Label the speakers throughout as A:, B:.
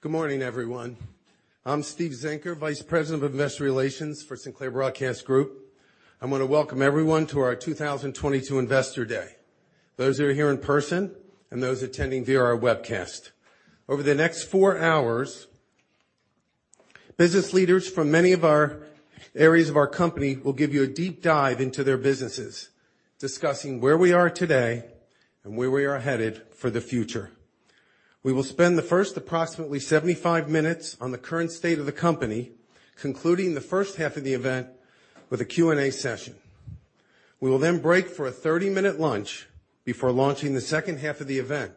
A: Good morning, everyone. I'm Steve Zenker, Vice President of Investor Relations for Sinclair Broadcast Group. I wanna welcome everyone to our 2022 Investor Day, those who are here in person and those attending via our webcast. Over the next 4 hours, biness leaders from many of our areas of our company will give you a deep dive into their businesses, discussing where we are today and where we are headed for the future. We will spend the first approximately 75 minutes on the current state of the company, concluding the first half of the event with a Q&A session. We will then break for a 30-minute lunch before launching the second half of the event,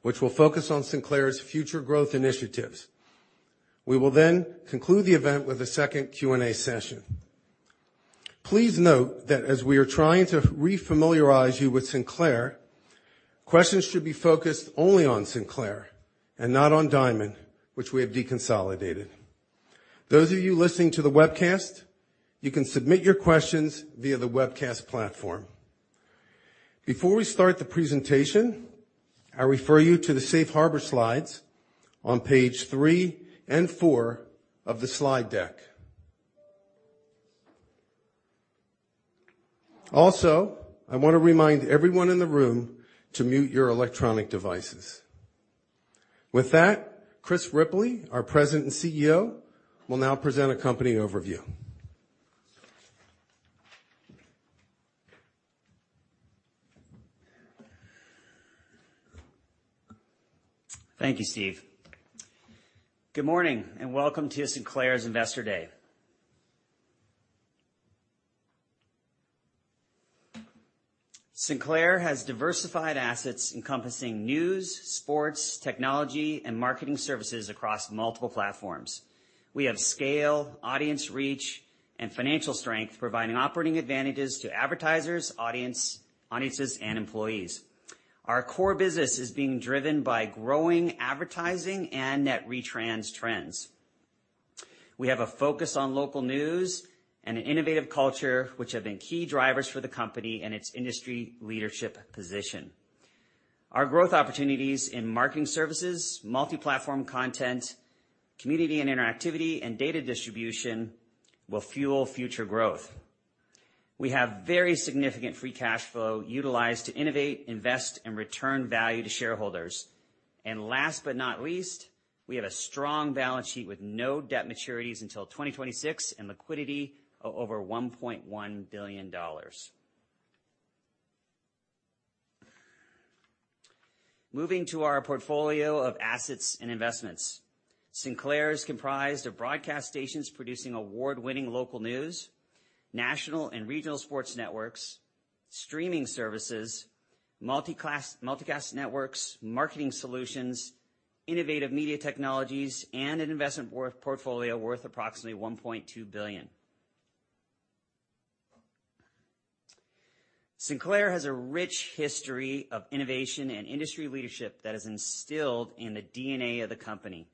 A: which will focus on Sinclair's future growth initiatives. We will then conclude the event with a second Q&A session. Please note that as we are trying to refamiliarize you with Sinclair, questions should be focused only on Sinclair and not on Diamond, which we have deconsolidated. Those of you listening to the webcast, you can submit your questions via the webcast platform. Before we start the presentation, I refer you to the safe harbor slides on page 3 and 4 of the slide deck. Also, I wanna remind everyone in the room to mute your electronic devices. With that, Chris Ripley, our President and CEO, will now present a company overview.
B: Thank you, Steve. Good morning, and welcome to Sinclair's Investor Day. Sinclair has diversified assets encompassing news, sports, technology, and marketing services across multiple platforms. We have scale, audience reach, and financial strength, providing operating advantages to advertisers, audience, and employees. Our core business is being driven by growing advertising and net retrans trends. We have a focus on local news and an innovative culture, which have been key drivers for the company and its industry leadership position. Our growth opportunities in marketing services, multi-platform content, community and interactivity, and data distribution will fuel future growth. We have very significant free cash flow utilized to innovate, invest, and return value to shareholders. Last but not least, we have a strong balance sheet with no debt maturities until 2026 and liquidity of over $1.1 billion. Moving to our portfolio of assets and investments. Sinclair is comprised of broadcast stations producing award-winning local news, national and regional sports networks, streaming services, multicast networks, marketing solutions, innovative media technologies, and an investment portfolio worth approximately $1.2 billion. Sinclair has a rich history of innovation and industry leadership that is instilled in the DNA of the company.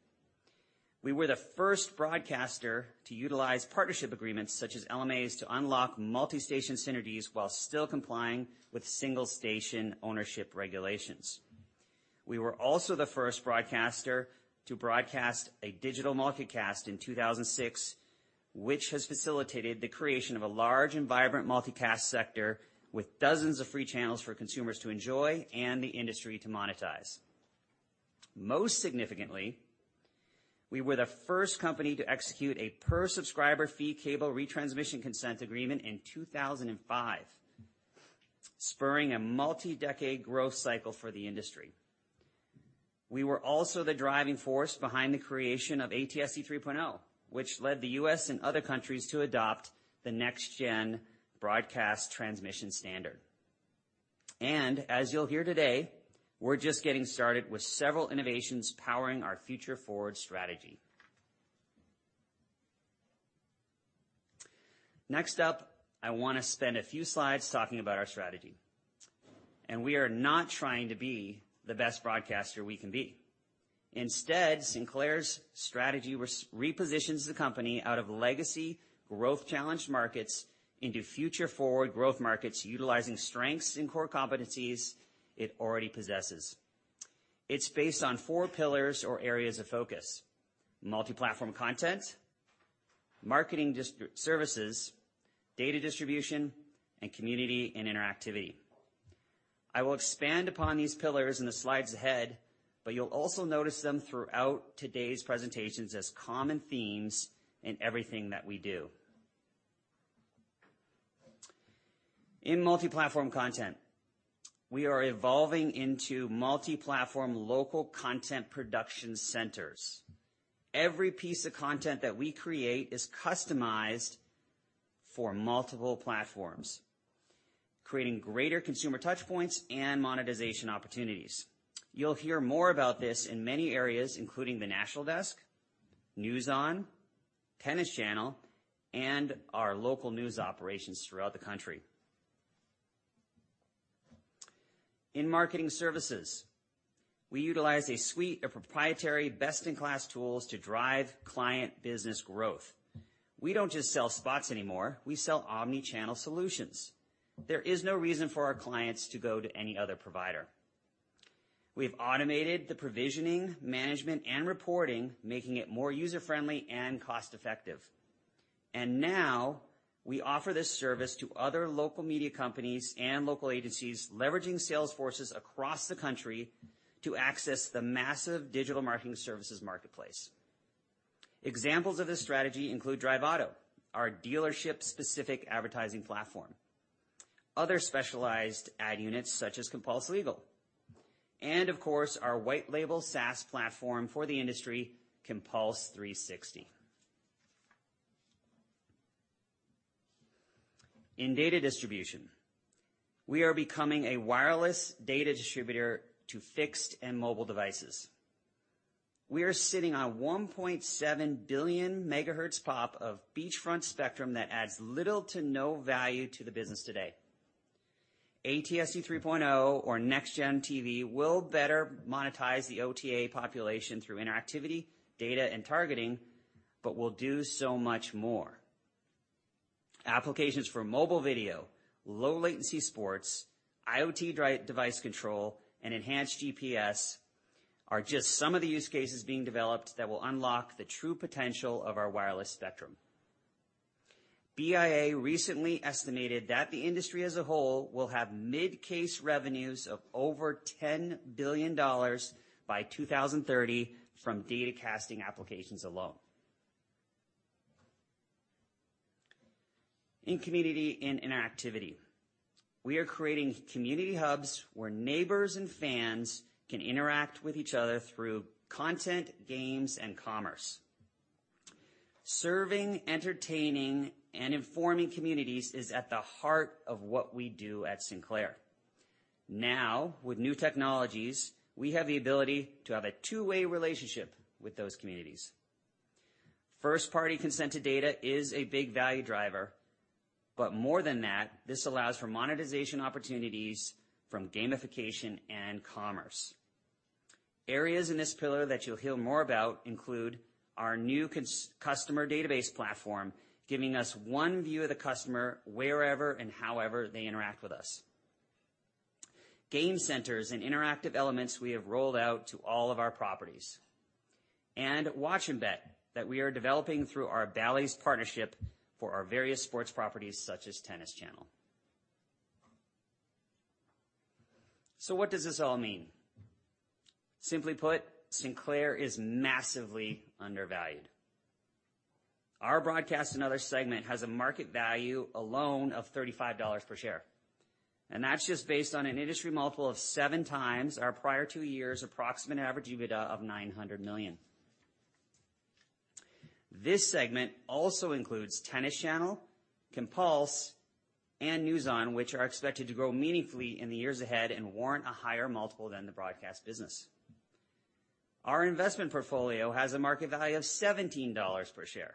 B: We were the first broadcaster to utilize partnership agreements such as LMAs to unlock multi-station synergies while still complying with single station ownership regulations. We were also the first broadcaster to broadcast a digital multicast in 2006, which has facilitated the creation of a large and vibrant multicast sector with dozens of free channels for consumers to enjoy and the industry to monetize. Most significantly, we were the first company to execute a per-subscriber fee cable retransmission consent agreement in 2005, spurring a multi-decade growth cycle for the industry. We were also the driving force behind the creation of ATSC 3.0, which led the U.S. and other countries to adopt the NextGen broadcast transmission standard. As you'll hear today, we're just getting started with several innovations powering our future forward strategy. Next up, I wanna spend a few slides talking about our strategy. We are not trying to be the best broadcaster we can be. Instead, Sinclair's strategy repositions the company out of legacy growth challenged markets into future forward growth markets utilizing strengths and core competencies it already possesses. It's based on four pillars or areas of focus: multi-platform content, marketing distribution services, data distribution, and community and interactivity. I will expand upon these pillars in the slides ahead, but you'll also notice them throughout today's presentations as common themes in everything that we do. In multi-platform content, we are evolving into multi-platform local content production centers. Every piece of content that we create is customized for multiple platforms, creating greater consumer touch points and monetization opportunities. You'll hear more about this in many areas, including The National Desk, NewsON, Tennis Channel, and our local news operations throughout the country. In marketing services, we utilize a suite of proprietary best-in-class tools to drive client business growth. We don't just sell spots anymore, we sell omni-channel solutions. There is no reason for our clients to go to any other provider. We've automated the provisioning, management, and reporting, making it more user-friendly and cost-effective. Now we offer this service to other local media companies and local agencies, leveraging sales forces across the country to access the massive digital marketing services marketplace. Examples of this strategy include Drive Auto, our dealership-specific advertising platform, other specialized ad units such as Compulse Legal, and of course, our white label SaaS platform for the industry, Compulse 360. In data distribution, we are becoming a wireless data distributor to fixed and mobile devices. We are sitting on 1.7 billion MHz-pop of beachfront spectrum that adds little to no value to the business today. ATSC 3.0 or NextGen TV will better monetize the OTA population through interactivity, data, and targeting, but will do so much more. Applications for mobile video, low latency sports, IoT device control, and enhanced GPS are just some of the use cases being developed that will unlock the true potential of our wireless spectrum. BIA recently estimated that the industry as a whole will have mid-case revenues of over $10 billion by 2030 from datacasting applications alone. In community and interactivity, we are creating community hubs where neighbors and fans can interact with each other through content, games, and commerce. Serving, entertaining, and informing communities is at the heart of what we do at Sinclair. Now, with new technologies, we have the ability to have a two-way relationship with those communities. First-party consent to data is a big value driver, but more than that, this allows for monetization opportunities from gamification and commerce. Areas in this pillar that you'll hear more about include our new consolidated customer database platform, giving us one view of the customer wherever and however they interact with us. Game centers and interactive elements we have rolled out to all of our properties and Watch & Bet that we are developing through our Bally's partnership for our various sports properties such as Tennis Channel. What does this all mean? Simply put, Sinclair is massively undervalued. Our broadcast and other segment has a market value alone of $35 per share, and that's just based on an industry multiple of 7x our prior two years approximate average EBITDA of $900 million. This segment also includes Tennis Channel, Compulse, and NewsON, which are expected to grow meaningfully in the years ahead and warrant a higher multiple than the broadcast business. Our investment portfolio has a market value of $17 per share.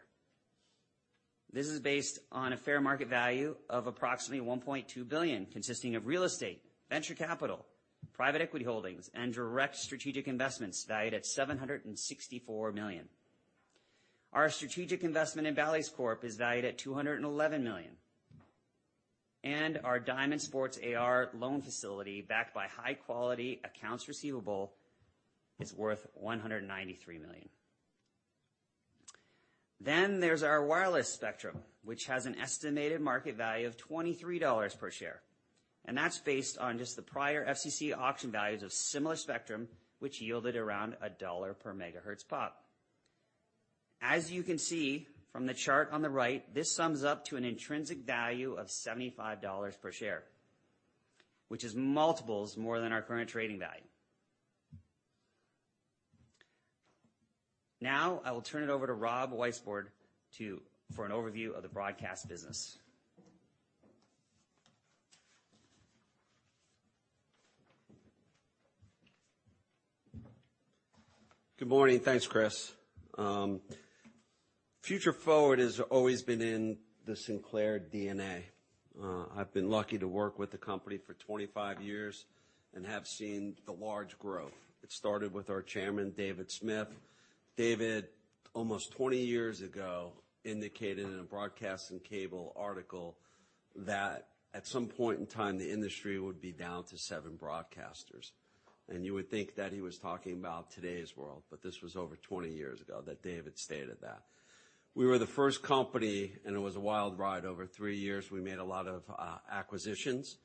B: This is based on a fair market value of approximately $1.2 billion, consisting of real estate, venture capital, private equity holdings, and direct strategic investments valued at $764 million. Our strategic investment in Bally's Corp is valued at $211 million, and our Diamond Sports AR loan facility, backed by high-quality accounts receivable, is worth $193 million. There's our wireless spectrum, which has an estimated market value of $23 per share, and that's based on just the prior FCC auction values of similar spectrum, which yielded around $1 per MHz-POP. As you can see from the chart on the right, this sums up to an intrinsic value of $75 per share, which is multiples more than our current trading value. Now, I will turn it over to Rob Weisbord for an overview of the broadcast business.
C: Good morning. Thanks, Chris. Future forward has always been in the Sinclair DNA. I've been lucky to work with the company for 25 years and have seen the large growth. It started with our chairman, David Smith. David, almost 20 years ago, indicated in a broadcast and cable article that at some point in time, the industry would be down to 7 broadcasters. You would think that he was talking about today's world, but this was over 20 years ago that David stated that. We were the first company, and it was a wild ride. Over three years, we made a lot of acquisitions,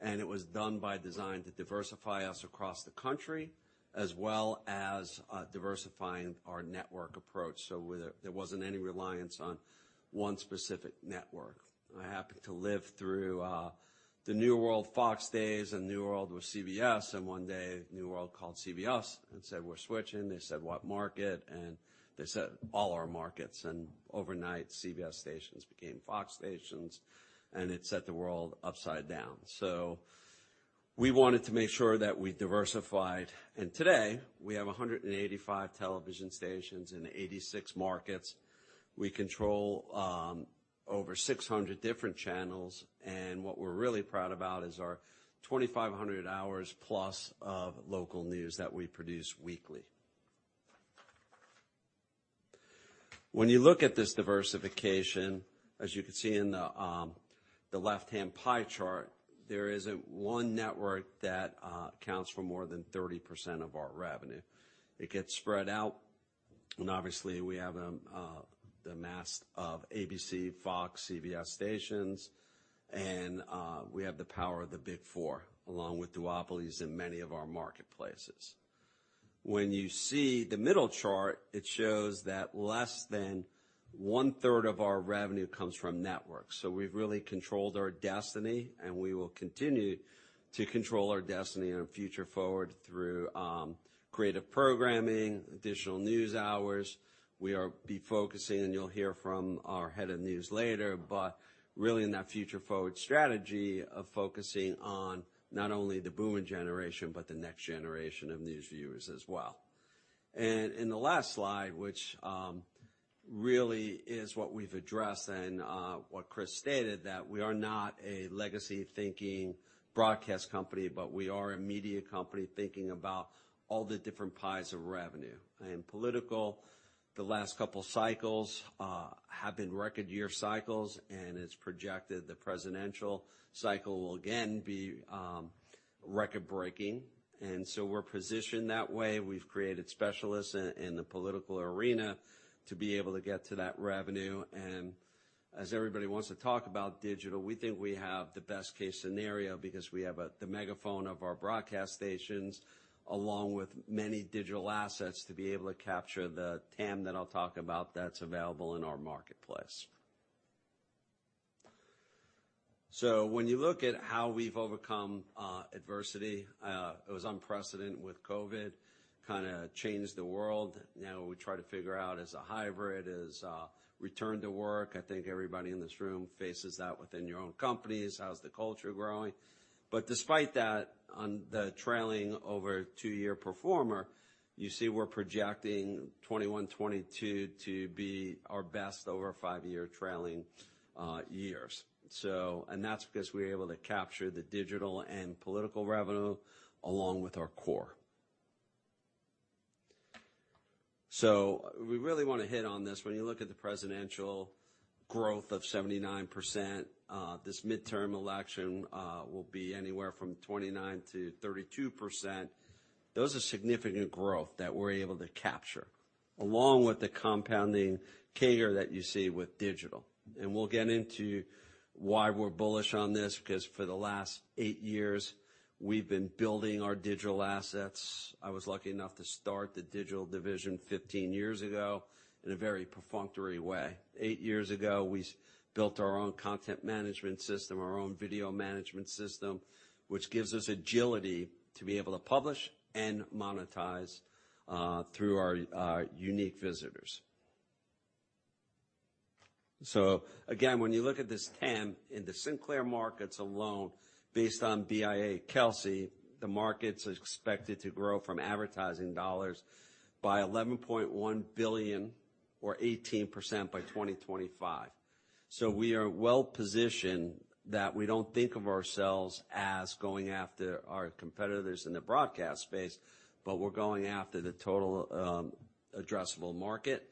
C: and it was done by design to diversify us across the country, as well as, diversifying our network approach, so where there wasn't any reliance on one specific network. I happened to live through the New World Fox days and New World with CBS, and one day, New World called CBS and said, "We're switching." They said, "What market?" They said, "All our markets." Overnight CBS stations became Fox stations, and it set the world upside down. We wanted to make sure that we diversified. Today we have 185 television stations in 86 markets. We control over 600 different channels, and what we're really proud about is our 2,500 hours plus of local news that we produce weekly. When you look at this diversification, as you can see in the left-hand pie chart, there isn't one network that counts for more than 30% of our revenue. It gets spread out, and obviously, we have the mass of ABC, Fox, CBS stations, and we have the power of the Big Four, along with duopolies in many of our marketplaces. When you see the middle chart, it shows that less than one-third of our revenue comes from networks. We've really controlled our destiny, and we will continue to control our destiny in the future forward through creative programming, additional news hours. We are focusing, and you'll hear from our head of news later, but really in that future forward strategy of focusing on not only the boomer generation, but the next generation of news viewers as well. In the last slide, which really is what we've addressed and what Chris stated, that we are not a legacy-thinking broadcast company, but we are a media company thinking about all the different pies of revenue. In political, the last couple cycles have been record year cycles, and it's projected the presidential cycle will again be record-breaking. We're positioned that way. We've created specialists in the political arena to be able to get to that revenue. As everybody wants to talk about digital, we think we have the best case scenario because we have the megaphone of our broadcast stations, along with many digital assets to be able to capture the TAM that I'll talk about that's available in our marketplace. When you look at how we've overcome adversity, it was unprecedented with COVID, kinda changed the world. Now we try to figure out as a hybrid return to work. I think everybody in this room faces that within your own companies. How's the culture growing? Despite that, on the trailing over two-year performance, you see we're projecting 2021, 2022 to be our best over five-year trailing years. That's because we're able to capture the digital and political revenue along with our core. We really wanna hit on this. When you look at the presidential growth of 79%, this midterm election will be anywhere from 29%-32%. Those are significant growth that we're able to capture, along with the compounding CAGR that you see with digital. We'll get into why we're bullish on this, because for the last eight years, we've been building our digital assets. I was lucky enough to start the digital division 15 years ago in a very perfunctory way. Eight years ago, we built our own content management system, our own video management system, which gives us agility to be able to publish and monetize through our unique visitors. Again, when you look at this TAM in the Sinclair markets alone, based on BIA/Kelsey, the market's expected to grow from advertising dollars by $11.1 billion or 18% by 2025. We are well-positioned that we don't think of ourselves as going after our competitors in the broadcast space, but we're going after the total addressable market.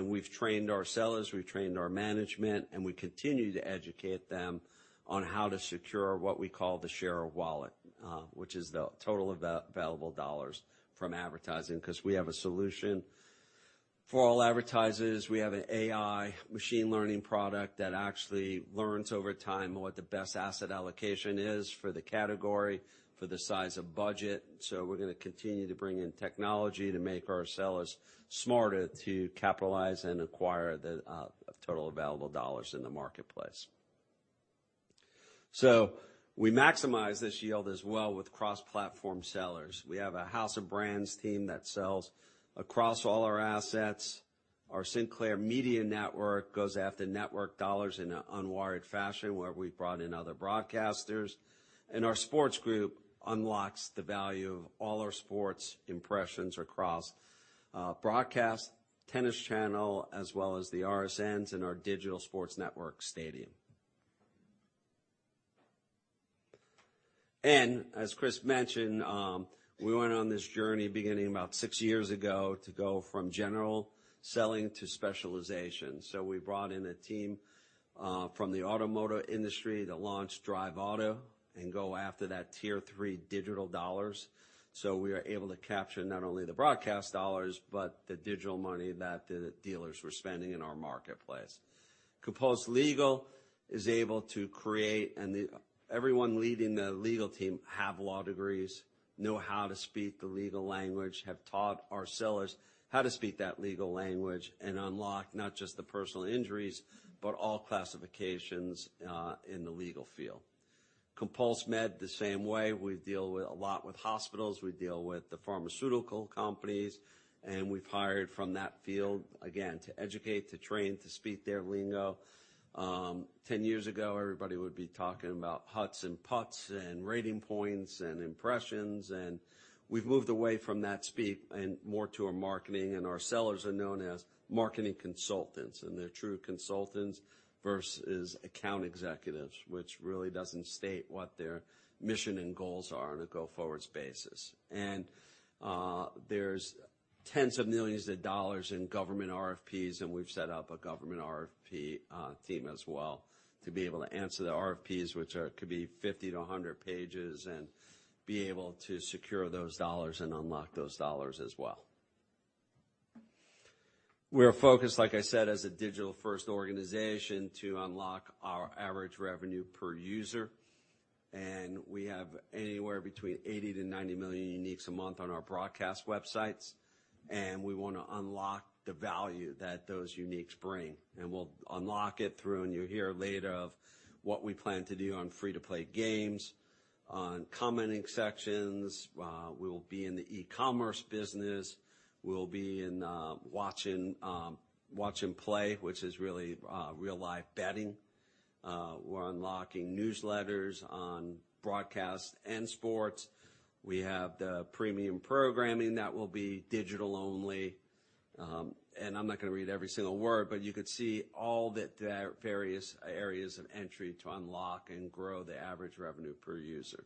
C: We've trained our sellers, we've trained our management, and we continue to educate them on how to secure what we call the share of wallet, which is the total available dollars from advertising, 'cause we have a solution for all advertisers. We have an AI machine learning product that actually learns over time what the best asset allocation is for the category, for the size of budget. We're gonna continue to bring in technology to make our sellers smarter to capitalize and acquire the total available dollars in the marketplace. We maximize this yield as well with cross-platform sellers. We have a house of brands team that sells across all our assets. Our Sinclair Media Network goes after network dollars in an unwired fashion where we've brought in other broadcasters. Our sports group unlocks the value of all our sports impressions across broadcast, Tennis Channel, as well as the RSNs and our digital sports network Stadium. As Chris mentioned, we went on this journey beginning about six years ago to go from general selling to specialization. We brought in a team from the automotive industry to launch Drive Auto and go after that tier 3 digital dollars. We are able to capture not only the broadcast dollars, but the digital money that the dealers were spending in our marketplace. Compulse Legal is able to create, and the everyone leading the legal team have law degrees, know how to speak the legal language, have taught our sellers how to speak that legal language and unlock not just the personal injuries, but all classifications in the legal field. Compulse Med, the same way. We deal with a lot with hospitals, we deal with the pharmaceutical companies, and we've hired from that field, again, to educate, to train, to speak their lingo. 10 years ago, everybody would be talking about HUTs and PUTs and rating points and impressions, and we've moved away from that speak and more to a marketing. Our sellers are known as marketing consultants, and they're true consultants versus account executives, which really doesn't state what their mission and goals are on a go-forward basis. There's $10s of millions in government RFPs, and we've set up a government RFP team as well to be able to answer the RFPs, which could be 50 to 100 pages, and be able to secure those dollars and unlock those dollars as well. We're focused, like I said, as a digital first organization to unlock our average revenue per user. We have anywhere between 80-90 million uniques a month on our broadcast websites, and we wanna unlock the value that those uniques bring. We'll unlock it through, and you'll hear later of what we plan to do on free-to-play games, on commenting sections, we will be in the e-commerce business, we'll be in watch and play, which is really real life betting. We're unlocking newsletters on broadcast and sports. We have the premium programming that will be digital only. I'm not gonna read every single word, but you could see all the various areas of entry to unlock and grow the average revenue per user.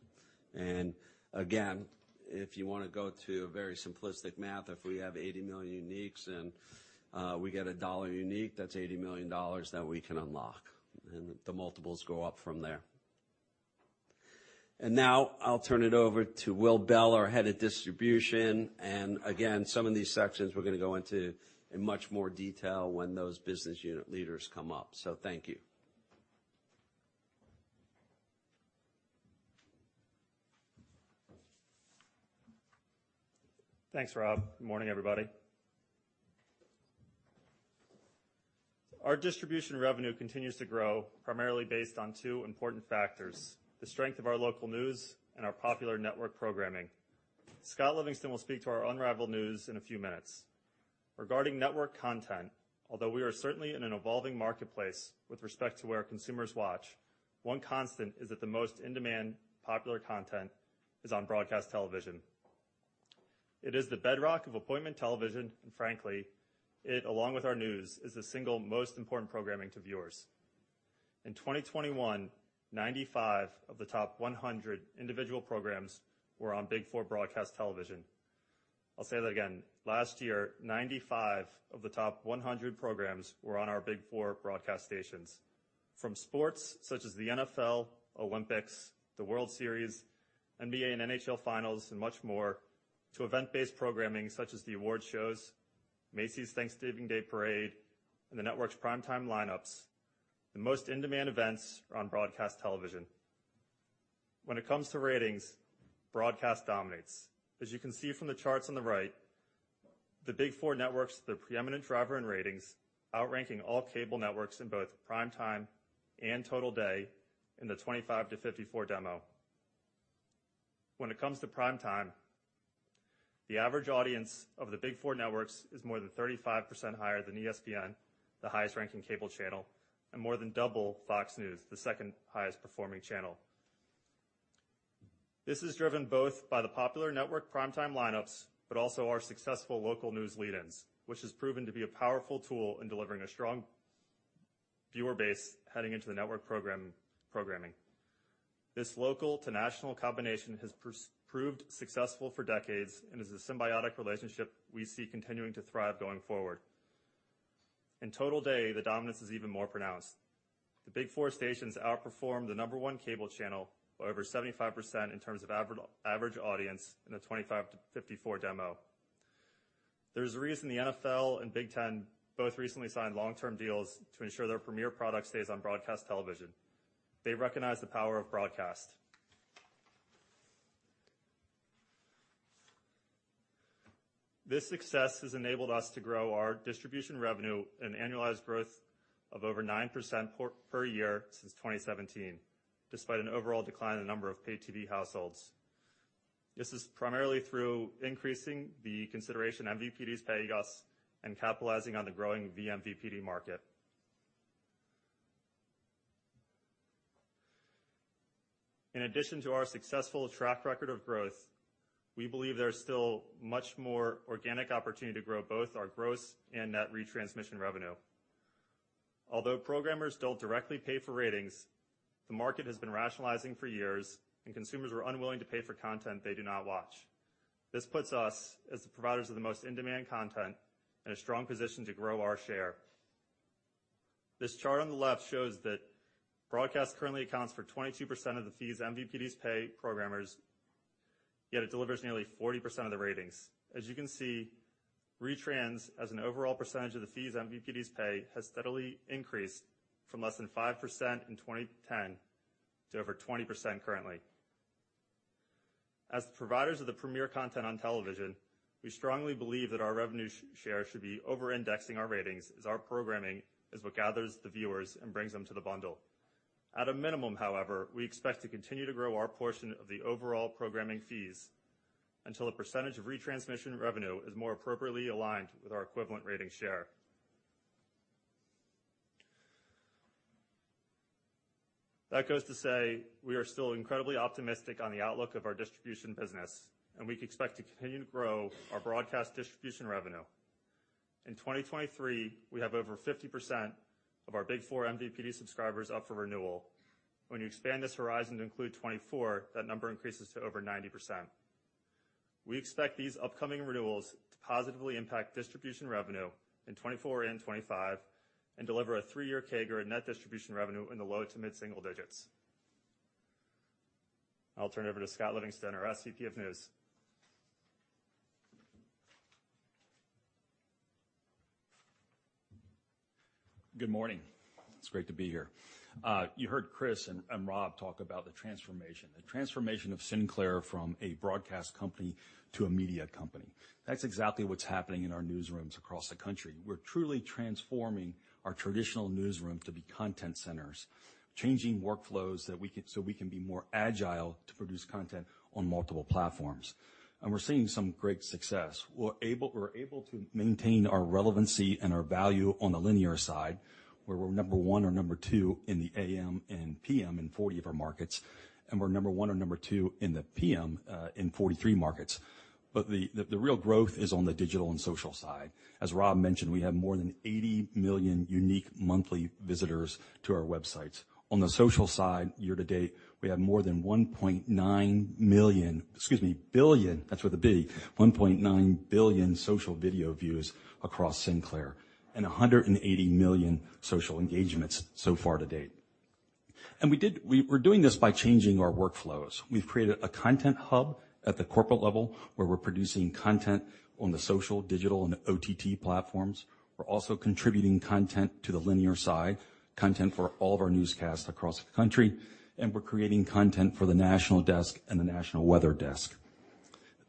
C: Again, if you wanna go to a very simplistic math, if we have 80 million uniques and we get a dollar unique, that's $80 million that we can unlock, and the multiples go up from there. Now I'll turn it over to Will Bell, our Head of Distribution. Again, some of these sections we're gonna go into in much more detail when those business unit leaders come up. Thank you.
D: Thanks, Rob. Good morning, everybody. Our distribution revenue continues to grow primarily based on two important factors, the strength of our local news and our popular network programming. Scott Livingston will speak to our unrivaled news in a few minutes. Regarding network content, although we are certainly in an evolving marketplace with respect to where consumers watch, one constant is that the most in-demand popular content is on broadcast television. It is the bedrock of appointment television, and frankly, it, along with our news, is the single most important programming to viewers. In 2021, 95 of the top 100 individual programs were on Big Four broadcast television. I'll say that again. Last year, 95 of the top 100 programs were on our Big Four broadcast stations. From sports such as the NFL, Olympics, the World Series, NBA, and NHL finals, and much more, to event-based programming such as the award shows, Macy's Thanksgiving Day Parade, and the network's primetime lineups. The most in-demand events are on broadcast television. When it comes to ratings, broadcast dominates. As you can see from the charts on the right, the Big Four networks, the preeminent driver in ratings, outranking all cable networks in both primetime and total day in the 25-54 demo. When it comes to primetime, the average audience of the Big Four networks is more than 35% higher than ESPN, the highest ranking cable channel, and more than double Fox News, the second highest performing channel. This is driven both by the popular network primetime lineups, but also our successful local news lead-ins, which has proven to be a powerful tool in delivering a strong viewer base heading into the network programming. This local to national combination has proved successful for decades and is a symbiotic relationship we see continuing to thrive going forward. In total day, the dominance is even more pronounced. The Big Four stations outperform the number one cable channel by over 75% in terms of average audience in the 25-54 demo. There's a reason the NFL and Big Ten both recently signed long-term deals to ensure their premier product stays on broadcast television. They recognize the power of broadcast. This success has enabled us to grow our distribution revenue and annualized growth of over 9% per year since 2017, despite an overall decline in the number of paid TV households. This is primarily through increasing the consideration MVPDs pay us and capitalizing on the growing vMVPD market. In addition to our successful track record of growth, we believe there's still much more organic opportunity to grow both our gross and net retransmission revenue. Although programmers don't directly pay for ratings, the market has been rationalizing for years, and consumers were unwilling to pay for content they do not watch. This puts us as the providers of the most in-demand content in a strong position to grow our share. This chart on the left shows that broadcast currently accounts for 22% of the fees MVPDs pay programmers, yet it delivers nearly 40% of the ratings. As you can see, retrans as an overall percentage of the fees MVPDs pay has steadily increased from less than 5% in 2010 to over 20% currently. As the providers of the premier content on television, we strongly believe that our revenue share should be over-indexing our ratings as our programming is what gathers the viewers and brings them to the bundle. At a minimum, however, we expect to continue to grow our portion of the overall programming fees until a percentage of retransmission revenue is more appropriately aligned with our equivalent rating share. That goes to say we are still incredibly optimistic on the outlook of our distribution business, and we expect to continue to grow our broadcast distribution revenue. In 2023, we have over 50% of our big four MVPD subscribers up for renewal. When you expand this horizon to include 2024, that number increases to over 90%. We expect these upcoming renewals to positively impact distribution revenue in 2024 and 2025 and deliver a three-year CAGR in net distribution revenue in the low to mid-single digits. I'll turn it over to Scott Livingston, our SVP of News.
E: Good morning. It's great to be here. You heard Chris and Rob talk about the transformation of Sinclair from a broadcast company to a media company. That's exactly what's happening in our newsrooms across the country. We're truly transforming our traditional newsroom to be content centers, changing workflows so we can be more agile to produce content on multiple platforms. We're seeing some great success. We're able to maintain our relevancy and our value on the linear side, where we're number one or number two in the AM and PM in 40 of our markets, and we're number one or number two in the PM in 43 markets. The real growth is on the digital and social side. As Rob mentioned, we have more than 80 million unique monthly visitors to our websites. On the social side, year to date, we have more than 1.9 million, excuse me, billion, that's with a B, 1.9 billion social video views across Sinclair and 180 million social engagements so far to date. We're doing this by changing our workflows. We've created a content hub at the corporate level, where we're producing content on the social, digital, and OTT platforms. We're also contributing content to the linear side, content for all of our newscasts across the country, and we're creating content for the national desk and the national weather desk.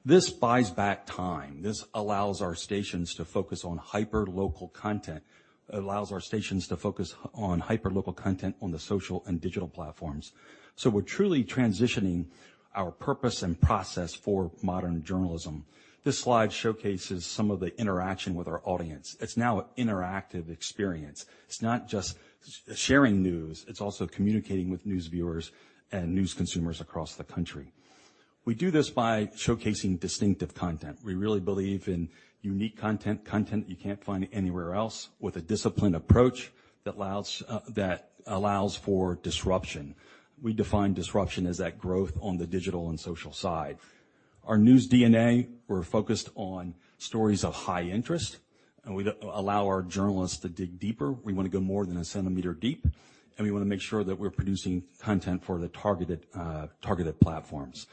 E: This buys back time. This allows our stations to focus on hyperlocal content. It allows our stations to focus on hyperlocal content on the social and digital platforms. We're truly transitioning our purpose and process for modern journalism. This slide showcases some of the interaction with our audience. It's now an interactive experience. It's not just sharing news, it's also communicating with news viewers and news consumers across the country. We do this by showcasing distinctive content. We really believe in unique content you can't find anywhere else, with a disciplined approach that allows for disruption. We define disruption as that growth on the digital and social side. Our news DNA, we're focused on stories of high interest, and we allow our journalists to dig deeper. We want to go more than a centimeter deep, and we want to make sure that we're producing content for the targeted platforms.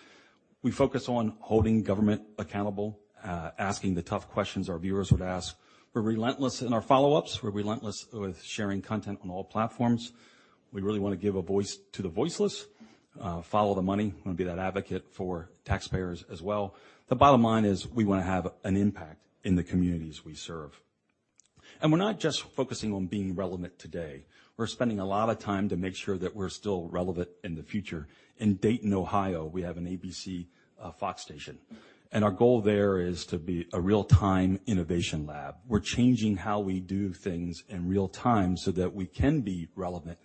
E: We focus on holding government accountable, asking the tough questions our viewers would ask. We're relentless in our follow-ups. We're relentless with sharing content on all platforms. We really want to give a voice to the voiceless, follow the money, want to be that advocate for taxpayers as well. The bottom line is we want to have an impact in the communities we serve. We're not just focusing on being relevant today. We're spending a lot of time to make sure that we're still relevant in the future. In Dayton, Ohio, we have an ABC, Fox station, and our goal there is to be a real-time innovation lab. We're changing how we do things in real time so that we can be relevant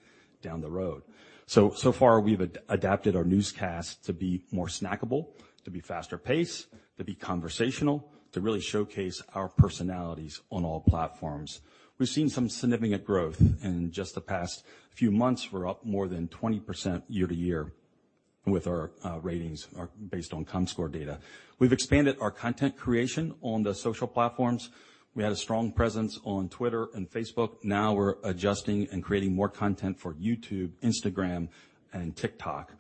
E: down the road. So far we've adapted our newscast to be more snackable, to be faster paced, to be conversational, to really showcase our personalities on all platforms. We've seen some significant growth. In just the past few months, we're up more than 20% year-over-year with our ratings or based on Comscore data. We've expanded our content creation on the social platforms. We had a strong presence on Twitter and Facebook. Now we're adjusting and creating more content for YouTube, Instagram, and TikTok.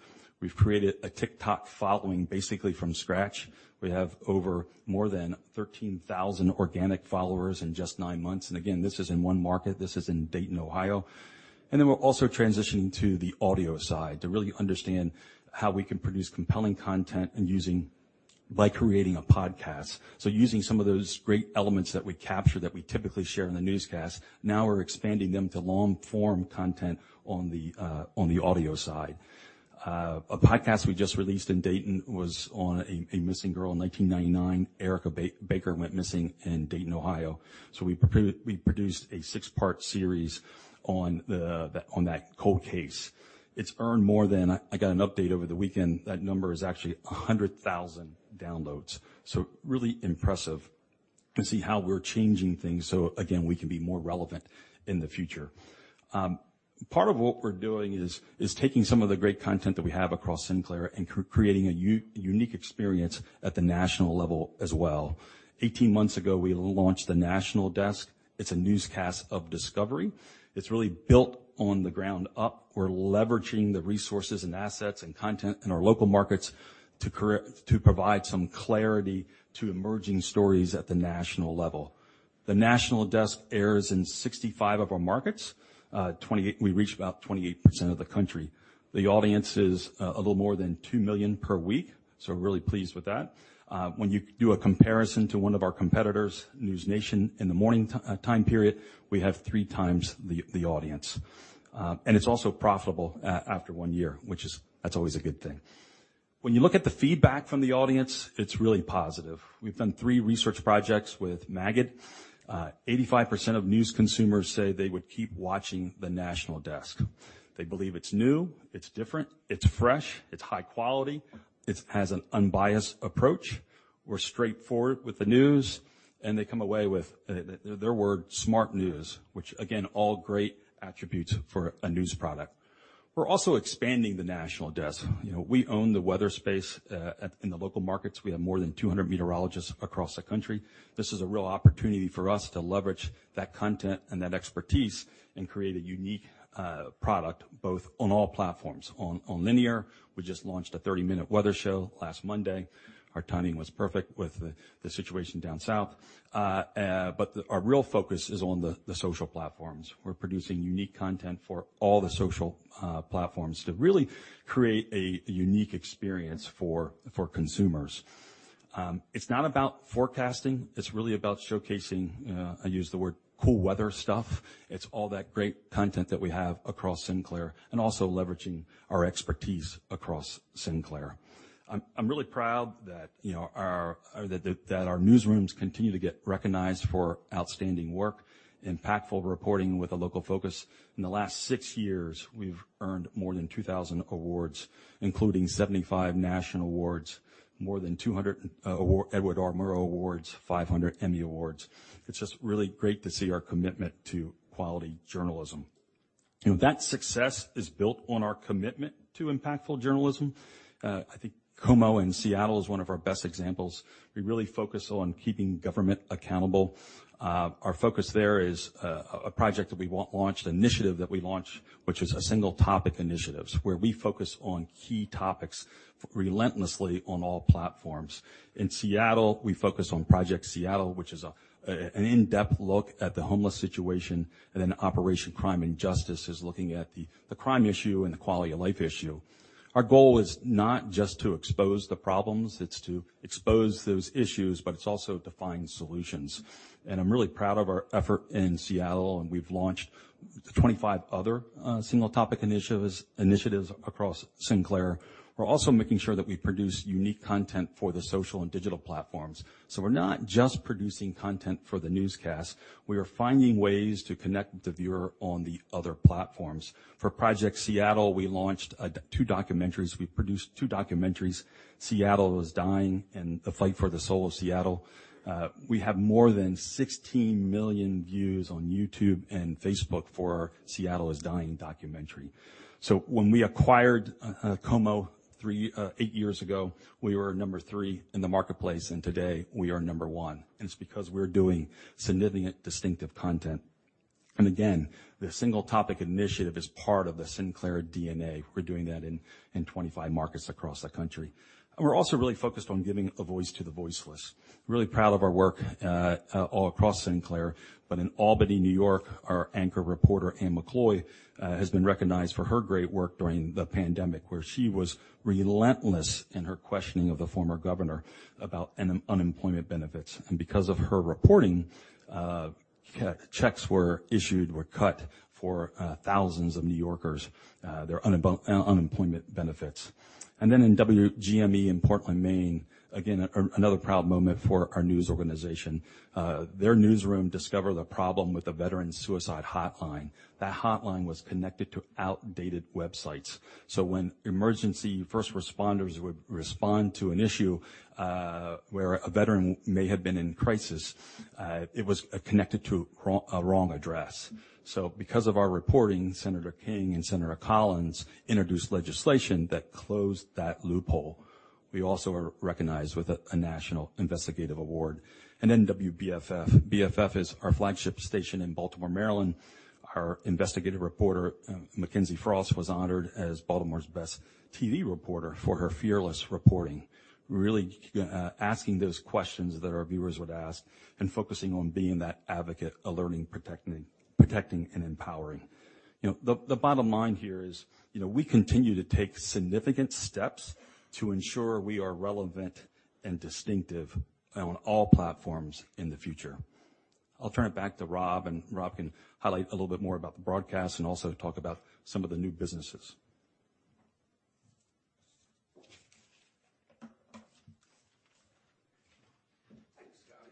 E: We've created a TikTok following basically from scratch. We have over more than 13,000 organic followers in just 9 months. This is in one market. This is in Dayton, Ohio. We're also transitioning to the audio side to really understand how we can produce compelling content by creating a podcast. Using some of those great elements that we capture that we typically share in the newscast, now we're expanding them to long-form content on the audio side. A podcast we just released in Dayton was on a missing girl. In 1999, Erica Baker went missing in Dayton, Ohio. We produced a six-part series on that cold case. It's earned more than. I got an update over the weekend. That number is actually 100,000 downloads. Really impressive to see how we're changing things so, again, we can be more relevant in the future. Part of what we're doing is taking some of the great content that we have across Sinclair and creating a unique experience at the national level as well. 18 months ago, we launched The National Desk. It's a newscast of discovery. It's really built on the ground up. We're leveraging the resources and assets and content in our local markets to provide some clarity to emerging stories at the national level. The National Desk airs in 65 of our markets. We reach about 28% of the country. The audience is a little more than 2 million per week, so we're really pleased with that. When you do a comparison to one of our competitors, NewsNation, in the morning time period, we have 3 times the audience. It's also profitable after one year, that's always a good thing. When you look at the feedback from the audience, it's really positive. We've done 3 research projects with Magid. 85% of news consumers say they would keep watching The National Desk. They believe it's new, it's different, it's fresh, it's high quality, it has an unbiased approach. We're straightforward with the news, and they come away with their word, smart news, which again, all great attributes for a news product. We're also expanding The National Desk. You know, we own the weather space in the local markets. We have more than 200 meteorologists across the country. This is a real opportunity for us to leverage that content and that expertise and create a unique product both on all platforms. On linear, we just launched a 30-minute weather show last Monday. Our timing was perfect with the situation down south. But our real focus is on the social platforms. We're producing unique content for all the social platforms to really create a unique experience for consumers. It's not about forecasting, it's really about showcasing. I use the word cool weather stuff. It's all that great content that we have across Sinclair and also leveraging our expertise across Sinclair. I'm really proud that, you know, our newsrooms continue to get recognized for outstanding work, impactful reporting with a local focus. In the last six years, we've earned more than 2,000 awards, including 75 national awards, more than 200 Edward R. Murrow Awards, 500 Emmy Awards. It's just really great to see our commitment to quality journalism. You know, that success is built on our commitment to impactful journalism. I think KOMO in Seattle is one of our best examples. We really focus on keeping government accountable. Our focus there is a project that we launched, an initiative that we launched, which is a single topic initiatives, where we focus on key topics relentlessly on all platforms. In Seattle, we focus on Project Seattle, which is an in-depth look at the homeless situation. Operation Crime and Justice is looking at the crime issue and the quality of life issue. Our goal is not just to expose the problems, it's to expose those issues, but it's also to find solutions. I'm really proud of our effort in Seattle, and we've launched 25 other single topic initiatives across Sinclair. We're also making sure that we produce unique content for the social and digital platforms. We're not just producing content for the newscast, we are finding ways to connect with the viewer on the other platforms. For Project Seattle, we launched two documentaries. We produced two documentaries, Seattle is Dying and The Fight for the Soul of Seattle. We have more than 16 million views on YouTube and Facebook for our Seattle is Dying documentary. When we acquired KOMO 4 8 years ago, we were number 3 in the marketplace, and today we are number 1, and it's because we're doing significant distinctive content. The single topic initiative is part of the Sinclair DNA. We're doing that in 25 markets across the country. We're also really focused on giving a voice to the voiceless. Really proud of our work all across Sinclair. In Albany, New York, our anchor reporter, Anne McCloy, has been recognized for her great work during the pandemic, where she was relentless in her questioning of the former governor about unemployment benefits. Because of her reporting, checks were cut for thousands of New Yorkers, their unemployment benefits. Then in WGME in Portland, Maine, another proud moment for our news organization. Their newsroom discovered a problem with the veterans' suicide hotline. That hotline was connected to outdated websites. When emergency first responders would respond to an issue where a veteran may have been in crisis, it was connected to a wrong address. Because of our reporting, Senator King and Senator Collins introduced legislation that closed that loophole. We also were recognized with a national investigative award. Then WBFF is our flagship station in Baltimore, Maryland. Our investigative reporter, Mikenzie Frost, was honored as Baltimore's best TV reporter for her fearless reporting, really, asking those questions that our viewers would ask and focusing on being that advocate, alerting, protecting, and empowering. You know, the bottom line here is, you know, we continue to take significant steps to ensure we are relevant and distinctive on all platforms in the future. I'll turn it back to Rob, and Rob can highlight a little bit more about the broadcast and also talk about some of the new businesses.
C: Thanks, Scott.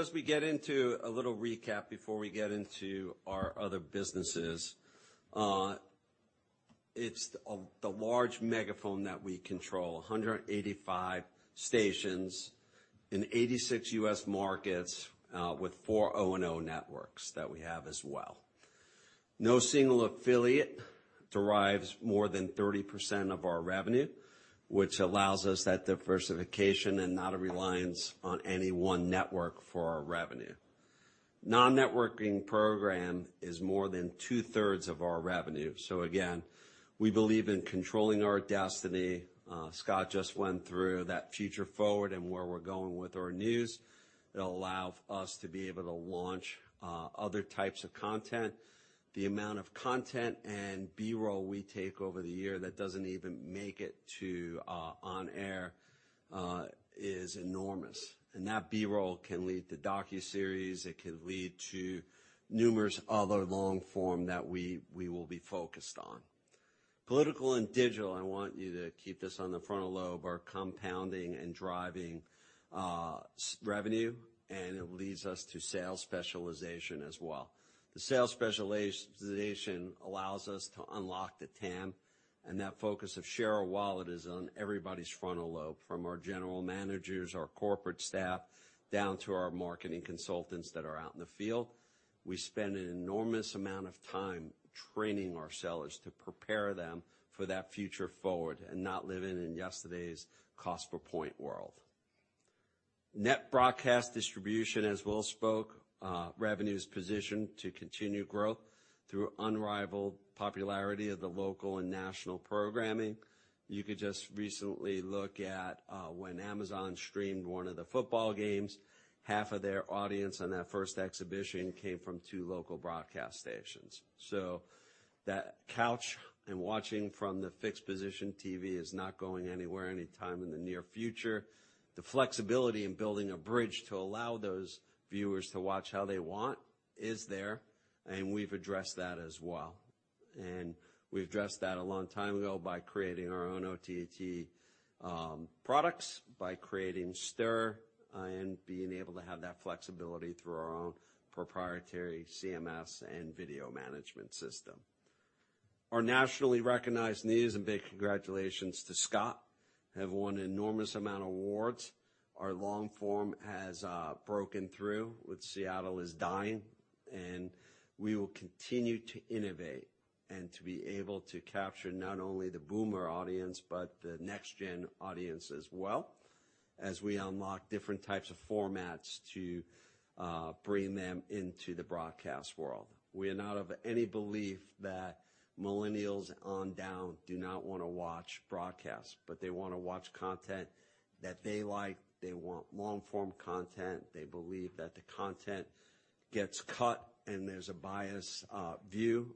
C: As we get into a little recap before we get into our other businesses, it's one of the largest megaphones that we control, 185 stations in 86 U.S. markets, with four O&O networks that we have as well. No single affiliate derives more than 30% of our revenue, which allows us that diversification and not a reliance on any one network for our revenue. Non-network programming is more than two-thirds of our revenue. Again, we believe in controlling our destiny. Scott just went through that future forward and where we're going with our news. It'll allow us to be able to launch other types of content. The amount of content and B-roll we take over the year that doesn't even make it to on air is enormous. That B-roll can lead to docuseries, it can lead to numerous other long form that we will be focused on. Political and digital, I want you to keep this on the frontal lobe, are compounding and driving revenue and it leads us to sales specialization as well. The sales specialization allows us to unlock the TAM, and that focus of share of wallet is on everybody's frontal lobe, from our general managers, our corporate staff, down to our marketing consultants that are out in the field. We spend an enormous amount of time training our sellers to prepare them for that future forward and not living in yesterday's cost per point world. Net broadcast distribution, as Will spoke, revenue is positioned to continue growth through unrivaled popularity of the local and national programming. You could just recently look at when Amazon streamed one of the football games, half of their audience on that first exhibition came from two local broadcast stations. That couch, and watching from the fixed position TV is not going anywhere anytime in the near future. The flexibility in building a bridge to allow those viewers to watch how they want is there, and we've addressed that as well. We've addressed that a long time ago by creating our own OTT products, by creating STIRR and being able to have that flexibility through our own proprietary CMS and video management system. Our nationally recognized news, and big congratulations to Scott, have won enormous amount of awards. Our long form has broken through with Seattle is Dying, and we will continue to innovate and to be able to capture not only the boomer audience, but the next gen audience as well as we unlock different types of formats to bring them into the broadcast world. We are not of any belief that millennials on down do not wanna watch broadcast, but they wanna watch content that they like. They want long form content. They believe that the content gets cut and there's a biased view.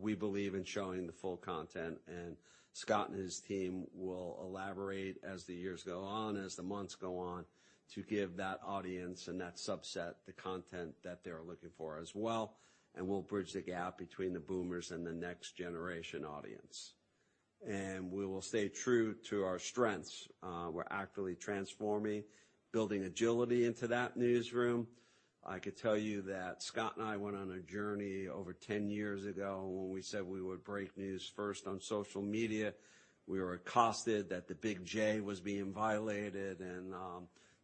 C: We believe in showing the full content, and Scott and his team will elaborate as the years go on, as the months go on, to give that audience and that subset the content that they're looking for as well, and we'll bridge the gap between the boomers and the next generation audience. We will stay true to our strengths. We're actively transforming, building agility into that newsroom. I could tell you that Scott and I went on a journey over 10 years ago when we said we would break news first on social media. We were accused that the big J was being violated, and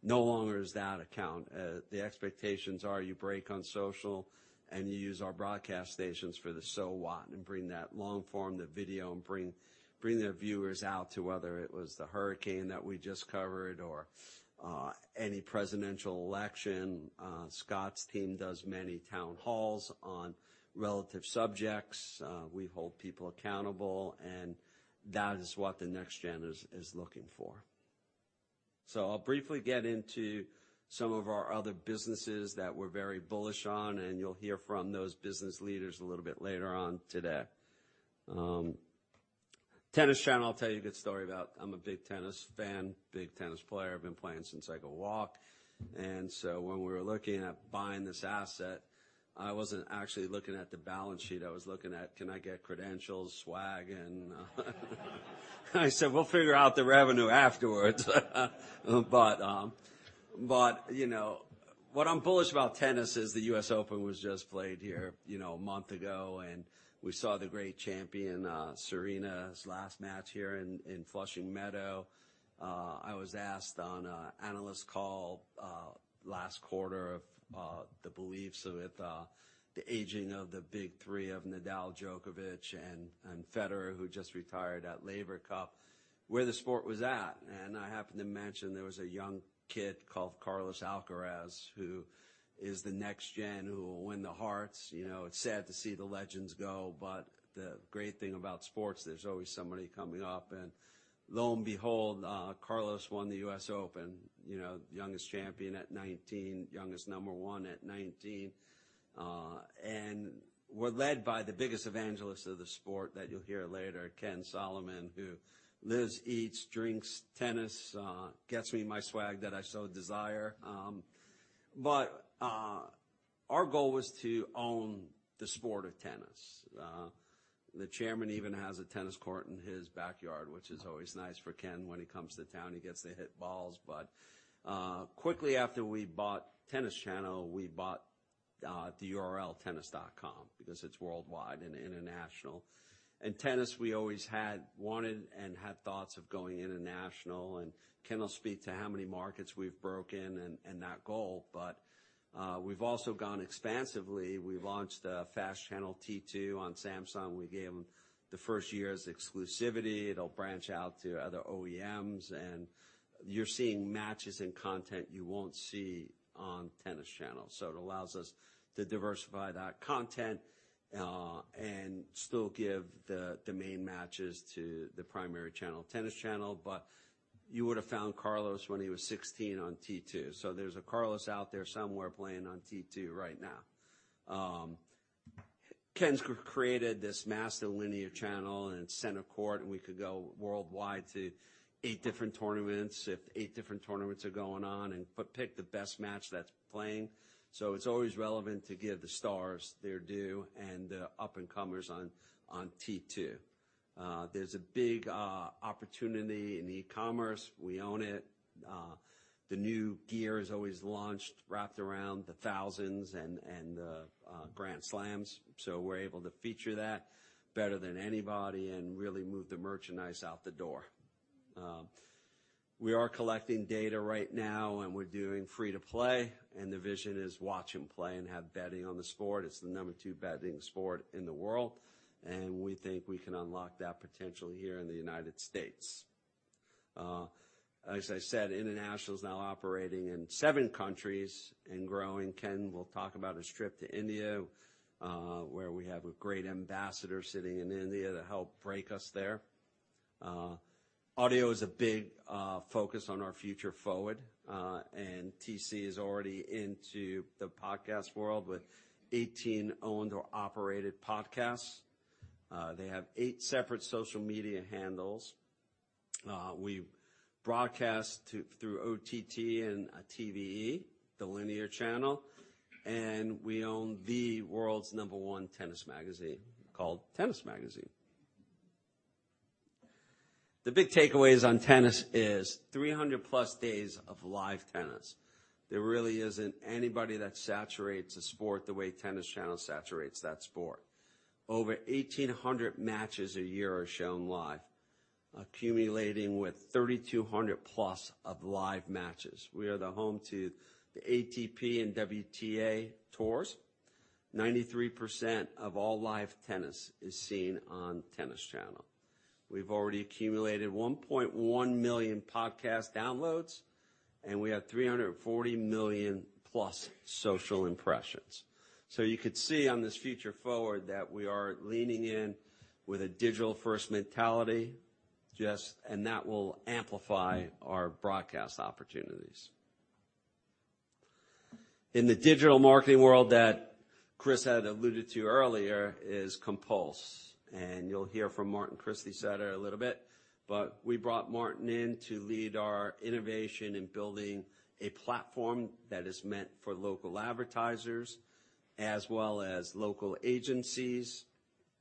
C: no longer is that the case. The expectations are you break on social, and you use our broadcast stations for the so what and bring that long form, the video, and bring their viewers out to whether it was the hurricane that we just covered or any presidential election. Scott's team does many town halls on relevant subjects. We hold people accountable, and that is what the next gen is looking for. I'll briefly get into some of our other businesses that we're very bullish on, and you'll hear from those business leaders a little bit later on today. Tennis Channel, I'll tell you a good story about. I'm a big tennis fan, big tennis player. I've been playing since I could walk. When we were looking at buying this asset, I wasn't actually looking at the balance sheet. I was looking at, can I get credentials, swag, and I said, "We'll figure out the revenue afterwards." But you know, what I'm bullish about tennis is the U.S. Open was just played here, you know, a month ago, and we saw the great champion, Serena's last match here in Flushing Meadows. I was asked on an analyst call last quarter, the aging of the big three of Nadal, Djokovic and Federer, who just retired at Laver Cup, where the sport was at. I happened to mention there was a young kid called Carlos Alcaraz, who is the next gen who will win the hearts. You know, it's sad to see the legends go, but the great thing about sports, there's always somebody coming up. Lo and behold, Carlos won the U.S. Open, you know, youngest champion at 19, youngest number one at 19. We're led by the biggest evangelist of the sport that you'll hear later, Ken Solomon, who lives, eats, drinks tennis, gets me my swag that I so desire. Our goal was to own the sport of tennis. The chairman even has a tennis court in his backyard, which is always nice for Ken when he comes to town. He gets to hit balls. Quickly after we bought Tennis Channel, we bought the URL Tennis.com because it's worldwide and international. In tennis, we always had wanted and had thoughts of going international, and Ken will speak to how many markets we've broken and that goal. We've also gone expansively. We've launched a FAST channel, T2, on Samsung. We gave them the first year as exclusivity. It'll branch out to other OEMs, and you're seeing matches and content you won't see on Tennis Channel. So it allows us to diversify that content and still give the main matches to the primary channel, Tennis Channel. You would have found Carlos Alcaraz when he was 16 on T2. There's a Carlos out there somewhere playing on T2 right now. Ken's group created this master linear channel in Center Court, and we could go worldwide to eight different tournaments if eight different tournaments are going on and pick the best match that's playing. It's always relevant to give the stars their due and the up-and-comers on T2. There's a big opportunity in e-commerce. We own it. The new gear is always launched, wrapped around the thousands and the Grand Slams. We're able to feature that better than anybody and really move the merchandise out the door. We are collecting data right now, and we're doing free-to-play, and the vision is watch them play and have betting on the sport. It's the number 2 betting sport in the world, and we think we can unlock that potential here in the United States. As I said, international is now operating in 7 countries and growing. Ken will talk about a trip to India, where we have a great ambassador sitting in India to help break us there. Audio is a big focus on our future forward, and TC is already into the podcast world with 18 owned or operated podcasts. They have 8 separate social media handles. We broadcast through OTT and TVE, the linear channel, and we own the world's number 1 tennis magazine called Tennis Magazine. The big takeaways on tennis is 300+ days of live tennis. There really isn't anybody that saturates a sport the way Tennis Channel saturates that sport. Over 1,800 matches a year are shown live, accumulating with 3,200+ of live matches. We are the home to the ATP and WTA tours. 93% of all live tennis is seen on Tennis Channel. We've already accumulated 1.1 million podcast downloads, and we have 340 million+ social impressions. You could see on this future forward that we are leaning in with a digital-first mentality just and that will amplify our broadcast opportunities. In the digital marketing world that Chris had alluded to earlier is Compulse, and you'll hear from Martin Kristiseter say that in a little bit. We brought Martin in to lead our innovation in building a platform that is meant for local advertisers as well as local agencies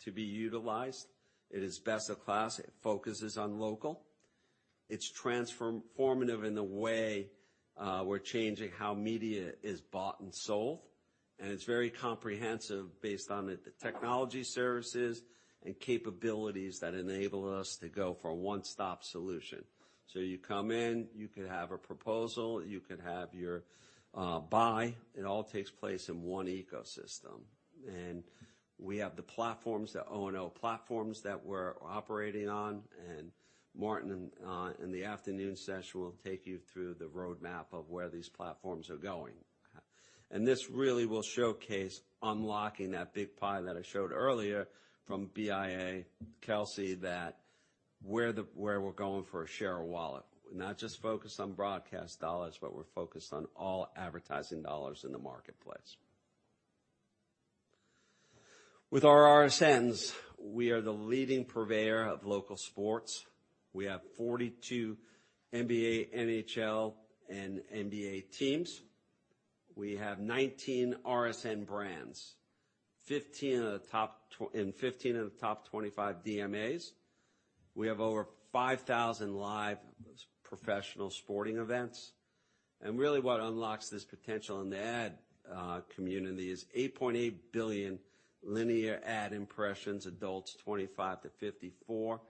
C: to be utilized. It is best of class. It focuses on local. It's transformative in the way we're changing how media is bought and sold, and it's very comprehensive based on the technology services and capabilities that enable us to go for a one-stop solution. You come in, you could have a proposal, you could have your buy. It all takes place in one ecosystem. We have the platforms, the O&O platforms that we're operating on, and Martin in the afternoon session will take you through the roadmap of where these platforms are going. This really will showcase unlocking that big pie that I showed earlier from BIA/Kelsey that where we're going for a share of wallet. We're not just focused on broadcast dollars, but we're focused on all advertising dollars in the marketplace. With our RSNs, we are the leading purveyor of local sports. We have 42 NBA, NHL, and MLB teams. We have 19 RSN brands, 15 of the top 25 DMAs. We have over 5,000 live professional sporting events. Really what unlocks this potential in the ad community is 8.8 billion linear ad impressions, adults 25 to 54.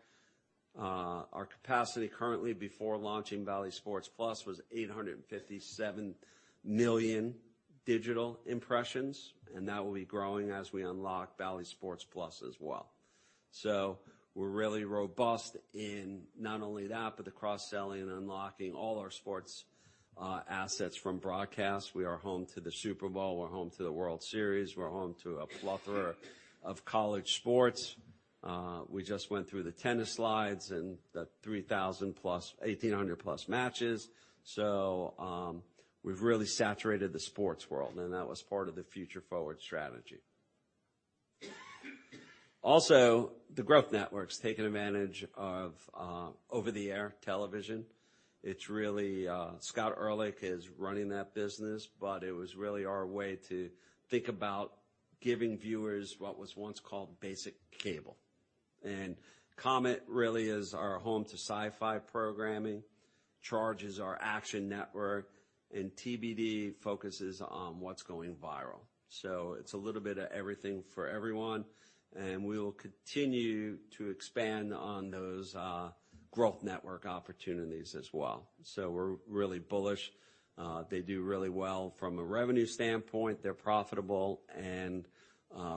C: Our capacity currently before launching Bally Sports+ was 857 million digital impressions, and that will be growing as we unlock Bally Sports+ as well. We're really robust in not only that, but the cross-selling and unlocking all our sports assets from broadcast. We are home to the Super Bowl. We're home to the World Series. We're home to a plethora of college sports. We just went through the tennis slides and the 1,800+ matches. We've really saturated the sports world, and that was part of the future forward strategy. Also, the growth network's taken advantage of over-the-air television. It's really Scott Ehrlich is running that business, but it was really our way to think about giving viewers what was once called basic cable. Comet really is our home to sci-fi programming. CHARGE! is our action network, and TBD focuses on what's going viral. It's a little bit of everything for everyone, and we will continue to expand on those growth network opportunities as well. We're really bullish. They do really well from a revenue standpoint. They're profitable, and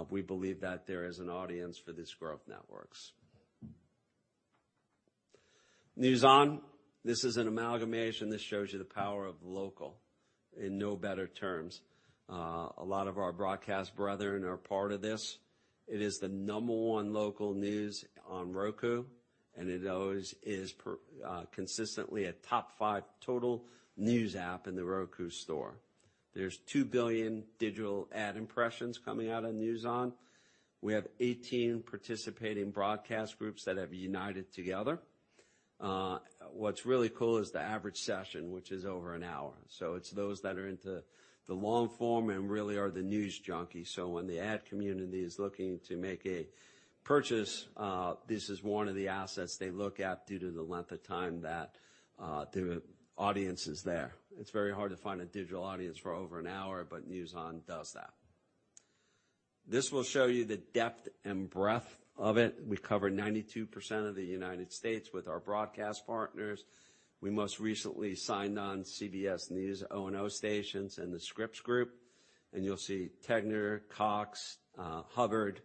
C: we believe that there is an audience for these growth networks. NewsON, this is an amalgamation. This shows you the power of local in no better terms. A lot of our broadcast brethren are part of this. It is the #1 local news on Roku. It always is consistently a top 5 total news app in the Roku Store. There's 2 billion digital ad impressions coming out of NewsON. We have 18 participating broadcast groups that have united together. What's really cool is the average session, which is over an hour. It's those that are into the long form and really are the news junkies. When the ad community is looking to make a purchase, this is one of the assets they look at due to the length of time that the audience is there. It's very hard to find a digital audience for over an hour, but NewsON does that. This will show you the depth and breadth of it. We cover 92% of the United States with our broadcast partners. We most recently signed on CBS News O&O stations and the Scripps group, and you'll see TEGNA, Cox, Hubbard,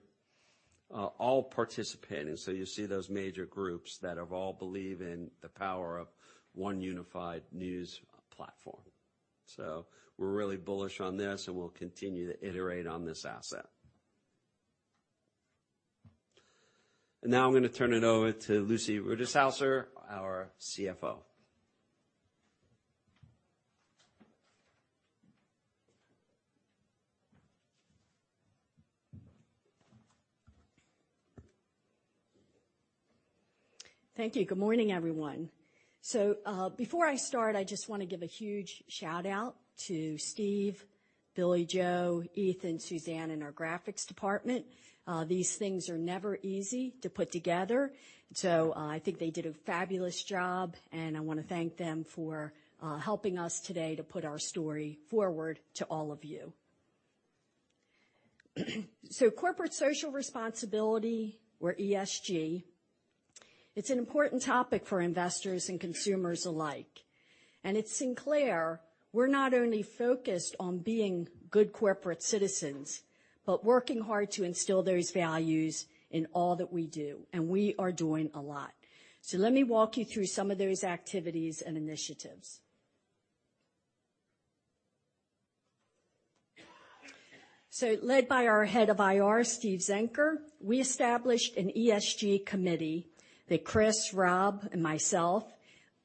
C: all participating. You see those major groups that all believe in the power of one unified news platform. We're really bullish on this, and we'll continue to iterate on this asset. Now I'm gonna turn it over to Lucy Rutishauser, our CFO.
F: Thank you. Good morning, everyone. Before I start, I just wanna give a huge shout-out to Steve, Billie-Jo, Ethan, Suzanne, and our graphics department. These things are never easy to put together, so I think they did a fabulous job, and I wanna thank them for helping us today to put our story forward to all of you. Corporate social responsibility or ESG, it's an important topic for investors and consumers alike. At Sinclair, we're not only focused on being good corporate citizens, but working hard to instill those values in all that we do, and we are doing a lot. Let me walk you through some of those activities and initiatives. Led by our head of IR, Steve Zenker, we established an ESG committee that Chris, Rob, and myself,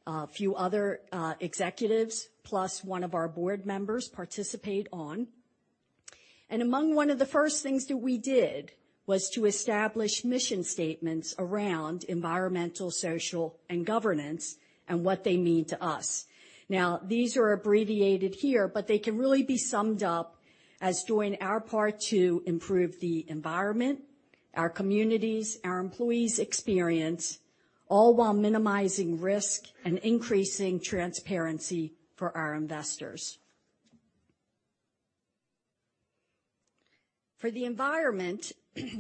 F: a few other executives, plus one of our board members participate on. Among one of the first things that we did was to establish mission statements around environmental, social, and governance and what they mean to us. Now, these are abbreviated here, but they can really be summed up as doing our part to improve the environment, our communities, our employees' experience, all while minimizing risk and increasing transparency for our investors. For the environment,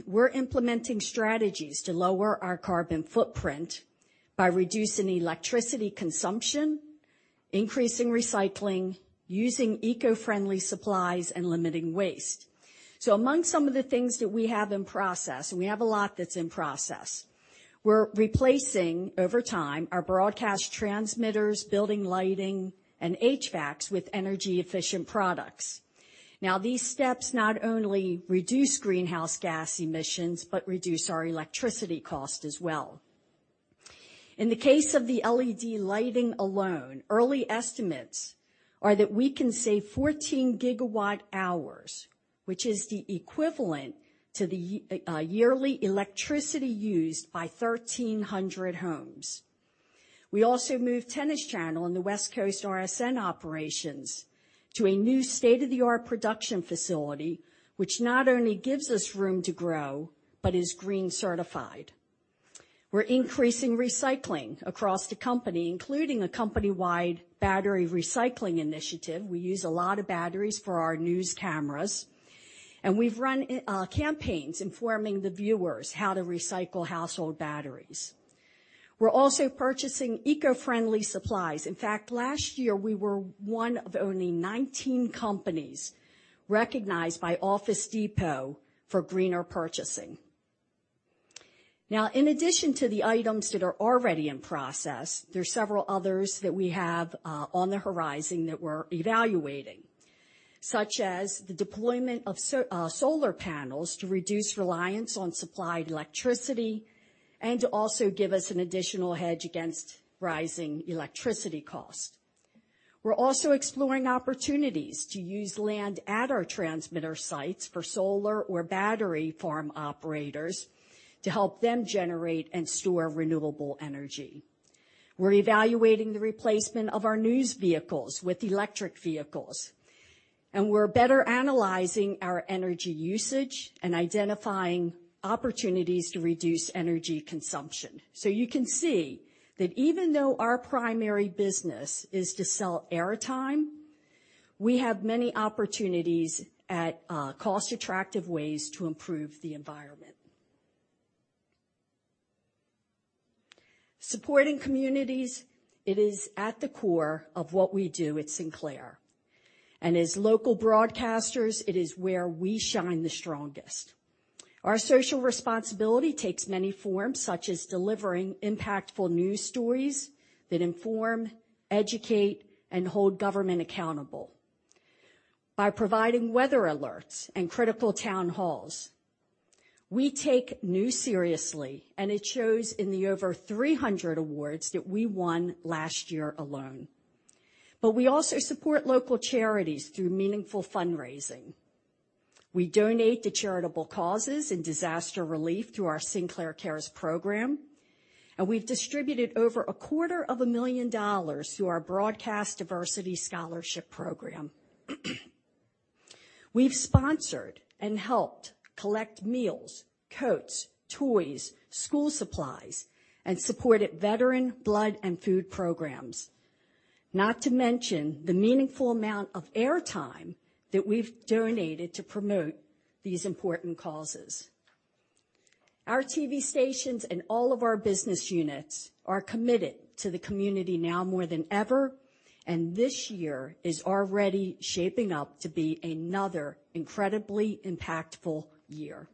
F: we're implementing strategies to lower our carbon footprint by reducing electricity consumption, increasing recycling, using eco-friendly supplies, and limiting waste. Among some of the things that we have in process, and we have a lot that's in process, we're replacing, over time, our broadcast transmitters, building lighting, and HVACs with energy-efficient products. These steps not only reduce greenhouse gas emissions, but reduce our electricity cost as well. In the case of the LED lighting alone, early estimates are that we can save 14 GWh, which is the equivalent to the yearly electricity used by 1,300 homes. We also moved Tennis Channel and the West Coast RSN operations to a new state-of-the-art production facility, which not only gives us room to grow, but is green certified. We're increasing recycling across the company, including a company-wide battery recycling initiative. We use a lot of batteries for our news cameras, and we've run campaigns informing the viewers how to recycle household batteries. We're also purchasing eco-friendly supplies. In fact, last year, we were one of only 19 companies recognized by Office Depot for greener purchasing. Now, in addition to the items that are already in process, there are several others that we have on the horizon that we're evaluating, such as the deployment of solar panels to reduce reliance on supplied electricity and to also give us an additional hedge against rising electricity costs. We're also exploring opportunities to use land at our transmitter sites for solar or battery farm operators to help them generate and store renewable energy. We're evaluating the replacement of our news vehicles with electric vehicles, and we're better analyzing our energy usage and identifying opportunities to reduce energy consumption. You can see that even though our primary business is to sell airtime, we have many opportunities at cost-attractive ways to improve the environment. Supporting communities, it is at the core of what we do at Sinclair. As local broadcasters, it is where we shine the strongest. Our social responsibility takes many forms, such as delivering impactful news stories that inform, educate, and hold government accountable, by providing weather alerts and critical town halls. We take news seriously, and it shows in the over 300 awards that we won last year alone. We also support local charities through meaningful fundraising. We donate to charitable causes and disaster relief through our Sinclair Cares program, and we've distributed over a quarter of a million dollars through our Broadcast Diversity Scholarship Program. We've sponsored and helped collect meals, coats, toys, school supplies, and supported veteran, blood, and food programs. Not to mention the meaningful amount of airtime that we've donated to promote these important causes. Our TV stations and all of our business units are committed to the community now more than ever, and this year is already shaping up to be another incredibly impactful year.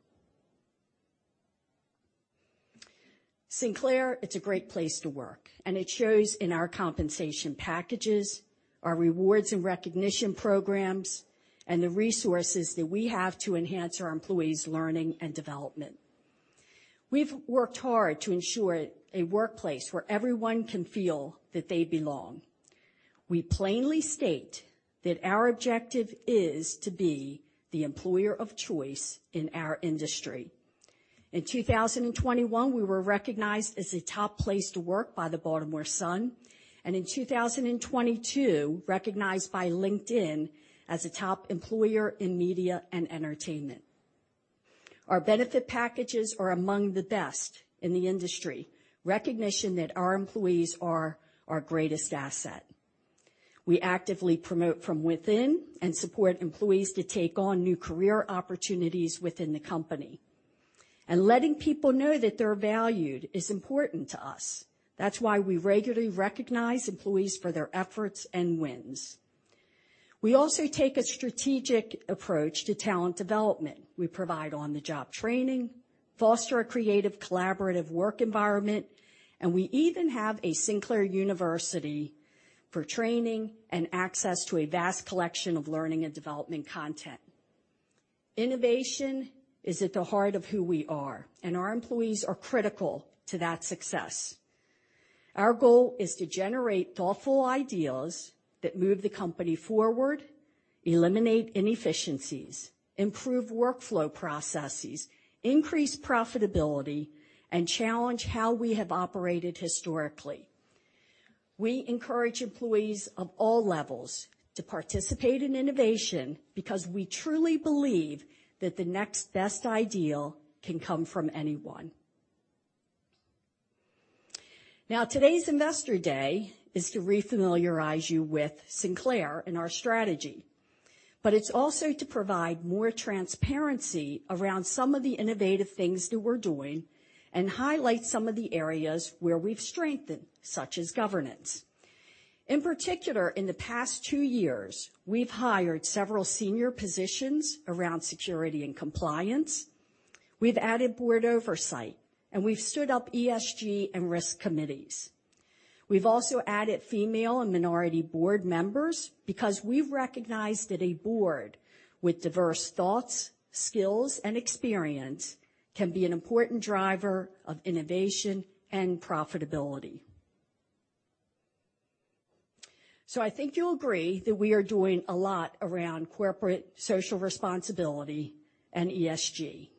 F: Sinclair, it's a great place to work, and it shows in our compensation packages, our rewards and recognition programs, and the resources that we have to enhance our employees' learning and development. We've worked hard to ensure a workplace where everyone can feel that they belong. We plainly state that our objective is to be the employer of choice in our industry. In 2021, we were recognized as a top place to work by the Baltimore Sun, and in 2022, recognized by LinkedIn as a top employer in media and entertainment. Our benefit packages are among the best in the industry, recognition that our employees are our greatest asset. We actively promote from within and support employees to take on new career opportunities within the company. Letting people know that they're valued is important to us. That's why we regularly recognize employees for their efforts and wins. We also take a strategic approach to talent development. We provide on-the-job training, foster a creative, collaborative work environment, and we even have a Sinclair University for training and access to a vast collection of learning and development content. Innovation is at the heart of who we are, and our employees are critical to that success. Our goal is to generate thoughtful ideas that move the company forward, eliminate inefficiencies, improve workflow processes, increase profitability, and challenge how we have operated historically. We encourage employees of all levels to participate in innovation because we truly believe that the next best idea can come from anyone. Now, today's Investor Day is to refamiliarize you with Sinclair and our strategy, but it's also to provide more transparency around some of the innovative things that we're doing and highlight some of the areas where we've strengthened, such as governance. In particular, in the past two years, we've hired several senior positions around security and compliance. We've added board oversight, and we've stood up ESG and risk committees. We've also added female and minority board members because we've recognized that a board with diverse thoughts, skills, and experience can be an important driver of innovation and profitability. I think you'll agree that we are doing a lot around corporate social responsibility and ESG.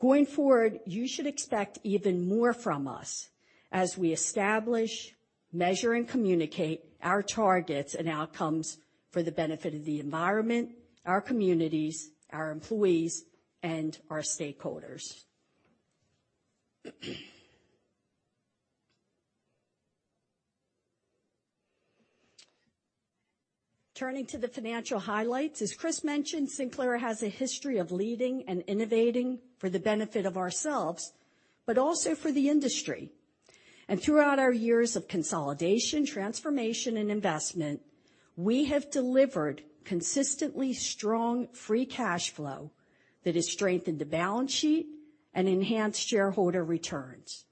F: Going forward, you should expect even more from us as we establish, measure, and communicate our targets and outcomes for the benefit of the environment, our communities, our employees, and our stakeholders. Turning to the financial highlights, as Chris mentioned, Sinclair has a history of leading and innovating for the benefit of ourselves, but also for the industry. Throughout our years of consolidation, transformation, and investment, we have delivered consistently strong free cash flow that has strengthened the balance sheet and enhanced shareholder returns.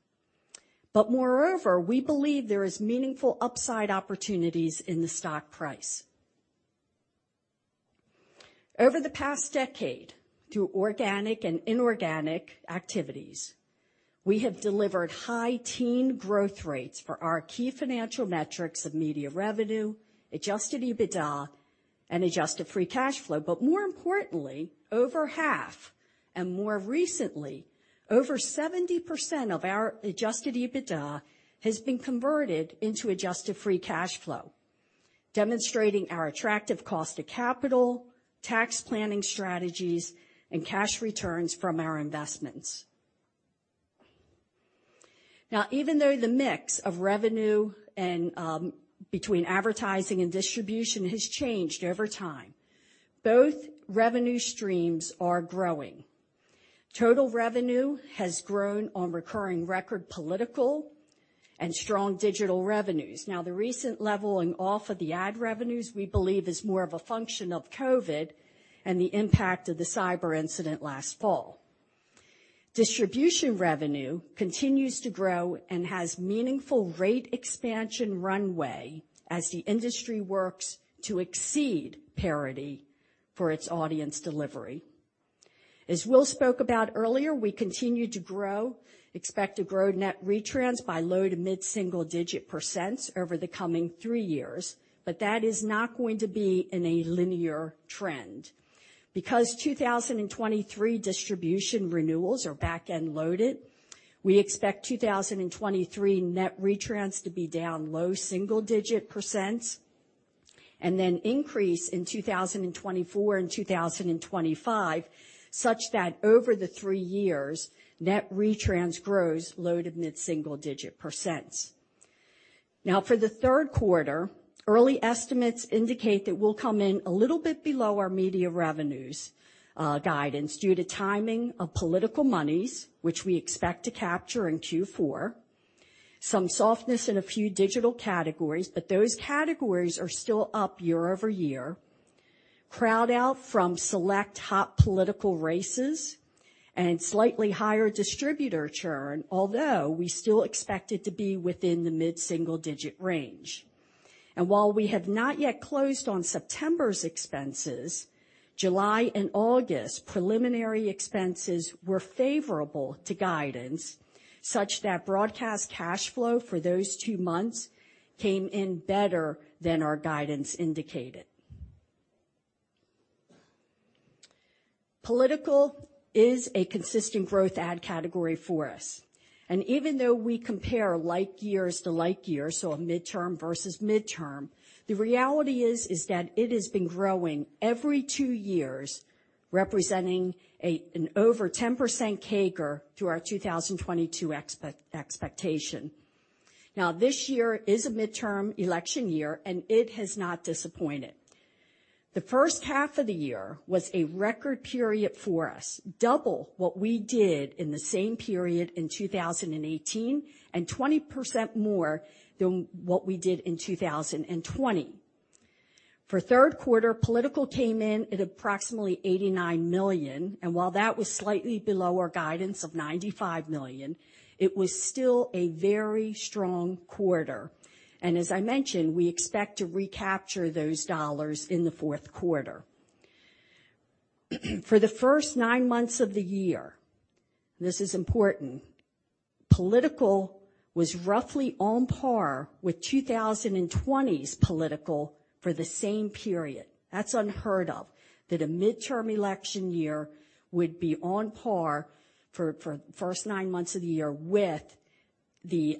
F: Moreover, we believe there is meaningful upside opportunities in the stock price. Over the past decade, through organic and inorganic activities, we have delivered high-teens growth rates for our key financial metrics of media revenue, adjusted EBITDA, and adjusted free cash flow. More importantly, over half, and more recently, over 70% of our adjusted EBITDA has been converted into adjusted free cash flow, demonstrating our attractive cost of capital, tax planning strategies, and cash returns from our investments. Now, even though the mix of revenue and between advertising and distribution has changed over time, both revenue streams are growing. Total revenue has grown on recurring record political and strong digital revenues. Now, the recent leveling off of the ad revenues, we believe, is more of a function of COVID and the impact of the cyber incident last fall. Distribution revenue continues to grow and has meaningful rate expansion runway as the industry works to exceed parity for its audience delivery. As Will spoke about earlier, we continue to grow, expect to grow net retrans by low- to mid-single-digit % over the coming three years, but that is not going to be in a linear trend. Because 2023 distribution renewals are back-end loaded, we expect 2023 net retrans to be down low single-digit % and then increase in 2024 and 2025, such that over the three years, net retrans grows low- to mid-single-digit %. Now, for the Q3, early estimates indicate that we'll come in a little bit below our media revenues guidance due to timing of political monies, which we expect to capture in Q4, some softness in a few digital categories, but those categories are still up year-over-year, crowd out from select top political races and slightly higher distributor churn, although we still expect it to be within the mid-single-digit % range. While we have not yet closed on September's expenses, July and August preliminary expenses were favorable to guidance, such that broadcast cash flow for those two months came in better than our guidance indicated. Political is a consistent growth ad category for us. Even though we compare like years to like years, so a midterm versus midterm, the reality is that it has been growing every two years, representing an over 10% CAGR to our 2022 expectation. Now, this year is a midterm election year, and it has not disappointed. The first half of the year was a record period for us, double what we did in the same period in 2018, and 20% more than what we did in 2020. For Q3, political came in at approximately $89 million, and while that was slightly below our guidance of $95 million, it was still a very strong quarter. As I mentioned, we expect to recapture those dollars in the Q4. For the first nine months of the year, this is important, political was roughly on par with 2020's political for the same period. That's unheard of that a midterm election year would be on par for the first nine months of the year with the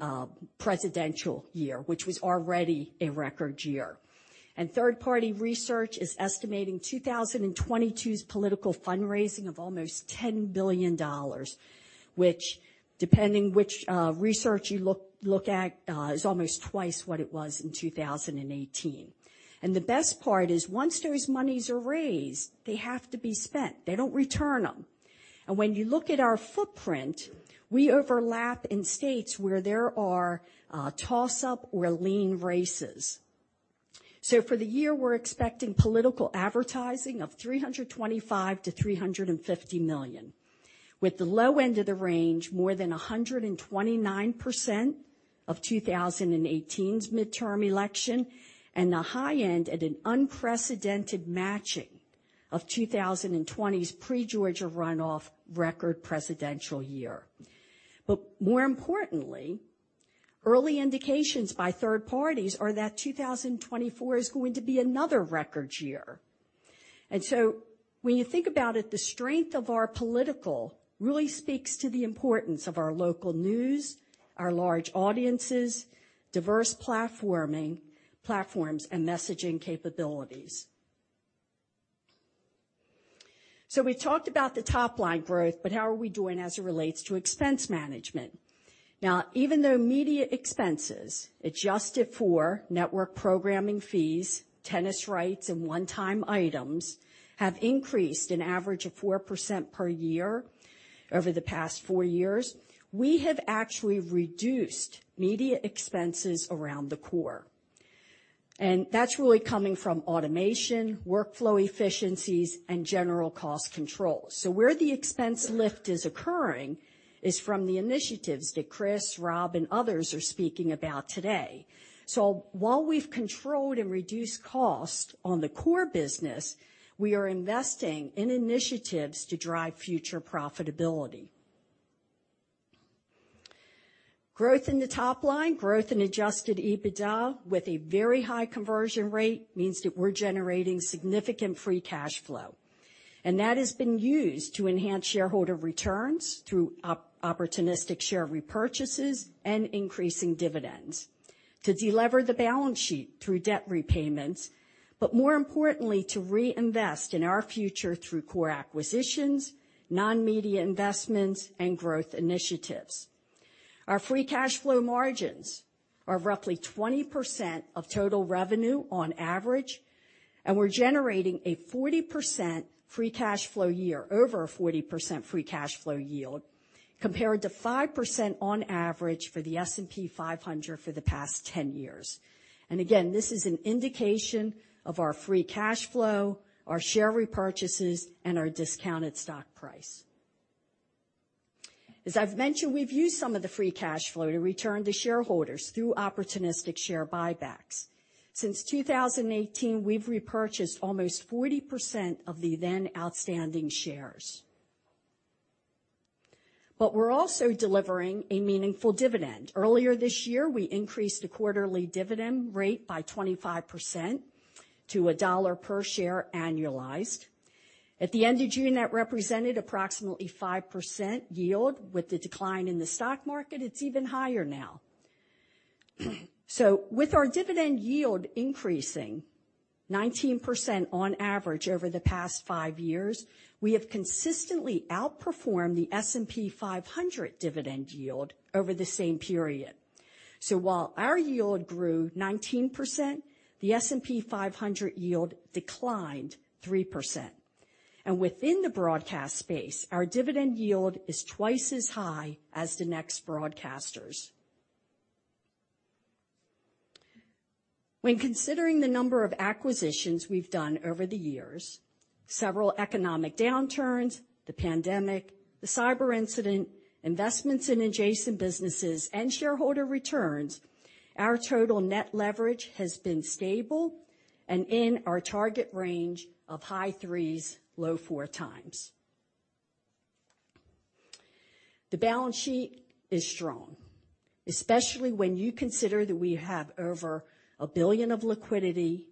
F: presidential year, which was already a record year. Third-party research is estimating 2022's political fundraising of almost $10 billion, which depending which research you look at is almost twice what it was in 2018. The best part is once those monies are raised, they have to be spent. They don't return them. When you look at our footprint, we overlap in states where there are toss-up or lean races. For the year, we're expecting political advertising of $325 million-$350 million, with the low end of the range more than 129% of 2018's midterm election, and the high end at an unprecedented matching of 2020's pre-Georgia runoff record presidential year. More importantly, early indications by third parties are that 2024 is going to be another record year. When you think about it, the strength of our political really speaks to the importance of our local news, our large audiences, diverse platforms, and messaging capabilities. We talked about the top-line growth, but how are we doing as it relates to expense management? Now, even though media expenses, adjusted for network programming fees, tennis rights, and one-time items, have increased an average of 4% per year over the past four years, we have actually reduced media expenses around the core. That's really coming from automation, workflow efficiencies, and general cost controls. Where the expense lift is occurring is from the initiatives that Chris, Rob, and others are speaking about today. While we've controlled and reduced costs on the core business, we are investing in initiatives to drive future profitability. Growth in the top line, growth in adjusted EBITDA with a very high conversion rate means that we're generating significant free cash flow. That has been used to enhance shareholder returns through opportunistic share repurchases and increasing dividends, to delever the balance sheet through debt repayments, but more importantly, to reinvest in our future through core acquisitions, non-media investments, and growth initiatives. Our free cash flow margins are roughly 20% of total revenue on average, and we're generating a 40% free cash flow yield, over a 40% free cash flow yield, compared to 5% on average for the S&P 500 for the past 10 years. Again, this is an indication of our free cash flow, our share repurchases, and our discounted stock price. As I've mentioned, we've used some of the free cash flow to return to shareholders through opportunistic share buybacks. Since 2018, we've repurchased almost 40% of the then outstanding shares. We're also delivering a meaningful dividend. Earlier this year, we increased the quarterly dividend rate by 25% to $1 per share annualized. At the end of June, that represented approximately 5% yield. With the decline in the stock market, it's even higher now. With our dividend yield increasing 19% on average over the past 5 years, we have consistently outperformed the S&P 500 dividend yield over the same period. While our yield grew 19%, the S&P 500 yield declined 3%. Within the broadcast space, our dividend yield is twice as high as the next broadcasters. When considering the number of acquisitions we've done over the years, several economic downturns, the pandemic, the cyber incident, investments in adjacent businesses, and shareholder returns, our total net leverage has been stable and in our target range of high 3s, low 4 times. The balance sheet is strong, especially when you consider that we have over $1 billion of liquidity,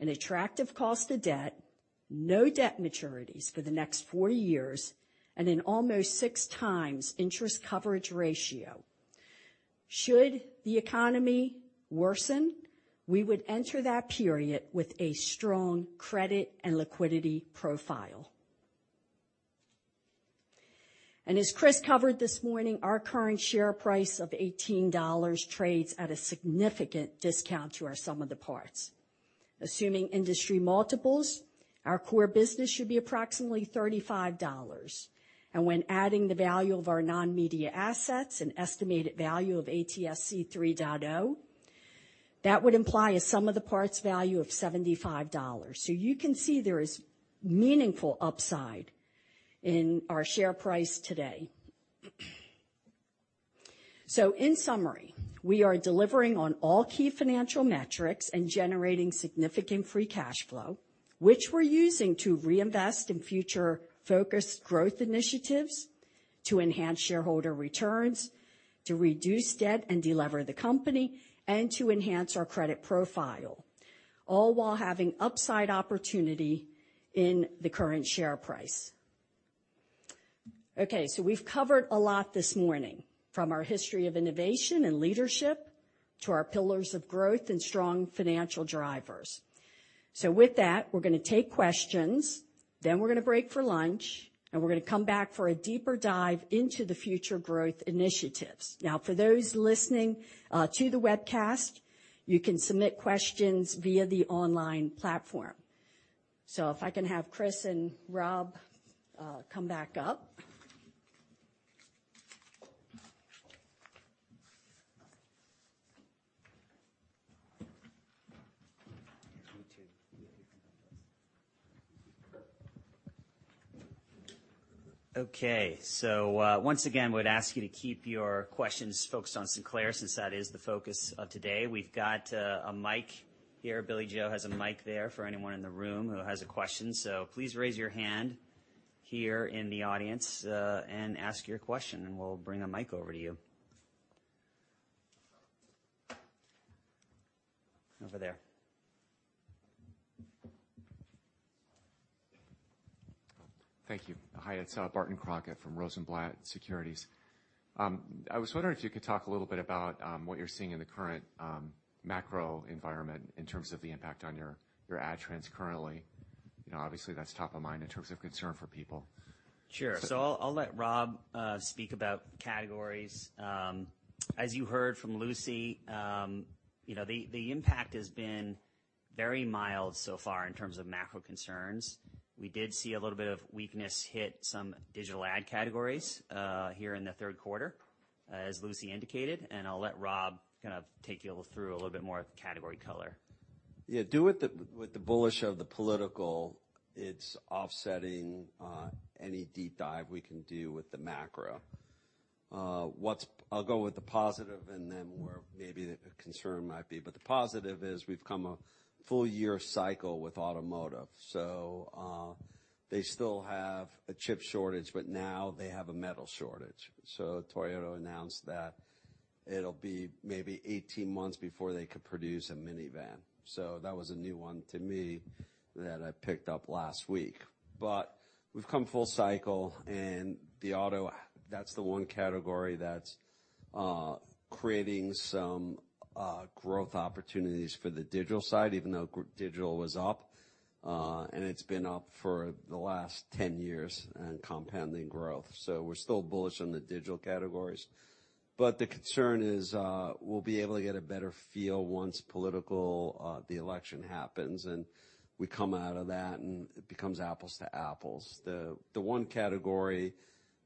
F: an attractive cost of debt, no debt maturities for the next four years, and an almost 6x interest coverage ratio. Should the economy worsen, we would enter that period with a strong credit and liquidity profile. As Chris covered this morning, our current share price of $18 trades at a significant discount to our sum of the parts. Assuming industry multiples, our core business should be approximately $35. When adding the value of our non-media assets, an estimated value of ATSC 3.0, that would imply a sum of the parts value of $75. You can see there is meaningful upside in our share price today. In summary, we are delivering on all key financial metrics and generating significant free cash flow, which we're using to reinvest in future-focused growth initiatives, to enhance shareholder returns, to reduce debt and de-lever the company, and to enhance our credit profile, all while having upside opportunity in the current share price. Okay, we've covered a lot this morning, from our history of innovation and leadership to our pillars of growth and strong financial drivers. With that, we're gonna take questions, then we're gonna break for lunch, and we're gonna come back for a deeper dive into the future growth initiatives. Now, for those listening to the webcast, you can submit questions via the online platform. If I can have Chris and Rob come back up.
B: Okay. Once again, we'd ask you to keep your questions focused on Sinclair since that is the focus of today. We've got a mic here. Billie-Jo McIntire has a mic there for anyone in the room who has a question. Please raise your hand here in the audience, and ask your question, and we'll bring a mic over to you. Over there.
G: Thank you. Hi, it's Barton Crockett from Rosenblatt Securities. I was wondering if you could talk a little bit about what you're seeing in the current macro environment in terms of the impact on your ad trends currently. You know, obviously that's top of mind in terms of concern for people.
B: Sure. I'll let Rob speak about categories. As you heard from Lucy, the impact has been very mild so far in terms of macro concerns. We did see a little bit of weakness hit some digital ad categories here in the Q3, as Lucy indicated, and I'll let Rob kind of take you through a little bit more of the category color.
C: Yeah. Due to the bullishness of the political, it's offsetting any deep dive we can do with the macro. I'll go with the positive and then where maybe the concern might be. The positive is we've come a full year cycle with automotive. They still have a chip shortage, but now they have a metal shortage. Toyota announced that it'll be maybe 18 months before they could produce a minivan. That was a new one to me that I picked up last week. We've come full cycle and the auto, that's the one category that's creating some growth opportunities for the digital side, even though digital was up. It's been up for the last 10 years and compounding growth. We're still bullish on the digital categories. The concern is, we'll be able to get a better feel once political, the election happens, and we come out of that and it becomes apples to apples. The one category that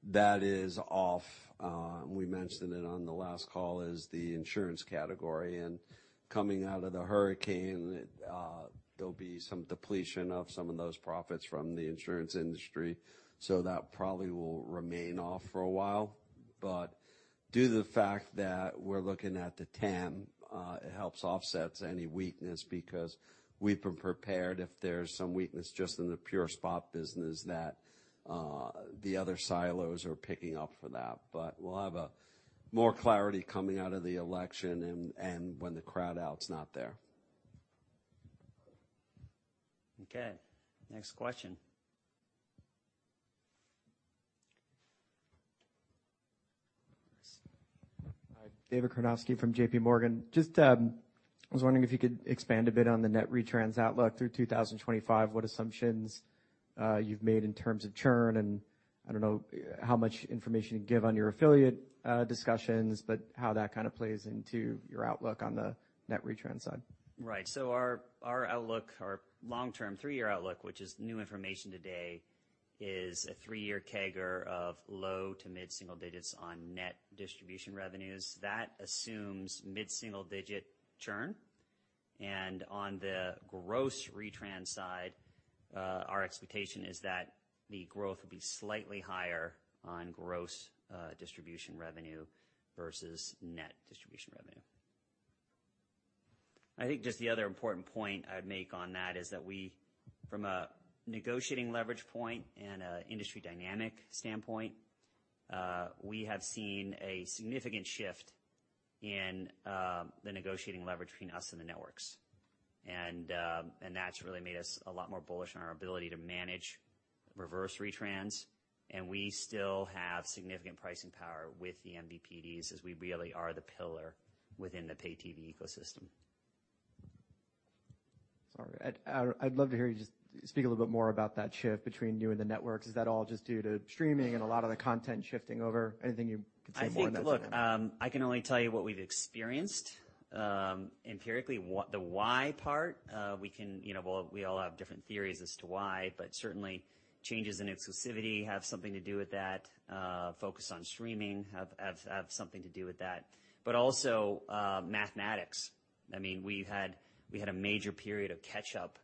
C: is off, we mentioned it on the last call, is the insurance category. Coming out of the hurricane, there'll be some depletion of some of those profits from the insurance industry. That probably will remain off for a while. Due to the fact that we're looking at the TAM, it helps offset any weakness because we've been prepared if there's some weakness just in the pure spot business that the other silos are picking up for that. We'll have more clarity coming out of the election and when the crowd out's not there.
B: Okay. Next question.
H: Hi, David Karnovsky from J.P. Morgan. Just, I was wondering if you could expand a bit on the net retrans outlook through 2025, what assumptions you've made in terms of churn, and I don't know how much information you give on your affiliate discussions, but how that kind of plays into your outlook on the net retrans side.
B: Right. Our outlook, our long-term three-year outlook, which is new information today, is a three-year CAGR of low- to mid-single digits on net distribution revenues. That assumes mid-single-digit churn. On the gross retrans side, our expectation is that the growth will be slightly higher on gross distribution revenue versus net distribution revenue. I think just the other important point I'd make on that is that we, from a negotiating leverage point and an industry dynamic standpoint, we have seen a significant shift in the negotiating leverage between us and the networks. That's really made us a lot more bullish on our ability to manage reverse retrans, and we still have significant pricing power with the MVPDs as we really are the pillar within the pay TV ecosystem.
H: Sorry. I'd love to hear you just speak a little bit more about that shift between you and the networks. Is that all just due to streaming and a lot of the content shifting over? Anything you can say more on that dynamic?
B: I think, look, I can only tell you what we've experienced, empirically. The why part, we can, you know. Well, we all have different theories as to why, but certainly changes in exclusivity have something to do with that. Focus on streaming have something to do with that. But also, mathematics. I mean, we've had, we had a major period of catch up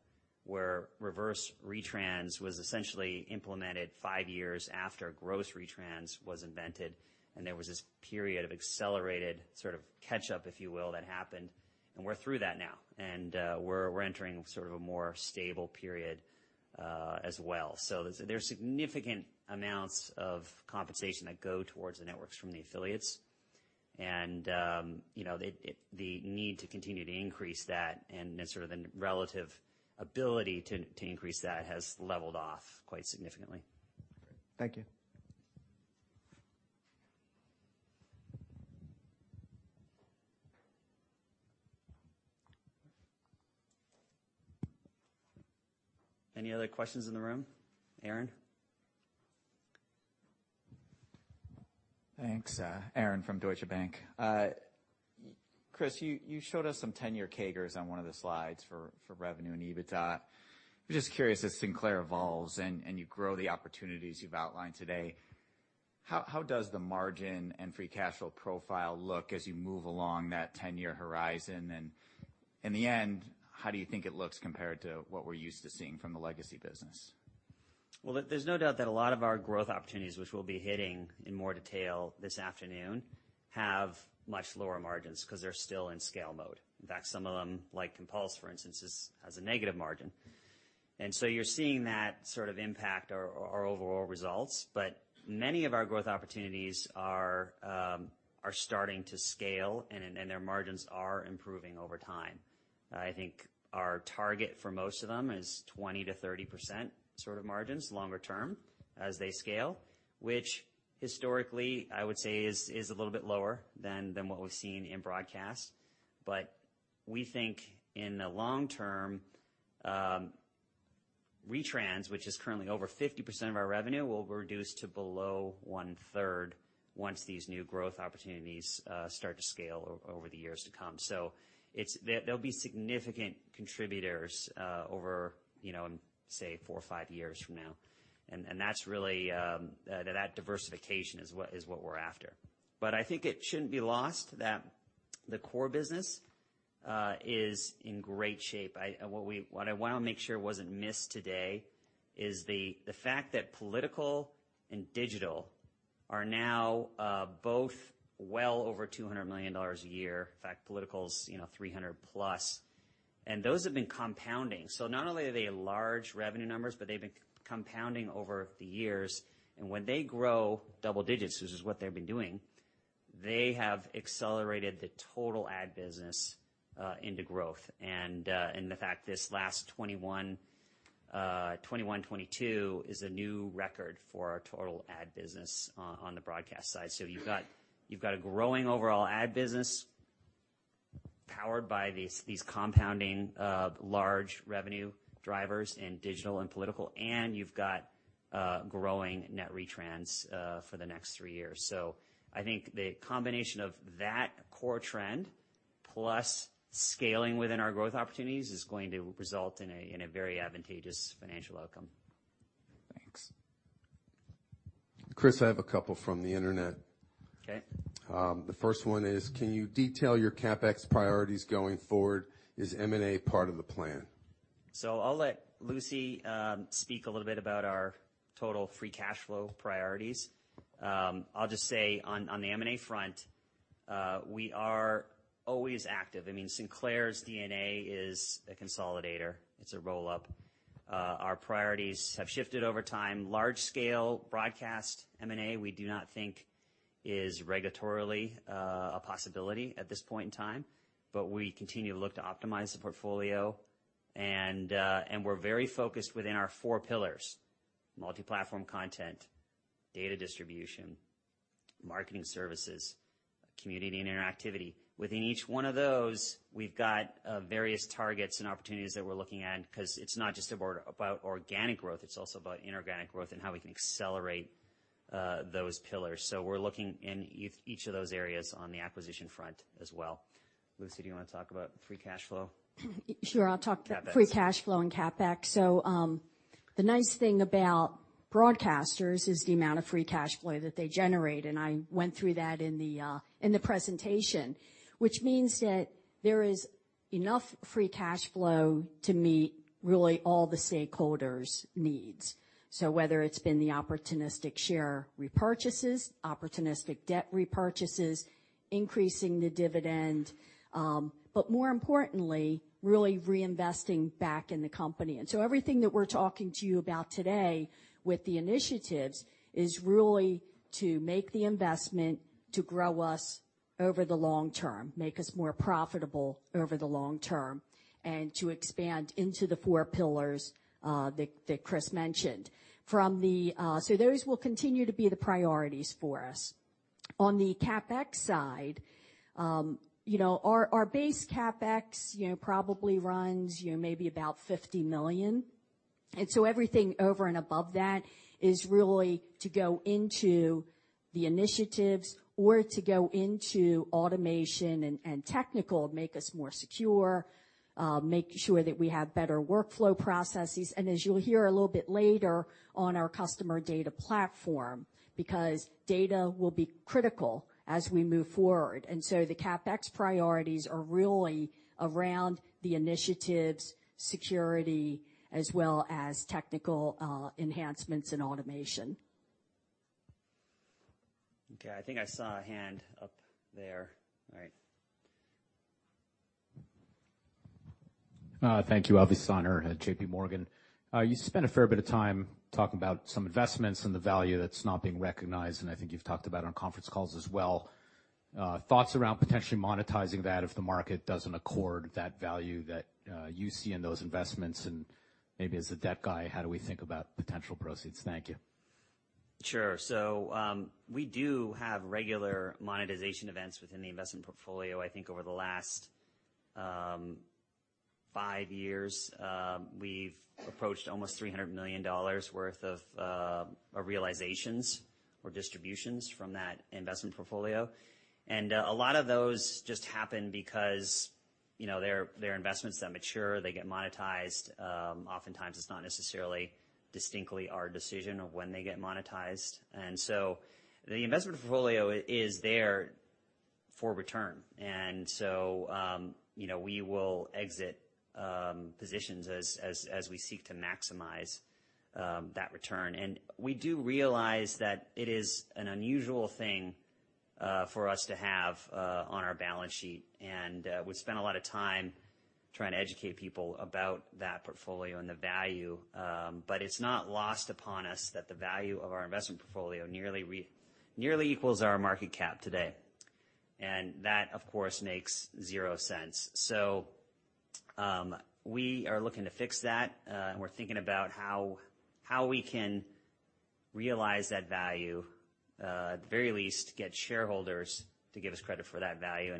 B: where reverse retrans was essentially implemented five years after gross retrans was invented, and there was this period of accelerated sort of catch up, if you will, that happened, and we're through that now. We're entering sort of a more stable period, as well. There's significant amounts of compensation that go towards the networks from the affiliates and, you know, the need to continue to increase that and then sort of the relative ability to increase that has leveled off quite significantly.
H: Thank you.
B: Any other questions in the room? Aaron?
I: Thanks. Aaron from Deutsche Bank. Chris, you showed us some 10-year CAGRs on one of the slides for revenue and EBITDA. I'm just curious, as Sinclair evolves and you grow the opportunities you've outlined today, how does the margin and free cash flow profile look as you move along that 10-year horizon? In the end, how do you think it looks compared to what we're used to seeing from the legacy business?
B: There's no doubt that a lot of our growth opportunities, which we'll be hitting in more detail this afternoon, have much lower margins because they're still in scale mode. In fact, some of them, like Compulse, for instance, has a negative margin. You're seeing that sort of impact our overall results. Many of our growth opportunities are starting to scale and their margins are improving over time. I think our target for most of them is 20%-30% sort of margins longer term as they scale, which historically I would say is a little bit lower than what we've seen in broadcast. We think in the long term, retrans, which is currently over 50% of our revenue, will reduce to below one-third once these new growth opportunities start to scale over the years to come. It's. They'll be significant contributors over, you know, say, four or five years from now. That's really that diversification is what we're after. I think it shouldn't be lost that the core business is in great shape. What I want to make sure wasn't missed today is the fact that political and digital are now both well over $200 million a year. In fact, political is, you know, $300 million plus, and those have been compounding. Not only are they large revenue numbers, but they've been compounding over the years. When they grow double digits, which is what they've been doing, they have accelerated the total ad business into growth. The fact this last 2021-2022 is a new record for our total ad business on the broadcast side. You've got a growing overall ad business powered by these compounding large revenue drivers in digital and political, and you've got growing net retrans for the next three years. I think the combination of that core trend plus scaling within our growth opportunities is going to result in a very advantageous financial outcome.
I: Thanks.
C: Chris, I have a couple from the internet.
B: Okay.
C: The first one is, can you detail your CapEx priorities going forward? Is M&A part of the plan?
B: I'll let Lucy speak a little bit about our total free cash flow priorities. I'll just say on the M&A front, we are always active. I mean, Sinclair's DNA is a consolidator. It's a roll-up. Our priorities have shifted over time. Large scale broadcast M&A, we do not think is regulatorily a possibility at this point in time. But we continue to look to optimize the portfolio. We're very focused within our four pillars, multi-platform content, data distribution, marketing services, community and interactivity. Within each one of those, we've got various targets and opportunities that we're looking at because it's not just about organic growth, it's also about inorganic growth and how we can accelerate those pillars. We're looking in each of those areas on the acquisition front as well. Lucy, do you wanna talk about free cash flow?
F: Sure.
B: CapEx.
F: Free cash flow and CapEx. The nice thing about broadcasters is the amount of free cash flow that they generate, and I went through that in the presentation. Which means that there is enough free cash flow to meet really all the stakeholders' needs. Whether it's been the opportunistic share repurchases, opportunistic debt repurchases, increasing the dividend, but more importantly, really reinvesting back in the company. Everything that we're talking to you about today with the initiatives is really to make the investment to grow us over the long term, make us more profitable over the long term, and to expand into the four pillars that Chris mentioned. Those will continue to be the priorities for us. On the CapEx side, you know, our base CapEx, you know, probably runs, you know, maybe about $50 million. Everything over and above that is really to go into the initiatives or to go into automation and technical, make us more secure, make sure that we have better workflow processes, and as you'll hear a little bit later, on our customer data platform, because data will be critical as we move forward. The CapEx priorities are really around the initiatives, security, as well as technical, enhancements and automation.
B: Okay, I think I saw a hand up there. All right.
J: Thank you. Avi Steiner at J.P. Morgan. You spent a fair bit of time talking about some investments and the value that's not being recognized, and I think you've talked about on conference calls as well. Thoughts around potentially monetizing that if the market doesn't accord that value that you see in those investments and maybe as the debt guy, how do we think about potential proceeds? Thank you.
B: Sure. We do have regular monetization events within the investment portfolio. I think over the last five years, we've approached almost $300 million worth of realizations or distributions from that investment portfolio. A lot of those just happen because, you know, they're investments that mature, they get monetized. Oftentimes it's not necessarily distinctly our decision of when they get monetized. The investment portfolio is there for return. You know, we will exit positions as we seek to maximize that return. We do realize that it is an unusual thing for us to have on our balance sheet. We've spent a lot of time trying to educate people about that portfolio and the value, but it's not lost upon us that the value of our investment portfolio nearly equals our market cap today. That, of course, makes zero sense. We are looking to fix that, and we're thinking about how we can realize that value, at the very least, get shareholders to give us credit for that value.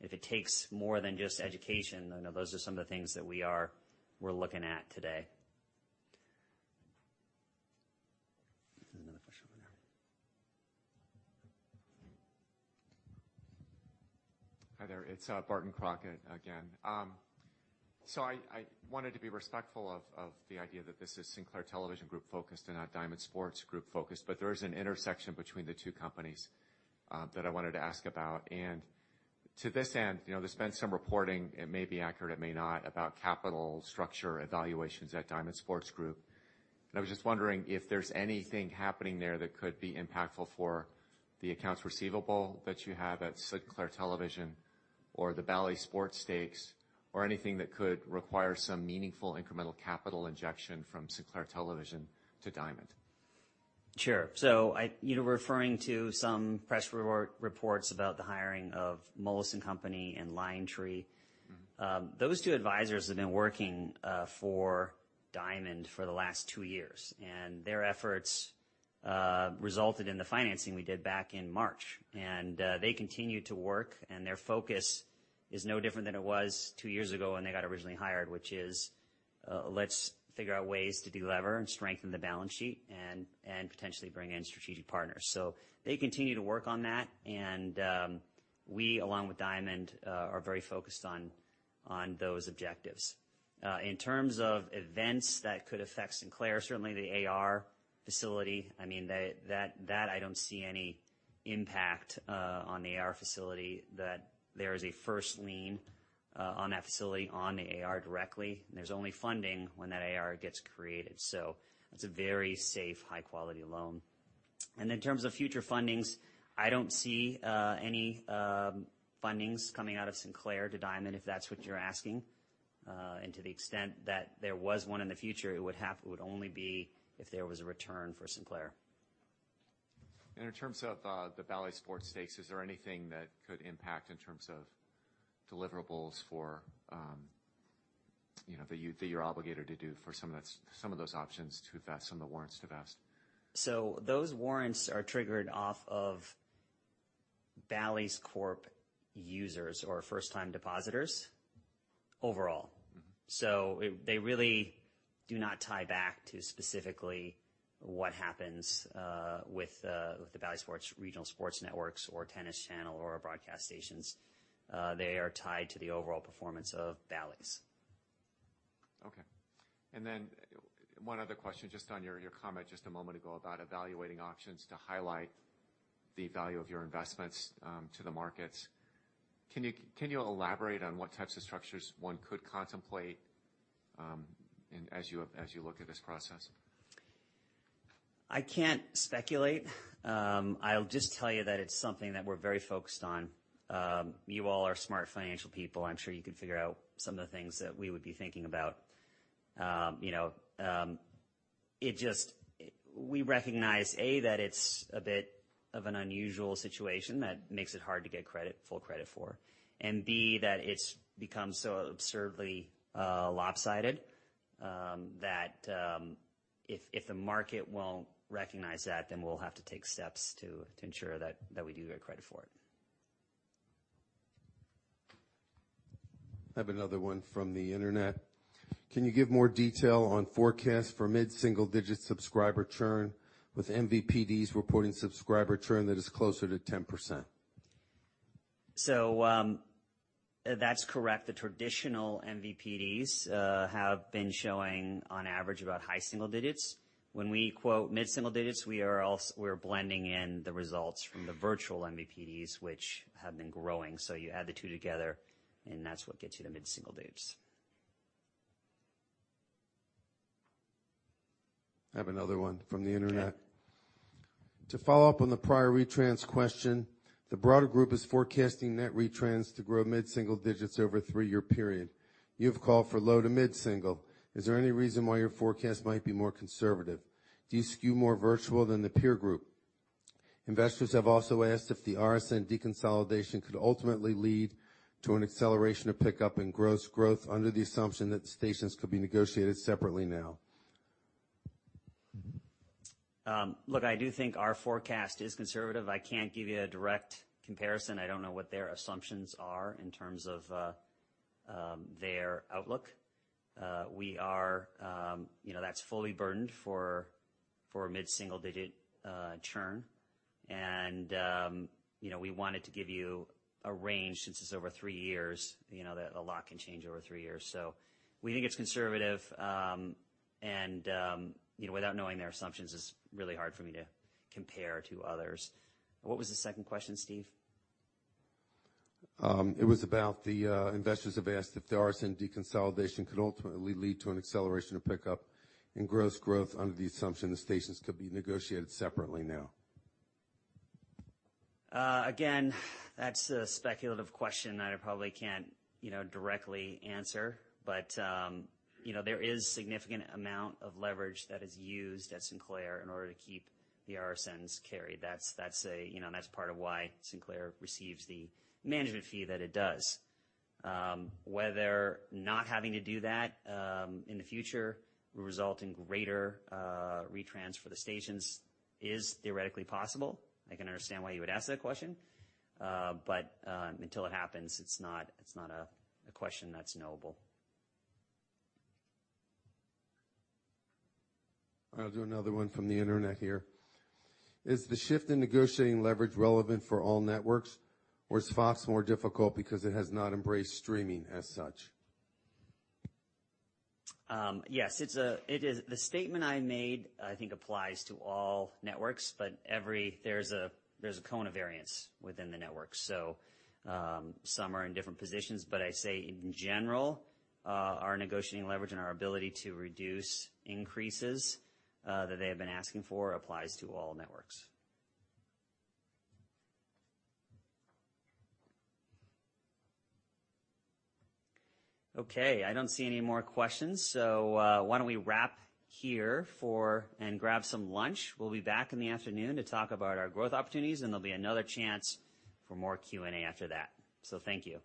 B: If it takes more than just education, then those are some of the things that we're looking at today. There's another question over there.
G: Hi there. It's Barton Crockett again. I wanted to be respectful of the idea that this is Sinclair Television Group focused and not Diamond Sports Group focused, but there is an intersection between the two companies that I wanted to ask about. To this end, you know, there's been some reporting, it may be accurate, it may not, about capital structure evaluations at Diamond Sports Group. I was just wondering if there's anything happening there that could be impactful for the accounts receivable that you have at Sinclair Television or the Bally Sports stakes or anything that could require some meaningful incremental capital injection from Sinclair Television to Diamond.
B: Sure. You know, referring to some press reports about the hiring of Moelis & Company and LionTree.
G: Mm-hmm.
B: Those two advisors have been working for Diamond for the last two years, and their efforts resulted in the financing we did back in March. They continue to work, and their focus is no different than it was two years ago when they got originally hired, which is, let's figure out ways to deleverage and strengthen the balance sheet and potentially bring in strategic partners. They continue to work on that, and we, along with Diamond, are very focused on those objectives. In terms of events that could affect Sinclair, certainly the AR facility. I mean, that I don't see any impact on the AR facility that there is a first lien on that facility on the AR directly, and there's only funding when that AR gets created. It's a very safe, high quality loan. In terms of future fundings, I don't see any fundings coming out of Sinclair to Diamond, if that's what you're asking. To the extent that there was one in the future, it would only be if there was a return for Sinclair.
G: In terms of the Bally Sports stakes, is there anything that could impact in terms of deliverables for that you're obligated to do for some of those options to vest, some of the warrants to vest?
B: Those warrants are triggered off of Bally's Corp users or first time depositors overall.
G: Mm-hmm.
B: They really do not tie back to specifically what happens with the Bally Sports regional sports networks or Tennis Channel or broadcast stations. They are tied to the overall performance of Bally's.
G: Okay. Then one other question, just on your comment just a moment ago about evaluating options to highlight the value of your investments, to the markets. Can you elaborate on what types of structures one could contemplate, as you look at this process?
B: I can't speculate. I'll just tell you that it's something that we're very focused on. You all are smart financial people. I'm sure you could figure out some of the things that we would be thinking about. You know, we recognize, A, that it's a bit of an unusual situation that makes it hard to get credit, full credit for. B, that it's become so absurdly lopsided that if the market won't recognize that, then we'll have to take steps to ensure that we do get credit for it.
A: I have another one from the Internet. Can you give more detail on forecasts for mid-single digit subscriber churn with MVPDs reporting subscriber churn that is closer to 10%?
B: That's correct. The traditional MVPDs have been showing on average about high single digits. When we quote mid-single digits, we're blending in the results from the virtual MVPDs, which have been growing. You add the two together, and that's what gets you to mid-single digits.
A: I have another one from the Internet.
B: Okay.
A: To follow up on the prior retrans question, the broader group is forecasting net retrans to grow mid-single-digit % over a three-year period. You've called for low- to mid-single-digit %. Is there any reason why your forecast might be more conservative? Do you skew more virtual than the peer group? Investors have also asked if the RSN deconsolidation could ultimately lead to an acceleration or pickup in gross growth under the assumption that the stations could be negotiated separately now?
B: Look, I do think our forecast is conservative. I can't give you a direct comparison. I don't know what their assumptions are in terms of their outlook. You know, that's fully burdened for mid-single-digit churn. You know, we wanted to give you a range since it's over three years. You know that a lot can change over three years. We think it's conservative. You know, without knowing their assumptions, it's really hard for me to compare to others. What was the second question, Steve?
A: Investors have asked if the RSN deconsolidation could ultimately lead to an acceleration or pickup in gross growth under the assumption the stations could be negotiated separately now.
B: Again, that's a speculative question that I probably can't, you know, directly answer. You know, there is significant amount of leverage that is used at Sinclair in order to keep the RSNs carried. That's a, you know, that's part of why Sinclair receives the management fee that it does. Whether not having to do that in the future will result in greater retrans for the stations is theoretically possible. I can understand why you would ask that question. Until it happens, it's not a question that's knowable.
A: I'll do another one from the internet here. Is the shift in negotiating leverage relevant for all networks, or is Fox more difficult because it has not embraced streaming as such?
B: Yes, it is. The statement I made, I think, applies to all networks. There's a cone of variance within the network. Some are in different positions. I say in general, our negotiating leverage and our ability to reduce increases that they have been asking for applies to all networks. Okay, I don't see any more questions. Why don't we wrap here and grab some lunch? We'll be back in the afternoon to talk about our growth opportunities, and there'll be another chance for more Q&A after that. Thank you.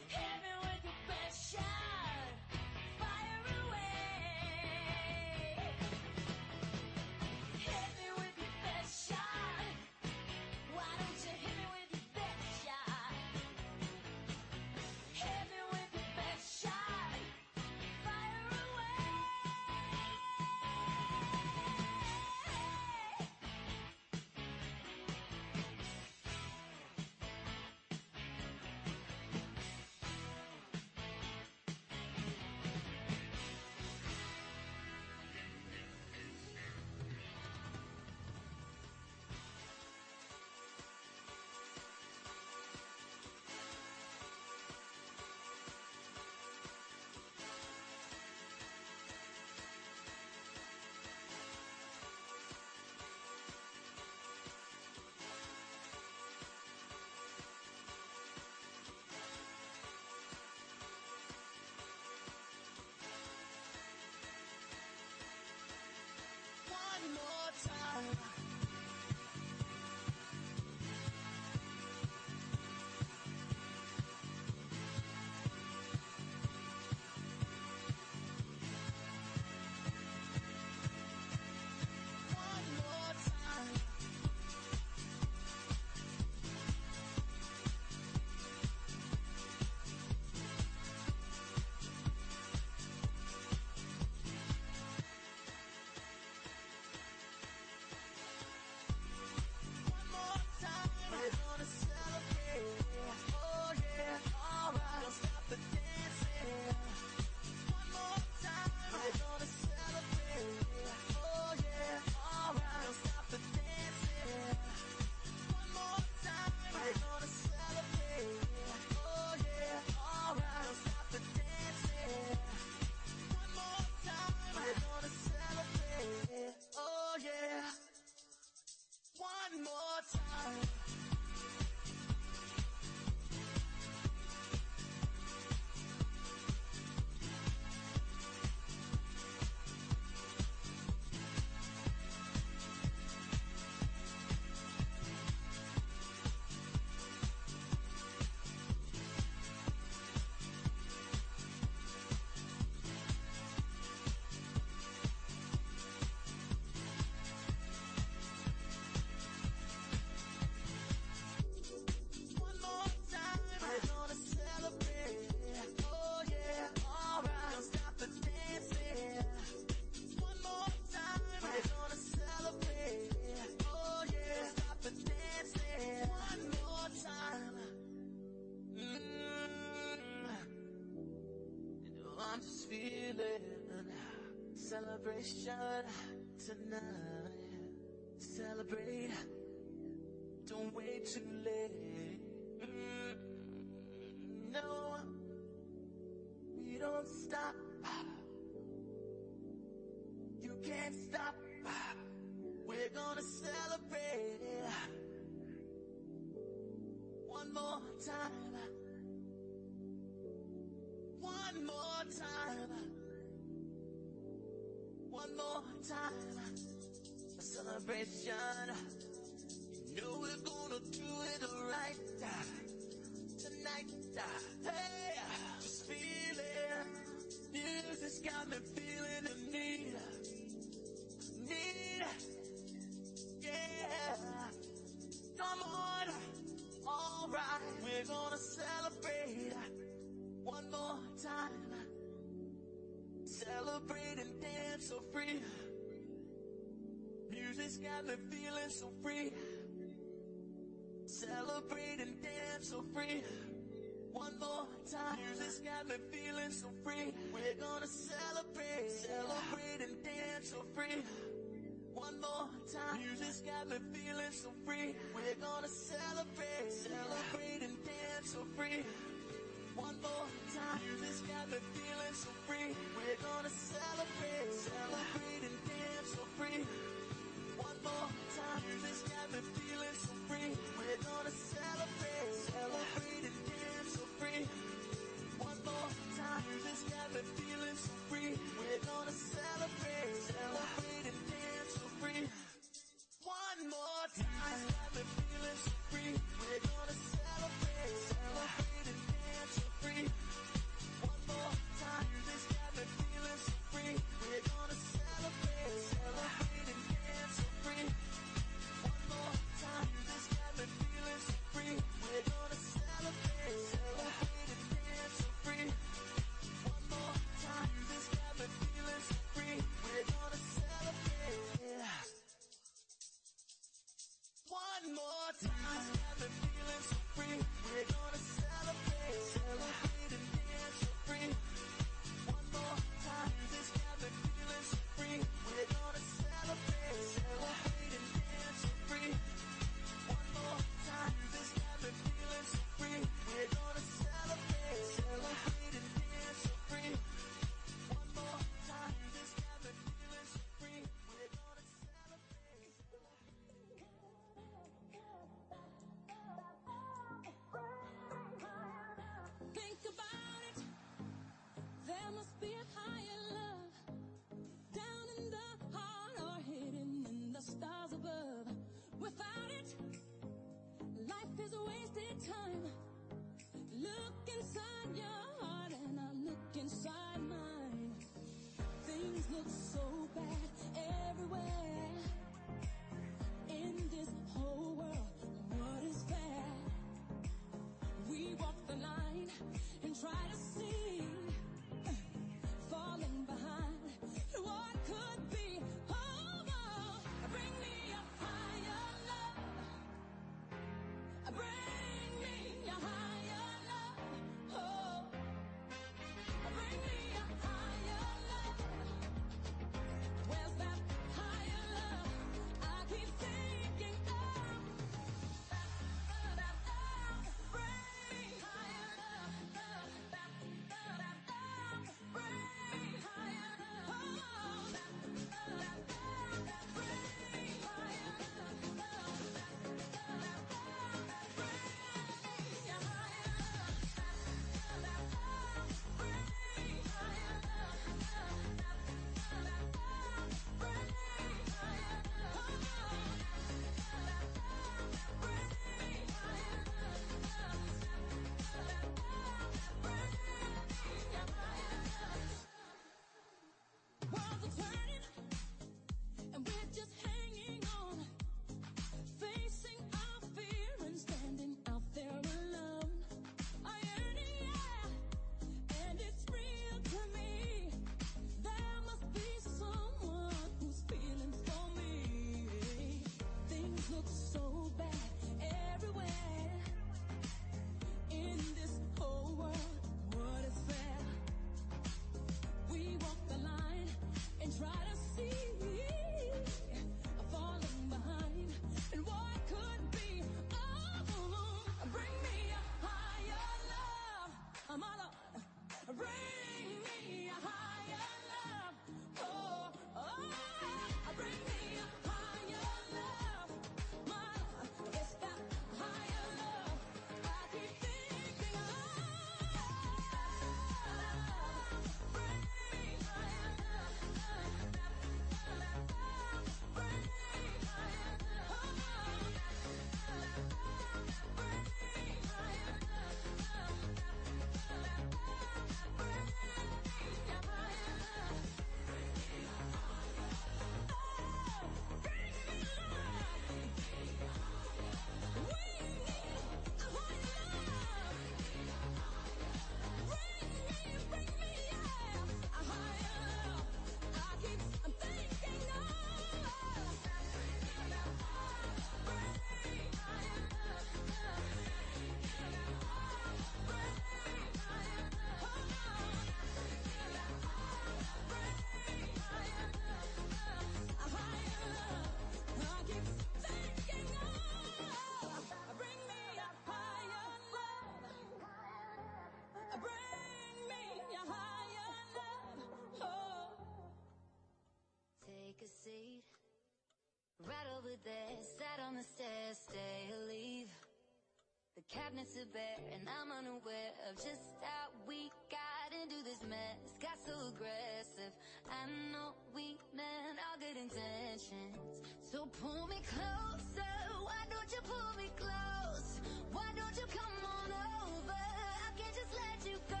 B: This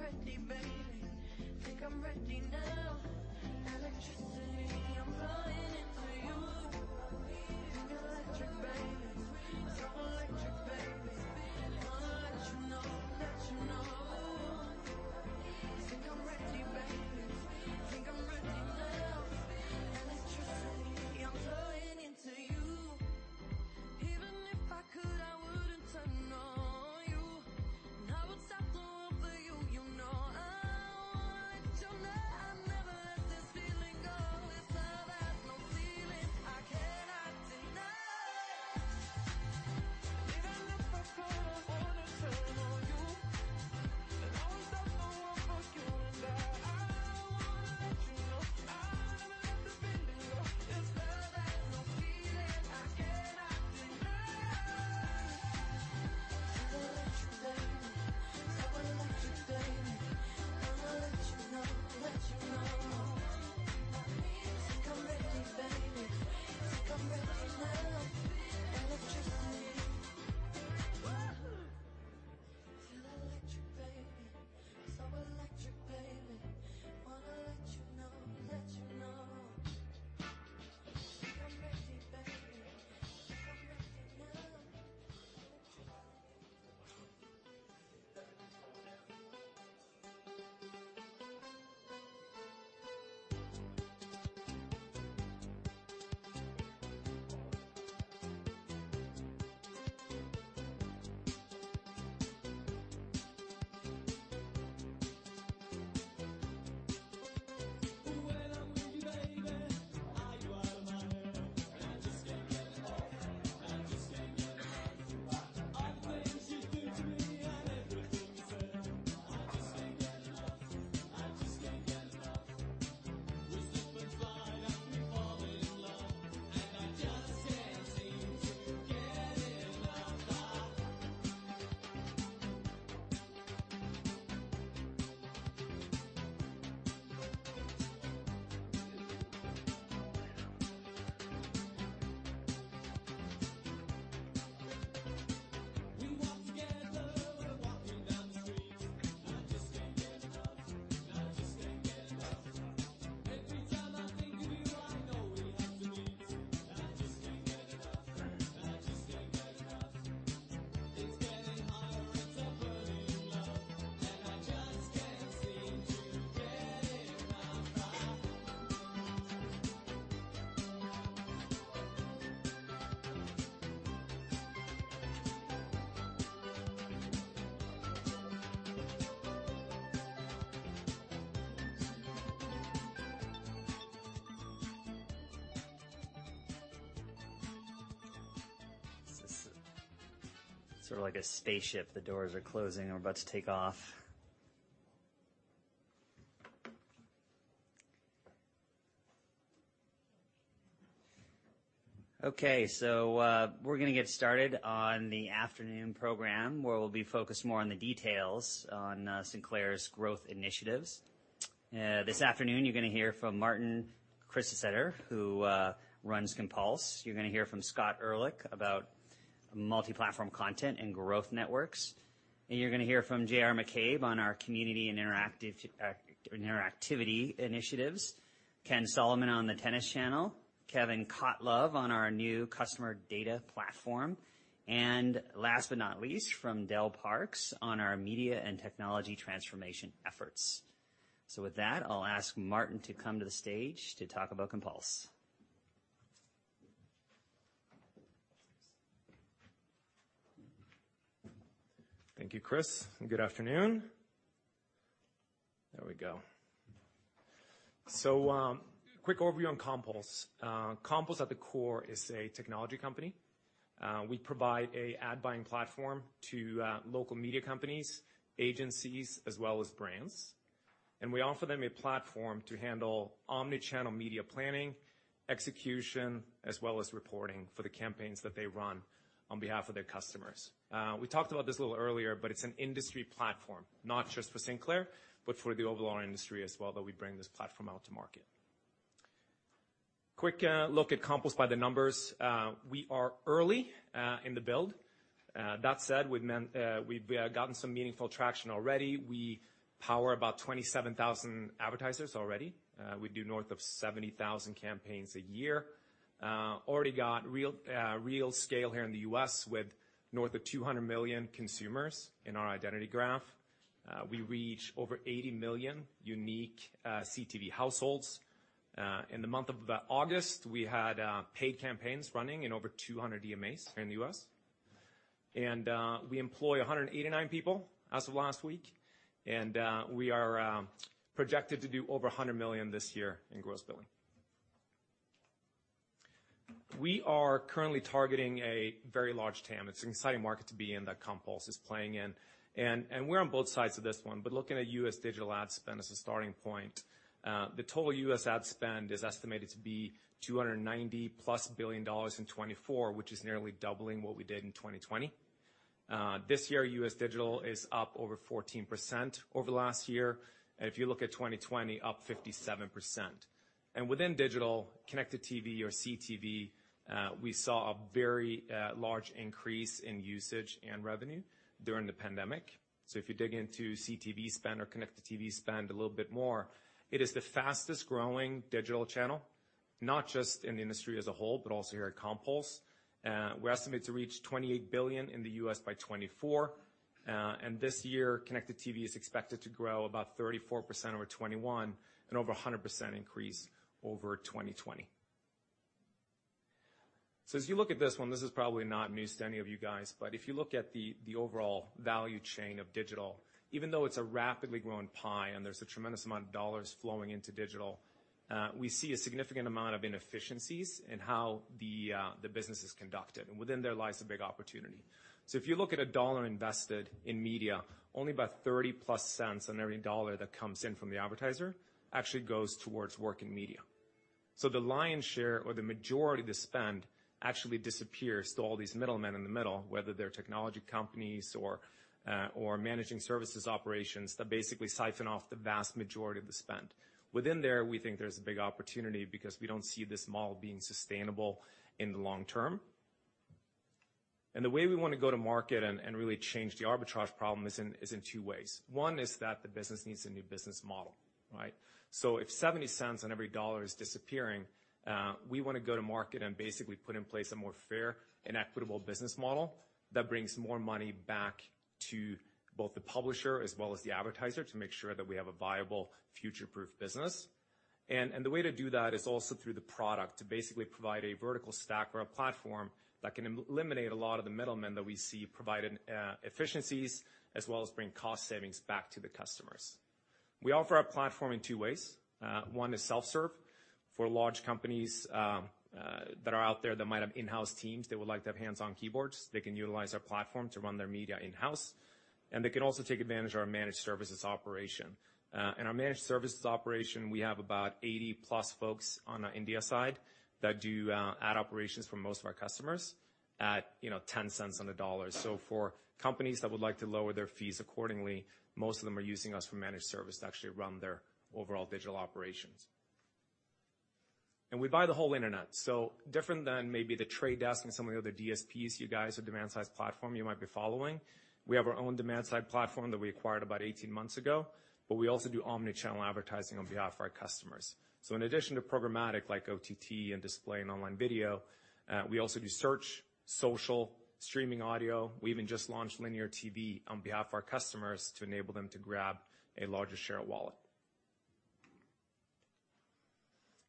B: is sort of like a spaceship. The doors are closing, and we're about to take off. Okay. We're gonna get started on the afternoon program, where we'll be focused more on the details on Sinclair's growth initiatives. This afternoon, you're gonna hear from Martin Kristiseter, who runs Compulse. You're gonna hear from Scott Ehrlich about multi-platform content and growth networks. You're gonna hear from J.R. McCabe on our community and interactivity initiatives. Ken Solomon on the Tennis Channel. Kevin Cotlove on our new customer data platform. Last but not least, from Del Parks on our media and technology transformation efforts. With that, I'll ask Martin to come to the stage to talk about Compulse.
K: Thank you, Chris, and good afternoon. There we go. Quick overview on Compulse. Compulse at the core is a technology company. We provide an ad buying platform to local media companies, agencies, as well as brands. We offer them a platform to handle omni-channel media planning, execution, as well as reporting for the campaigns that they run on behalf of their customers. We talked about this a little earlier, but it's an industry platform, not just for Sinclair, but for the overall industry as well, that we bring this platform out to market. Quick look at Compulse by the numbers. We are early in the build. That said, we've gotten some meaningful traction already. We power about 27,000 advertisers already. We do north of 70,000 campaigns a year. Already got real scale here in the U.S. with north of 200 million consumers in our identity graph. We reach over 80 million unique CTV households. In the month of August, we had paid campaigns running in over 200 DMAs here in the U.S. We employ 189 people as of last week. We are projected to do over $100 million this year in gross billing. We are currently targeting a very large TAM. It's an exciting market to be in that Compulse is playing in. We're on both sides of this one, but looking at U.S. digital ad spend as a starting point. The total U.S. ad spend is estimated to be $290+ billion in 2024, which is nearly doubling what we did in 2020. This year, U.S. digital is up over 14% over last year. If you look at 2020, up 57%. Within digital, connected TV or CTV, we saw a very large increase in usage and revenue during the pandemic. If you dig into CTV spend or connected TV spend a little bit more, it is the fastest-growing digital channel, not just in the industry as a whole, but also here at Compulse. We estimate to reach $28 billion in the U.S. by 2024. This year, connected TV is expected to grow about 34% over 2021 and over a 100% increase over 2020. As you look at this one, this is probably not news to any of you guys, but if you look at the overall value chain of digital, even though it's a rapidly growing pie and there's a tremendous amount of dollars flowing into digital, we see a significant amount of inefficiencies in how the business is conducted, and within there lies a big opportunity. If you look at a dollar invested in media, only about $0.30-plus on every dollar that comes in from the advertiser actually goes towards working media. The lion's share or the majority of the spend actually disappears to all these middlemen in the middle, whether they're technology companies or managing services operations that basically siphon off the vast majority of the spend. Within there, we think there's a big opportunity because we don't see this model being sustainable in the long term. The way we wanna go to market and really change the arbitrage problem is in two ways. One is that the business needs a new business model, right? If 70 cents on every $1 is disappearing, we wanna go to market and basically put in place a more fair and equitable business model that brings more money back to both the publisher as well as the advertiser to make sure that we have a viable future-proof business. The way to do that is also through the product, to basically provide a vertical stack or a platform that can eliminate a lot of the middlemen that we see provide efficiencies as well as bring cost savings back to the customers. We offer our platform in two ways. One is self-serve for large companies that are out there that might have in-house teams that would like to have hands-on keyboards. They can utilize our platform to run their media in-house, and they can also take advantage of our managed services operation. In our managed services operation, we have about 80+ folks on the India side that do ad operations for most of our customers at, you know, ten cents on the dollar. For companies that would like to lower their fees accordingly, most of them are using us for managed service to actually run their overall digital operations. We buy the whole internet. Different than maybe The Trade Desk and some of the other DSPs you guys or demand side platform you might be following, we have our own demand side platform that we acquired about 18 months ago, but we also do omni-channel advertising on behalf of our customers. In addition to programmatic like OTT and display and online video, we also do search, social, streaming audio. We even just launched linear TV on behalf of our customers to enable them to grab a larger share of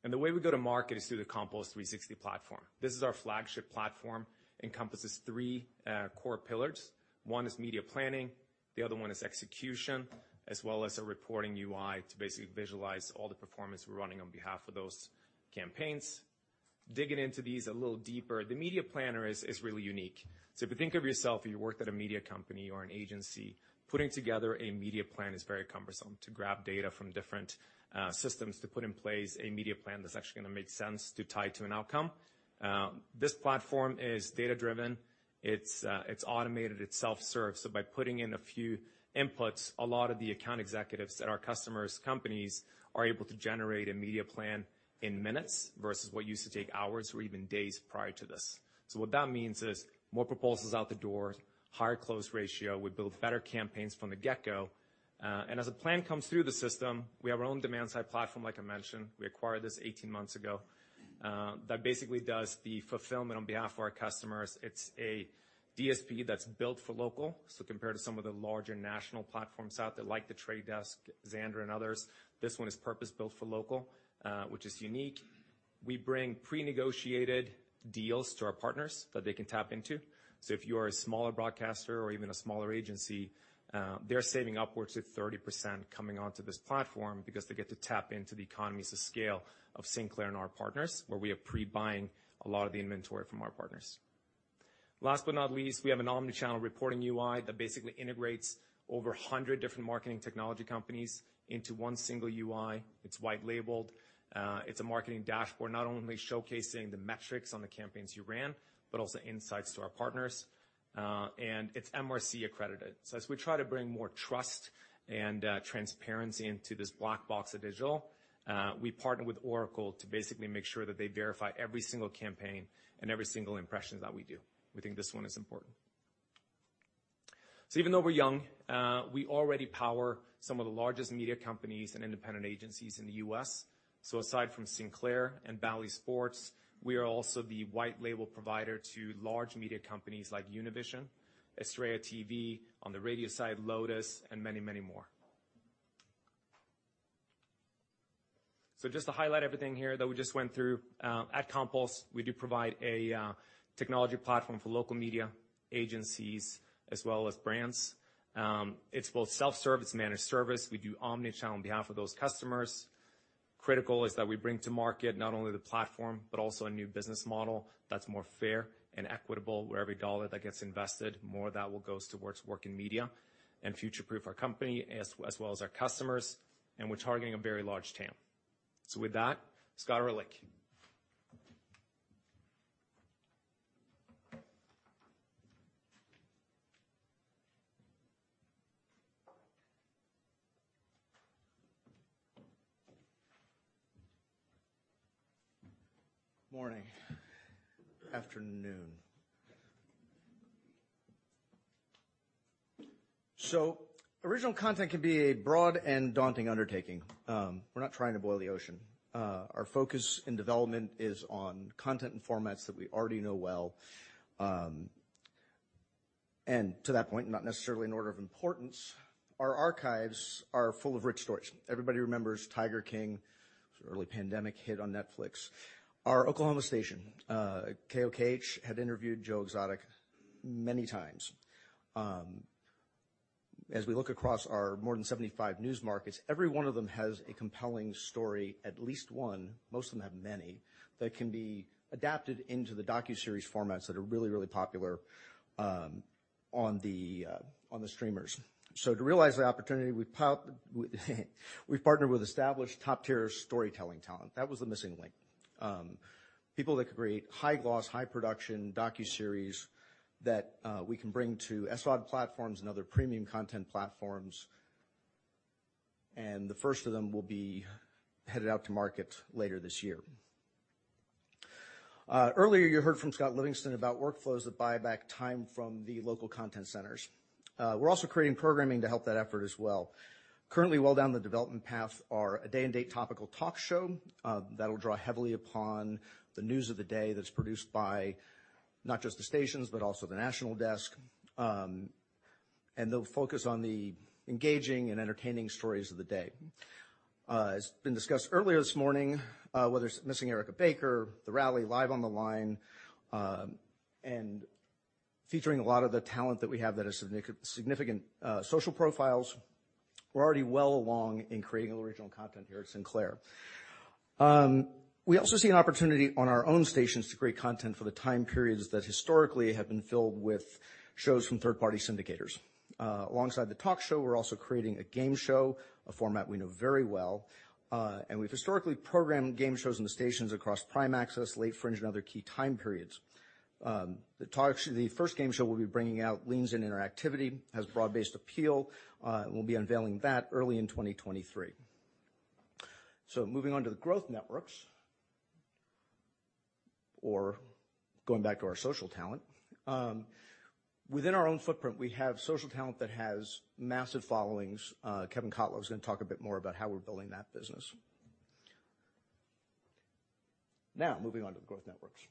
K: wallet. The way we go to market is through the Compulse 360 platform. This is our flagship platform, encompasses three core pillars. One is media planning, the other one is execution, as well as a reporting UI to basically visualize all the performance we're running on behalf of those campaigns. Digging into these a little deeper, the media planner is really unique. If you think of yourself, if you worked at a media company or an agency, putting together a media plan is very cumbersome to grab data from different systems to put in place a media plan that's actually gonna make sense to tie to an outcome. This platform is data-driven. It's automated, it's self-serve. By putting in a few inputs, a lot of the account executives at our customers' companies are able to generate a media plan in minutes versus what used to take hours or even days prior to this. What that means is more proposals out the door, higher close ratio. We build better campaigns from the get-go. As a plan comes through the system, we have our own demand-side platform, like I mentioned, we acquired this 18 months ago, that basically does the fulfillment on behalf of our customers. It's a DSP that's built for local. Compared to some of the larger national platforms out there like The Trade Desk, Xandr and others, this one is purpose-built for local, which is unique. We bring pre-negotiated deals to our partners that they can tap into. If you are a smaller broadcaster or even a smaller agency, they're saving upwards of 30% coming onto this platform because they get to tap into the economies of scale of Sinclair and our partners, where we are pre-buying a lot of the inventory from our partners. Last but not least, we have an omni-channel reporting UI that basically integrates over 100 different marketing technology companies into one single UI. It's white labeled. It's a marketing dashboard, not only showcasing the metrics on the campaigns you ran, but also insights to our partners. And it's MRC accredited. As we try to bring more trust and transparency into this black box of digital, we partner with Oracle to basically make sure that they verify every single campaign and every single impressions that we do. We think this one is important. Even though we're young, we already power some of the largest media companies and independent agencies in the U.S. Aside from Sinclair and Bally Sports, we are also the white label provider to large media companies like Univision, Estrella TV, on the radio side, Lotus, and many, many more. Just to highlight everything here that we just went through, at Compulse, we do provide a technology platform for local media agencies as well as brands. It's both self-service, managed service. We do omni-channel on behalf of those customers. Critical is that we bring to market not only the platform, but also a new business model that's more fair and equitable, where every dollar that gets invested, more of that goes towards working media and future-proof our company as well as our customers, and we're targeting a very large TAM. With that, Scott Ehrlich.
L: Morning. Afternoon. Original content can be a broad and daunting undertaking. We're not trying to boil the ocean. Our focus in development is on content and formats that we already know well. And to that point, not necessarily in order of importance, our archives are full of rich stories. Everybody remembers Tiger King, it was an early pandemic hit on Netflix. Our Oklahoma station, KOKH, had interviewed Joe Exotic many times. As we look across our more than 75 news markets, every one of them has a compelling story, at least one, most of them have many, that can be adapted into the docuseries formats that are really, really popular on the streamers. To realize the opportunity, we've partnered with established top-tier storytelling talent. That was the missing link. People that could create high-gloss, high-production docuseries that we can bring to SVOD platforms and other premium content platforms, and the first of them will be headed out to market later this year. Earlier you heard from Scott Livingston about workflows that buy back time from the local content centers. We're also creating programming to help that effort as well. Currently well down the development path are a day-and-date topical talk show that'll draw heavily upon the news of the day that's produced by not just the stations but also the National Desk. And they'll focus on the engaging and entertaining stories of the day. As has been discussed earlier this morning, whether it's Missing Erica Baker, The Rally, Live on the Line, and featuring a lot of the talent that we have that has significant social profiles. We're already well along in creating original content here at Sinclair. We also see an opportunity on our own stations to create content for the time periods that historically have been filled with shows from third-party syndicators. Alongside the talk show, we're also creating a game show, a format we know very well. We've historically programmed game shows on the stations across prime access, late fringe, and other key time periods. The first game show we'll be bringing out leans in interactivity, has broad-based appeal, and we'll be unveiling that early in 2023. Moving on to the growth networks, or going back to our social talent. Within our own footprint, we have social talent that has massive followings. Kevin Cotlove is gonna talk a bit more about how we're building that business. Now, moving on to the growth networks.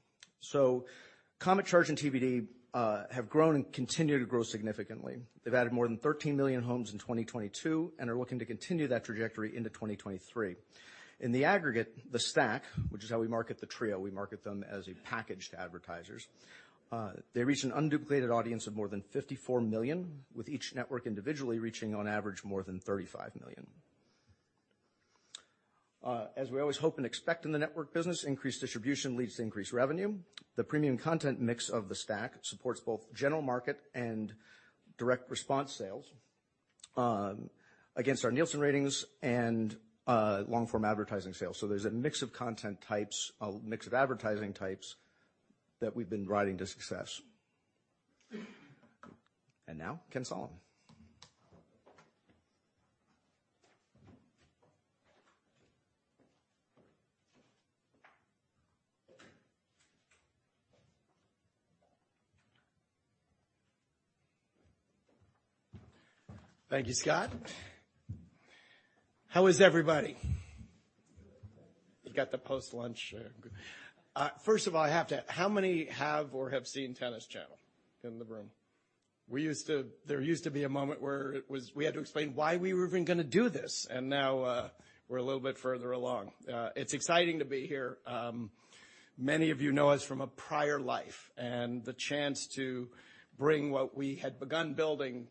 L: Comet, CHARGE!, and TBD have grown and continue to grow significantly. They've added more than 13 million homes in 2022 and are looking to continue that trajectory into 2023. In the aggregate, the stack, which is how we market the trio, we market them as a package to advertisers, they reach an unduplicated audience of more than 54 million, with each network individually reaching on average more than 35 million. As we always hope and expect in the network business, increased distribution leads to increased revenue. The premium content mix of the stack supports both general market and direct response sales against our Nielsen ratings and long-form advertising sales. There's a mix of content types, a mix of advertising types that we've been riding to success. Now, Ken Solomon.
M: Thank you, Scott. How is everybody? We've got the post-lunch. First of all, how many have or have seen Tennis Channel in the room? There used to be a moment where we had to explain why we were even gonna do this, and now, we're a little bit further along. It's exciting to be here. Many of you know us from a prior life and the chance to bring what we had begun building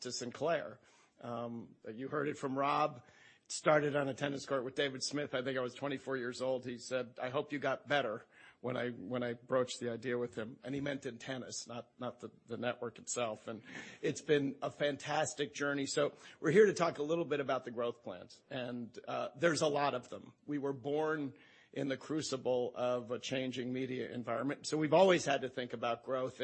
M: to Sinclair. You heard it from Rob. It started on a tennis court with David Smith. I think I was 24 years old. He said, "I hope you got better," when I broached the idea with him, and he meant in tennis, not the network itself. It's been a fantastic journey. We're here to talk a little bit about the growth plans, and there's a lot of them. We were born in the crucible of a changing media environment, so we've always had to think about growth.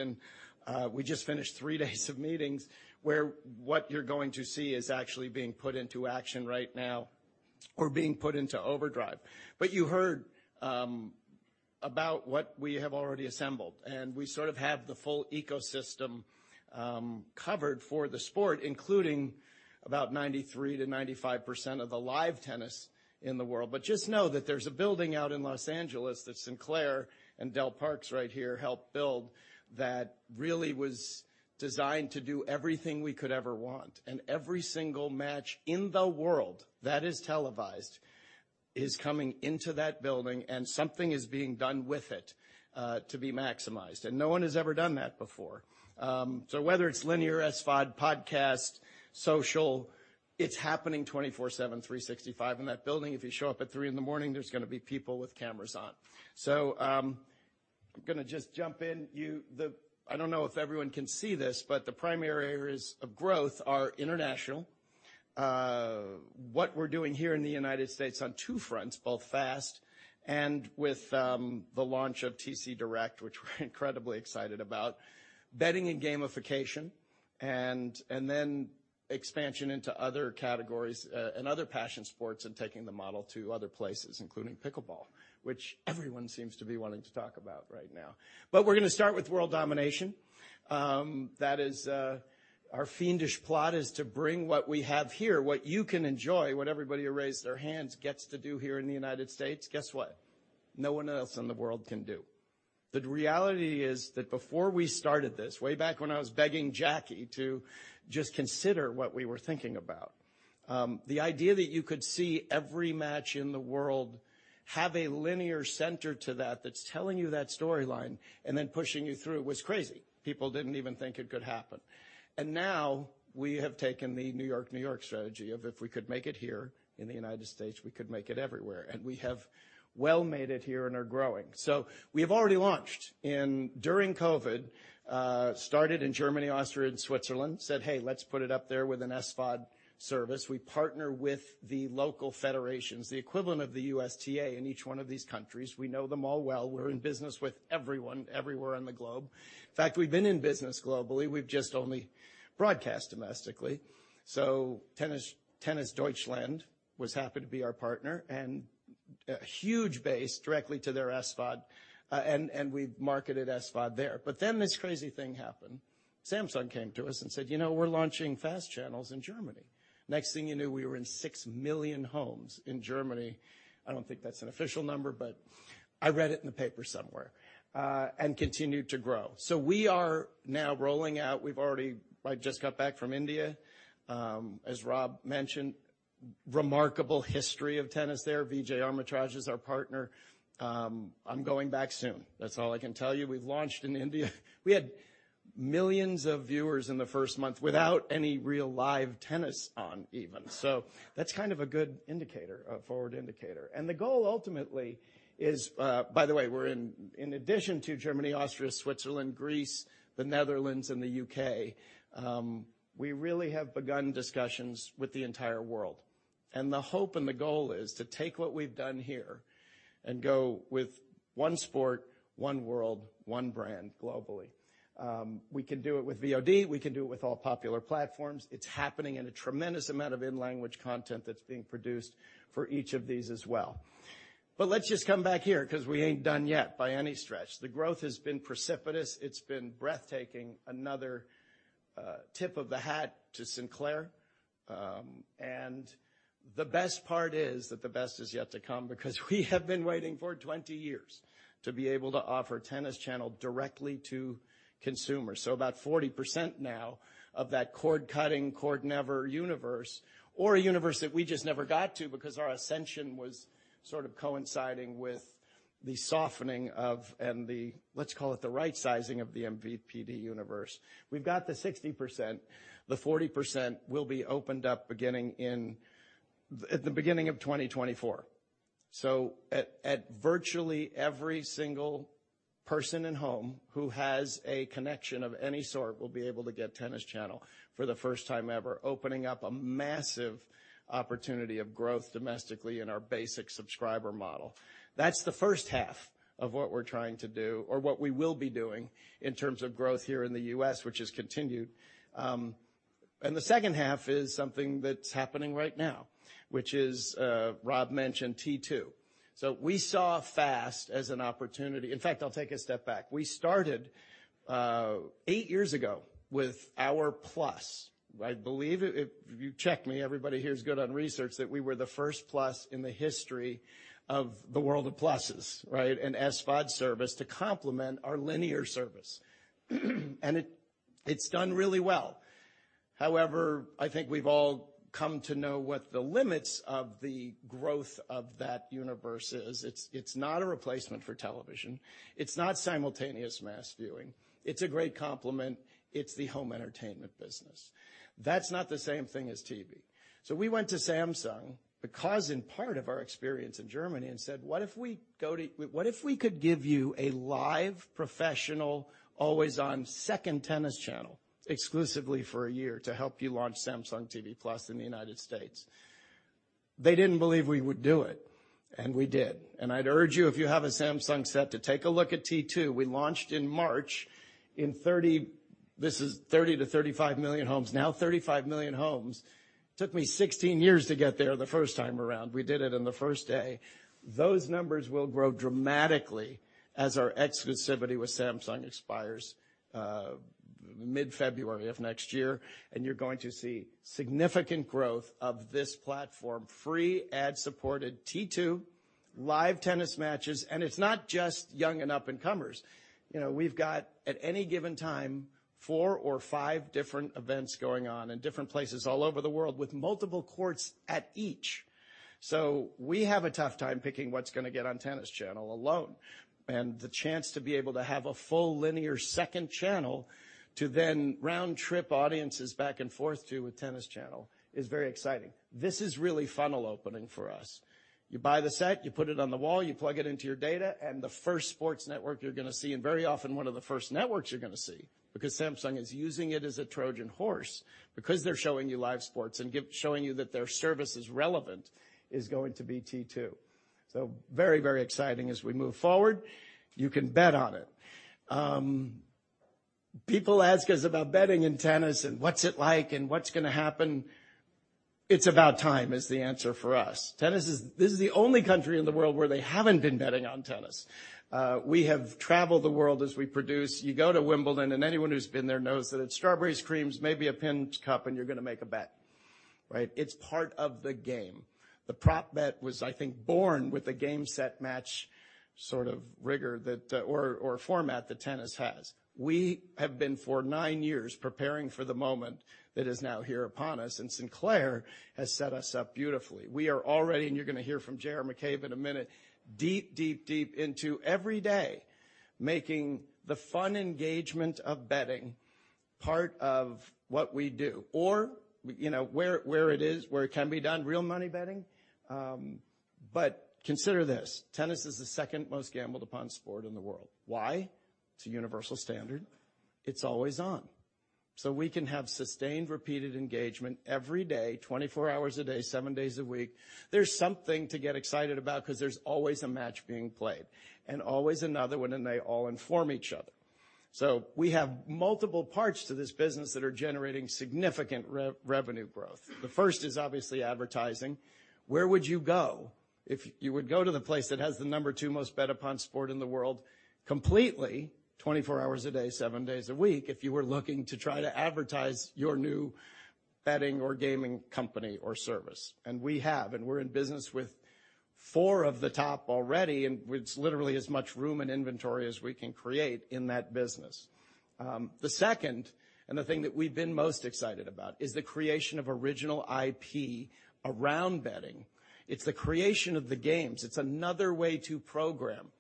M: We just finished three days of meetings where what you're going to see is actually being put into action right now or being put into overdrive. You heard about what we have already assembled, and we sort of have the full ecosystem covered for the sport, including about 93%-95% of the live tennis in the world. Just know that there's a building out in Los Angeles that Sinclair and Del Parks right here helped build that really was designed to do everything we could ever want. Every single match in the world that is televised is coming into that building, and something is being done with it to be maximized. No one has ever done that before. Whether it's linear, SVOD, podcast, social, it's happening 24/7, 365. In that building, if you show up at 3 in the morning, there's gonna be people with cameras on. I'm gonna just jump in. I don't know if everyone can see this, but the primary areas of growth are international. What we're doing here in the United States on two fronts, both FAST and with the launch of TC Direct, which we're incredibly excited about, betting and gamification, and then expansion into other categories, and other passion sports and taking the model to other places, including pickleball, which everyone seems to be wanting to talk about right now. We're gonna start with world domination. That is our fiendish plot is to bring what we have here, what you can enjoy, what everybody who raised their hands gets to do here in the United States. Guess what. No one else in the world can do. The reality is that before we started this, way back when I was begging Jackie to just consider what we were thinking about, the idea that you could see every match in the world, have a linear center to that that's telling you that storyline, and then pushing you through was crazy. People didn't even think it could happen. Now we have taken the New York, New York strategy of if we could make it here in the United States, we could make it everywhere. We have well made it here and are growing. We have already launched in during COVID, started in Germany, Austria, and Switzerland, said, "Hey, let's put it up there with an SVOD service." We partner with the local federations, the equivalent of the USTA in each one of these countries. We know them all well. We're in business with everyone everywhere on the globe. In fact, we've been in business globally. We've just only broadcast domestically. Tennis Deutschland was happy to be our partner and a huge base directly to their SVOD. And we've marketed SVOD there. This crazy thing happened. Samsung came to us and said, "You know, we're launching FAST channels in Germany." Next thing you knew, we were in 6 million homes in Germany. I don't think that's an official number, but I read it in the paper somewhere, and continued to grow. We are now rolling out. I just got back from India. As Rob mentioned, remarkable history of tennis there. Vijay Amritraj is our partner. I'm going back soon. That's all I can tell you. We've launched in India. We had millions of viewers in the first month without any real live tennis on even. So that's kind of a good indicator, a forward indicator. The goal ultimately is, by the way, we're in addition to Germany, Austria, Switzerland, Greece, the Netherlands and the UK, we really have begun discussions with the entire world. The hope and the goal is to take what we've done here and go with one sport, one world, one brand globally. We can do it with VOD. We can do it with all popular platforms. It's happening in a tremendous amount of in-language content that's being produced for each of these as well. Let's just come back here because we ain't done yet by any stretch. The growth has been precipitous. It's been breathtaking. Another tip of the hat to Sinclair. The best part is that the best is yet to come because we have been waiting for 20 years to be able to offer Tennis Channel directly to consumers. About 40% now of that cord-cutting, cord-never universe or a universe that we just never got to because our ascension was sort of coinciding with the softening of, and the, let's call it the right sizing of the MVPD universe. We've got the 60%. The 40% will be opened up beginning at the beginning of 2024. Virtually every single person in home who has a connection of any sort will be able to get Tennis Channel for the first time ever, opening up a massive opportunity of growth domestically in our basic subscriber model. That's the first half of what we're trying to do or what we will be doing in terms of growth here in the U.S., which has continued. The second half is something that's happening right now, which is, Rob mentioned T2. We saw FAST as an opportunity. In fact, I'll take a step back. We started eight years ago with our plus. I believe if you check me, everybody here is good on research, that we were the first plus in the history of the world of pluses, right? An SVOD service to complement our linear service. It’s done really well. However, I think we've all come to know what the limits of the growth of that universe is. It's not a replacement for television. It's not simultaneous mass viewing. It's a great complement. It's the home entertainment business. That's not the same thing as TV. We went to Samsung because in part of our experience in Germany and said, "What if we could give you a live professional always on second Tennis Channel exclusively for a year to help you launch Samsung TV Plus in the United States?" They didn't believe we would do it, and we did. I'd urge you, if you have a Samsung set, to take a look at T2. We launched in March in 30, this is 30 to 35 million homes. Now 35 million homes. Took me 16 years to get there the first time around. We did it on the first day. Those numbers will grow dramatically as our exclusivity with Samsung expires, mid-February of next year. You're going to see significant growth of this platform, free ad-supported T2 live tennis matches. It's not just young and up and comers. You know, we've got at any given time, four or five different events going on in different places all over the world with multiple courts at each. We have a tough time picking what's gonna get on Tennis Channel alone. The chance to be able to have a full linear second channel to then round trip audiences back and forth to a Tennis Channel is very exciting. This is really funnel opening for us. You buy the set, you put it on the wall, you plug it into your data, and the first sports network you're gonna see, and very often one of the first networks you're gonna see, because Samsung is using it as a Trojan horse, because they're showing you live sports and showing you that their service is relevant, is going to be T2. Very, very exciting as we move forward. You can bet on it. People ask us about betting in tennis and what's it like and what's gonna happen. It's about time is the answer for us. This is the only country in the world where they haven't been betting on tennis. We have traveled the world as we produce. You go to Wimbledon, and anyone who's been there knows that it's strawberries, creams, maybe a pint cup, and you're gonna make a bet, right? It's part of the game. The prop bet was, I think, born with the game set match sort of rigor that, or format that tennis has. We have been, for nine years, preparing for the moment that is now here upon us, and Sinclair has set us up beautifully. We are already, and you're gonna hear from J.R. McCabe in a minute, deep into every day making the fun engagement of betting part of what we do, or, you know, where it is, where it can be done, real money betting. Consider this. Tennis is the second most gambled upon sport in the world. Why? It's a universal standard. It's always on. We can have sustained, repeated engagement every day, 24 hours a day, 7 days a week. There's something to get excited about 'cause there's always a match being played and always another one, and they all inform each other. We have multiple parts to this business that are generating significant revenue growth. The first is obviously advertising. Where would you go if you would go to the place that has the number two most bet upon sport in the world completely, 24 hours a day, 7 days a week if you were looking to try to advertise your new betting or gaming company or service? We have, and we're in business with 4 of the top already and with literally as much room and inventory as we can create in that business. The second and the thing that we've been most excited about is the creation of original IP around betting. It's the creation of the games. It's another way to program.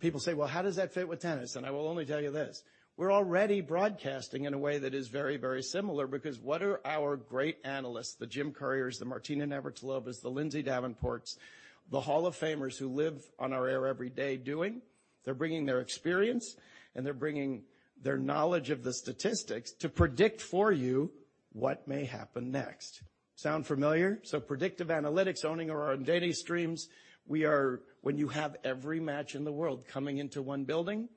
M: People say, "Well, how does that fit with tennis?" I will only tell you this. We're already broadcasting in a way that is very, very similar because what are our great analysts, the Jim Courier, the Martina Navratilova, the Lindsay Davenport, the Hall of Famers who live on our air every day doing? They're bringing their experience, and they're bringing their knowledge of the statistics to predict for you what may happen next. Sound familiar? Predictive analytics, owning our own data streams, when you have every match in the world coming into one building,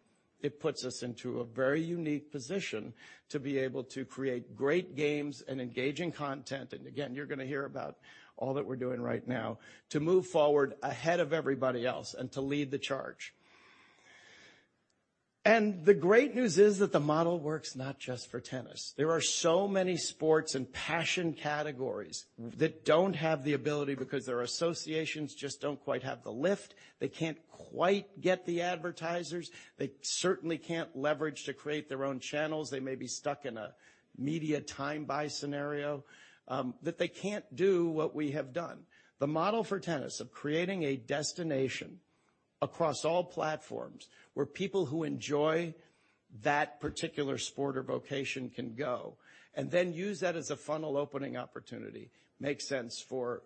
M: it puts us into a very unique position to be able to create great games and engaging content. Again, you're gonna hear about all that we're doing right now to move forward ahead of everybody else and to lead the charge. The great news is that the model works not just for tennis. There are so many sports and passion categories that don't have the ability because their associations just don't quite have the lift. They can't quite get the advertisers. They certainly can't leverage to create their own channels. They may be stuck in a media time buy scenario that they can't do what we have done. The model for tennis of creating a destination across all platforms where people who enjoy that particular sport or vocation can go and then use that as a funnel opening opportunity makes sense for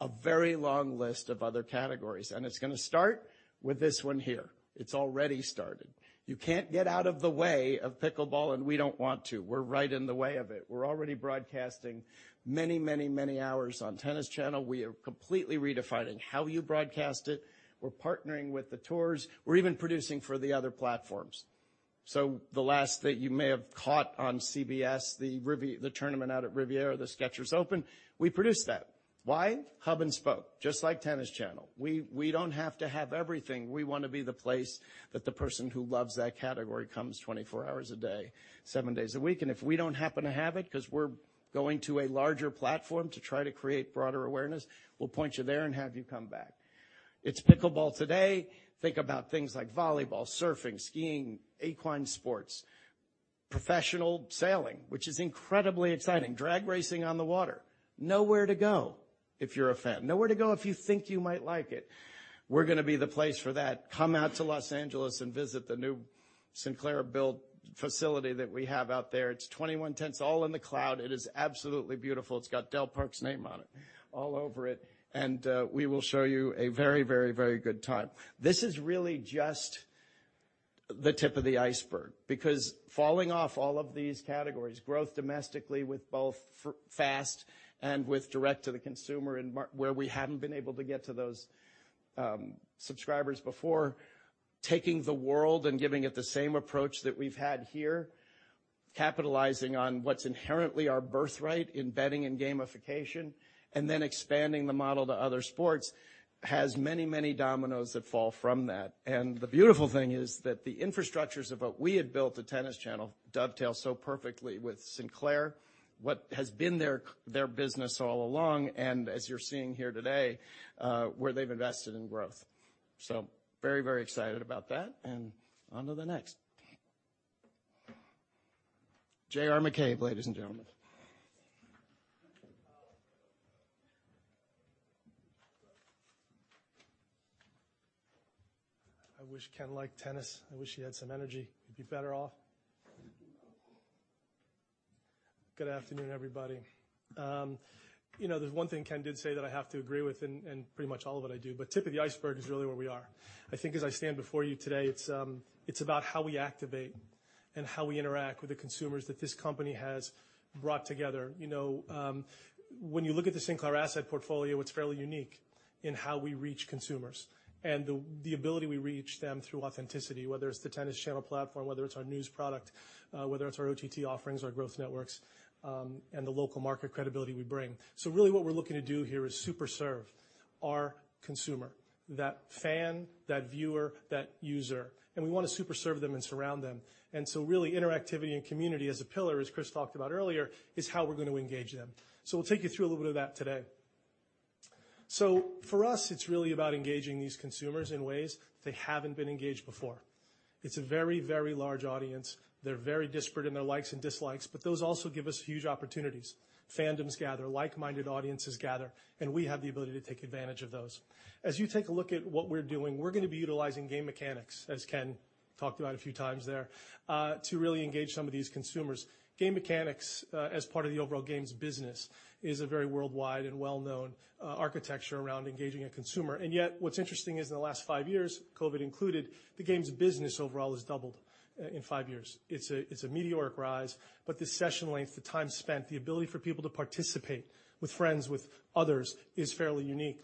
M: a very long list of other categories, and it's gonna start with this one here. It's already started. You can't get out of the way of pickleball, and we don't want to. We're right in the way of it. We're already broadcasting many, many, many hours on Tennis Channel. We are completely redefining how you broadcast it. We're partnering with the tours. We're even producing for the other platforms. The last that you may have caught on CBS, the tournament out at Riviera, the Skechers Open, we produced that. Why? Hub and spoke, just like Tennis Channel. We don't have to have everything. We wanna be the place that the person who loves that category comes 24 hours a day, 7 days a week, and if we don't happen to have it 'cause we're going to a larger platform to try to create broader awareness, we'll point you there and have you come back. It's pickleball today. Think about things like volleyball, surfing, skiing, equine sports, professional sailing, which is incredibly exciting. Drag racing on the water. Nowhere to go if you're a fan. Nowhere to go if you think you might like it. We're gonna be the place for that. Come out to Los Angeles and visit the new Sinclair-built facility that we have out there. It's 21 tents all in the cloud. It is absolutely beautiful. It's got Del Parks' name on it, all over it, and we will show you a very good time. This is really just the tip of the iceberg because falling off all of these categories, growth domestically with both FAST and with direct to the consumer and where we haven't been able to get to those subscribers before, taking the world and giving it the same approach that we've had here, capitalizing on what's inherently our birthright in betting and gamification, and then expanding the model to other sports has many dominoes that fall from that. The beautiful thing is that the infrastructures of what we had built at Tennis Channel dovetail so perfectly with Sinclair, what has been their business all along and, as you're seeing here today, where they've invested in growth. Very, very excited about that, and on to the next. J.R. McCabe, ladies and gentlemen.
N: I wish Ken liked tennis. I wish he had some energy. He'd be better off. Good afternoon, everybody. You know, there's one thing Ken did say that I have to agree with, and pretty much all of it I do, but tip of the iceberg is really where we are. I think as I stand before you today, it's about how we activate and how we interact with the consumers that this company has brought together. You know, when you look at the Sinclair asset portfolio, it's fairly unique in how we reach consumers and the ability we reach them through authenticity, whether it's the Tennis Channel platform, whether it's our news product, whether it's our OTT offerings, our growth networks, and the local market credibility we bring. Really what we're looking to do here is super serve our consumer, that fan, that viewer, that user, and we wanna super serve them and surround them. Really interactivity and community as a pillar, as Chris talked about earlier, is how we're gonna engage them. We'll take you through a little bit of that today. For us, it's really about engaging these consumers in ways they haven't been engaged before. It's a very, very large audience. They're very disparate in their likes and dislikes, but those also give us huge opportunities. Fandoms gather, like-minded audiences gather, and we have the ability to take advantage of those. As you take a look at what we're doing, we're gonna be utilizing game mechanics, as Ken talked about a few times there, to really engage some of these consumers. Game mechanics as part of the overall games business is a very worldwide and well-known architecture around engaging a consumer. Yet what's interesting is in the last five years, COVID included, the games business overall has doubled in five years. It's a meteoric rise, but the session length, the time spent, the ability for people to participate with friends, with others, is fairly unique.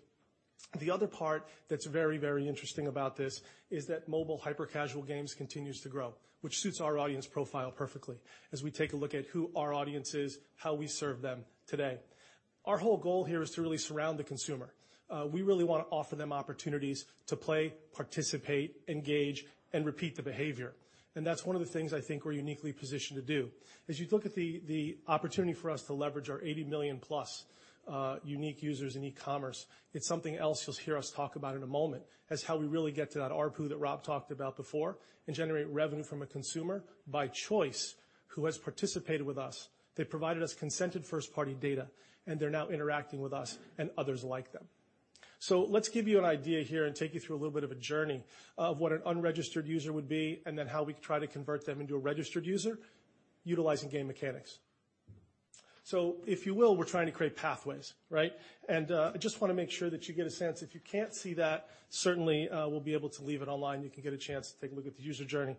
N: The other part that's very, very interesting about this is that mobile hyper-casual games continues to grow, which suits our audience profile perfectly as we take a look at who our audience is, how we serve them today. Our whole goal here is to really surround the consumer. We really wanna offer them opportunities to play, participate, engage, and repeat the behavior. That's one of the things I think we're uniquely positioned to do. As you look at the opportunity for us to leverage our 80 million+ unique users in e-commerce, it's something else you'll hear us talk about in a moment and how we really get to that ARPU that Rob talked about before and generate revenue from a consumer by choice who has participated with us. They provided us consented first-party data, and they're now interacting with us and others like them. Let's give you an idea here and take you through a little bit of a journey of what an unregistered user would be and then how we try to convert them into a registered user utilizing game mechanics. If you will, we're trying to create pathways, right? I just wanna make sure that you get a sense. If you can't see that, certainly, we'll be able to leave it online, you can get a chance to take a look at the user journey.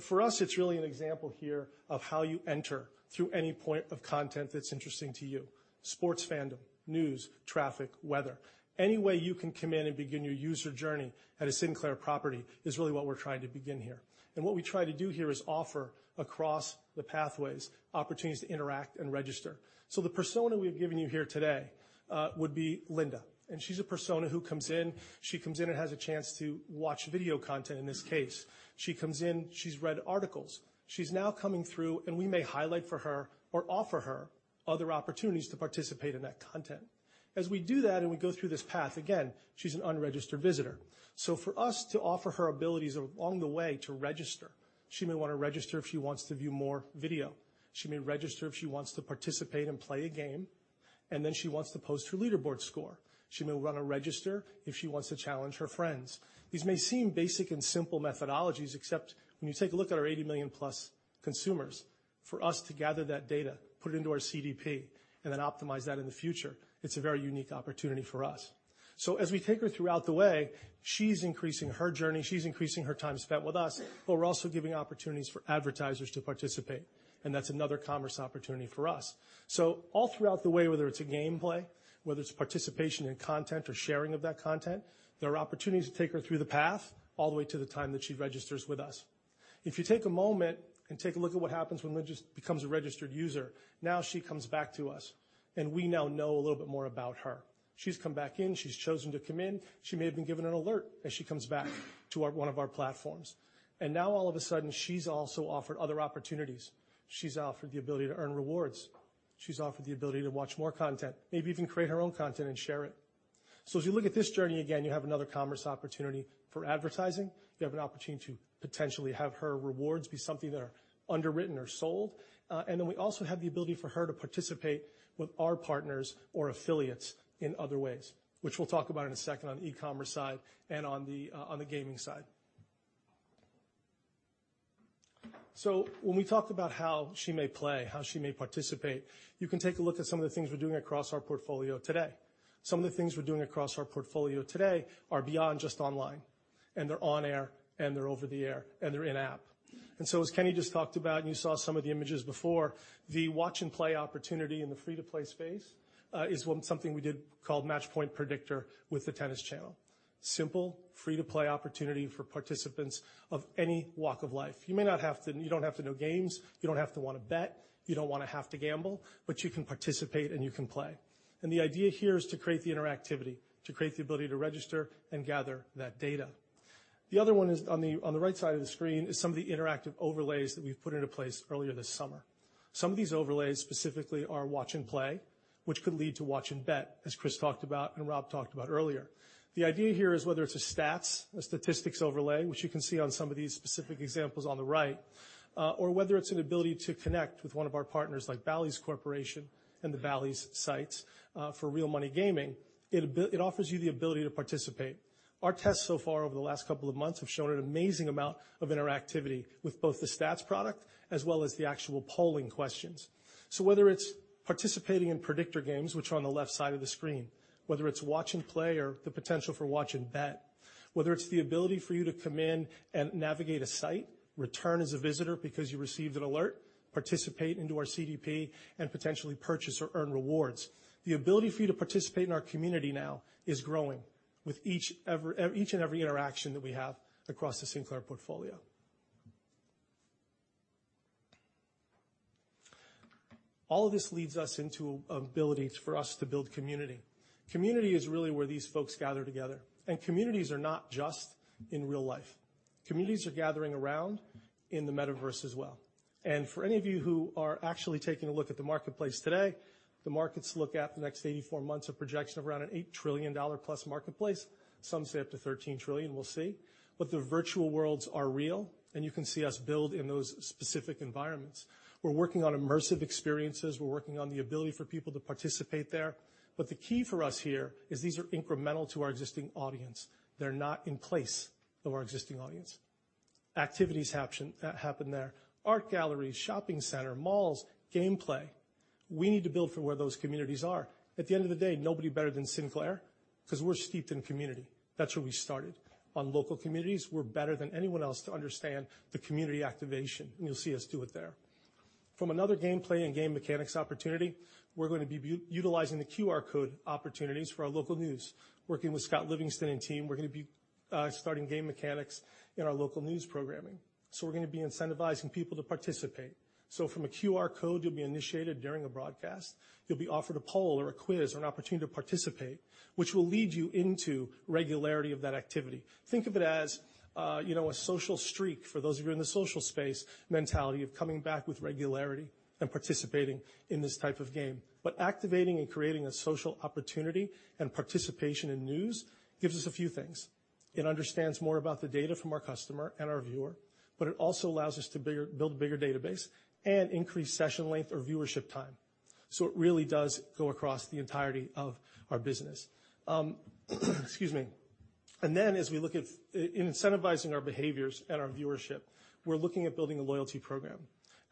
N: For us, it's really an example here of how you enter through any point of content that's interesting to you. Sports fandom, news, traffic, weather. Any way you can come in and begin your user journey at a Sinclair property is really what we're trying to begin here. What we try to do here is offer across the pathways, opportunities to interact and register. The persona we've given you here today would be Linda, and she's a persona who comes in. She comes in and has a chance to watch video content, in this case. She comes in, she's read articles. She's now coming through, and we may highlight for her or offer her other opportunities to participate in that content. As we do that and we go through this path, again, she's an unregistered visitor. So for us to offer her abilities along the way to register, she may wanna register if she wants to view more video. She may register if she wants to participate and play a game, and then she wants to post her leaderboard score. She may wanna register if she wants to challenge her friends. These may seem basic and simple methodologies, except when you take a look at our 80 million+ consumers, for us to gather that data, put it into our CDP, and then optimize that in the future, it's a very unique opportunity for us. As we take her throughout the way, she's increasing her journey, she's increasing her time spent with us, but we're also giving opportunities for advertisers to participate, and that's another commerce opportunity for us. All throughout the way, whether it's a game play, whether it's participation in content or sharing of that content, there are opportunities to take her through the path all the way to the time that she registers with us. If you take a moment and take a look at what happens when Linda just becomes a registered user, now she comes back to us and we now know a little bit more about her. She's come back in, she's chosen to come in. She may have been given an alert as she comes back to our one of our platforms. Now all of a sudden, she's also offered other opportunities. She's offered the ability to earn rewards. She's offered the ability to watch more content, maybe even create her own content and share it. As you look at this journey, again, you have another commerce opportunity for advertising. You have an opportunity to potentially have her rewards be something that are underwritten or sold. We also have the ability for her to participate with our partners or affiliates in other ways, which we'll talk about in a second on the e-commerce side and on the gaming side. When we talk about how she may play, how she may participate, you can take a look at some of the things we're doing across our portfolio today. Some of the things we're doing across our portfolio today are beyond just online, and they're on air, and they're over the air, and they're in-app.
J: As Kenny just talked about, and you saw some of the images before, the watch and play opportunity in the free-to-play space is one something we did called Matchpoint Predictor with the Tennis Channel. Simple free-to-play opportunity for participants of any walk of life. You don't have to know games. You don't have to wanna bet. You don't wanna have to gamble. You can participate and you can play. The idea here is to create the interactivity, to create the ability to register and gather that data. The other one is on the, on the right side of the screen, is some of the interactive overlays that we've put into place earlier this summer. Some of these overlays specifically are watch and play, which could lead to watch and bet, as Chris talked about and Rob talked about earlier.
N: The idea here is whether it's a stats, a statistics overlay, which you can see on some of these specific examples on the right, or whether it's an ability to connect with one of our partners like Bally's Corporation and the Bally's sites, for real money gaming. It offers you the ability to participate. Our tests so far over the last couple of months have shown an amazing amount of interactivity with both the stats product as well as the actual polling questions. Whether it's participating in predictor games, which are on the left side of the screen, whether it's watch and play or the potential for watch and bet, whether it's the ability for you to come in and navigate a site, return as a visitor because you received an alert, participate into our CDP, and potentially purchase or earn rewards. The ability for you to participate in our community now is growing with each and every interaction that we have across the Sinclair portfolio. All of this leads us into the ability for us to build community. Community is really where these folks gather together, and communities are not just in real life. Communities are gathering around in the Metaverse as well. For any of you who are actually taking a look at the marketplace today, the markets look at the next 84 months of projection of around an $8 trillion+ marketplace, some say up to $13 trillion, we'll see. The virtual worlds are real, and you can see us build in those specific environments. We're working on immersive experiences. We're working on the ability for people to participate there. The key for us here is these are incremental to our existing audience. They're not in place of our existing audience. Activities happen there. Art galleries, shopping center, malls, gameplay. We need to build from where those communities are. At the end of the day, nobody better than Sinclair because we're steeped in community. That's where we started. On local communities, we're better than anyone else to understand the community activation, and you'll see us do it there. From another gameplay and game mechanics opportunity, we're going to be utilizing the QR code opportunities for our local news. Working with Scott Livingston and team, we're gonna be starting game mechanics in our local news programming. We're gonna be incentivizing people to participate. From a QR code, you'll be initiated during a broadcast. You'll be offered a poll or a quiz or an opportunity to participate, which will lead you into regularity of that activity. Think of it as, a social streak for those of you in the social space mentality of coming back with regularity and participating in this type of game. Activating and creating a social opportunity and participation in news gives us a few things. It understands more about the data from our customer and our viewer, but it also allows us to build a bigger database and increase session length or viewership time. It really does go across the entirety of our business. Excuse me. As we look at incentivizing our behaviors and our viewership, we're looking at building a loyalty program.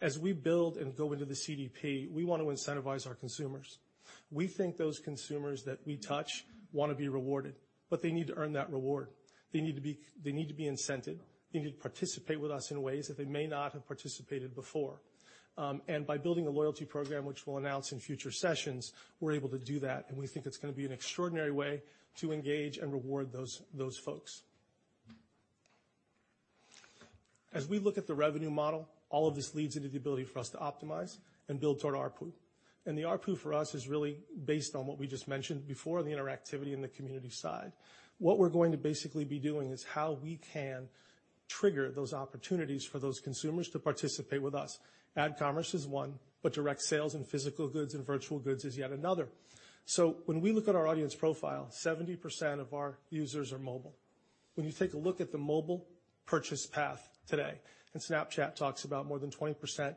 N: As we build and go into the CDP, we want to incentivize our consumers. We think those consumers that we touch wanna be rewarded, but they need to earn that reward. They need to be incented. They need to participate with us in ways that they may not have participated before. By building a loyalty program, which we'll announce in future sessions, we're able to do that, and we think it's gonna be an extraordinary way to engage and reward those folks. As we look at the revenue model, all of this leads into the ability for us to optimize and build toward ARPU. The ARPU for us is really based on what we just mentioned before the interactivity and the community side. What we're going to basically be doing is how we can trigger those opportunities for those consumers to participate with us. Ad commerce is one, but direct sales and physical goods and virtual goods is yet another. When we look at our audience profile, 70% of our users are mobile. When you take a look at the mobile purchase path today, and Snapchat talks about more than 20%,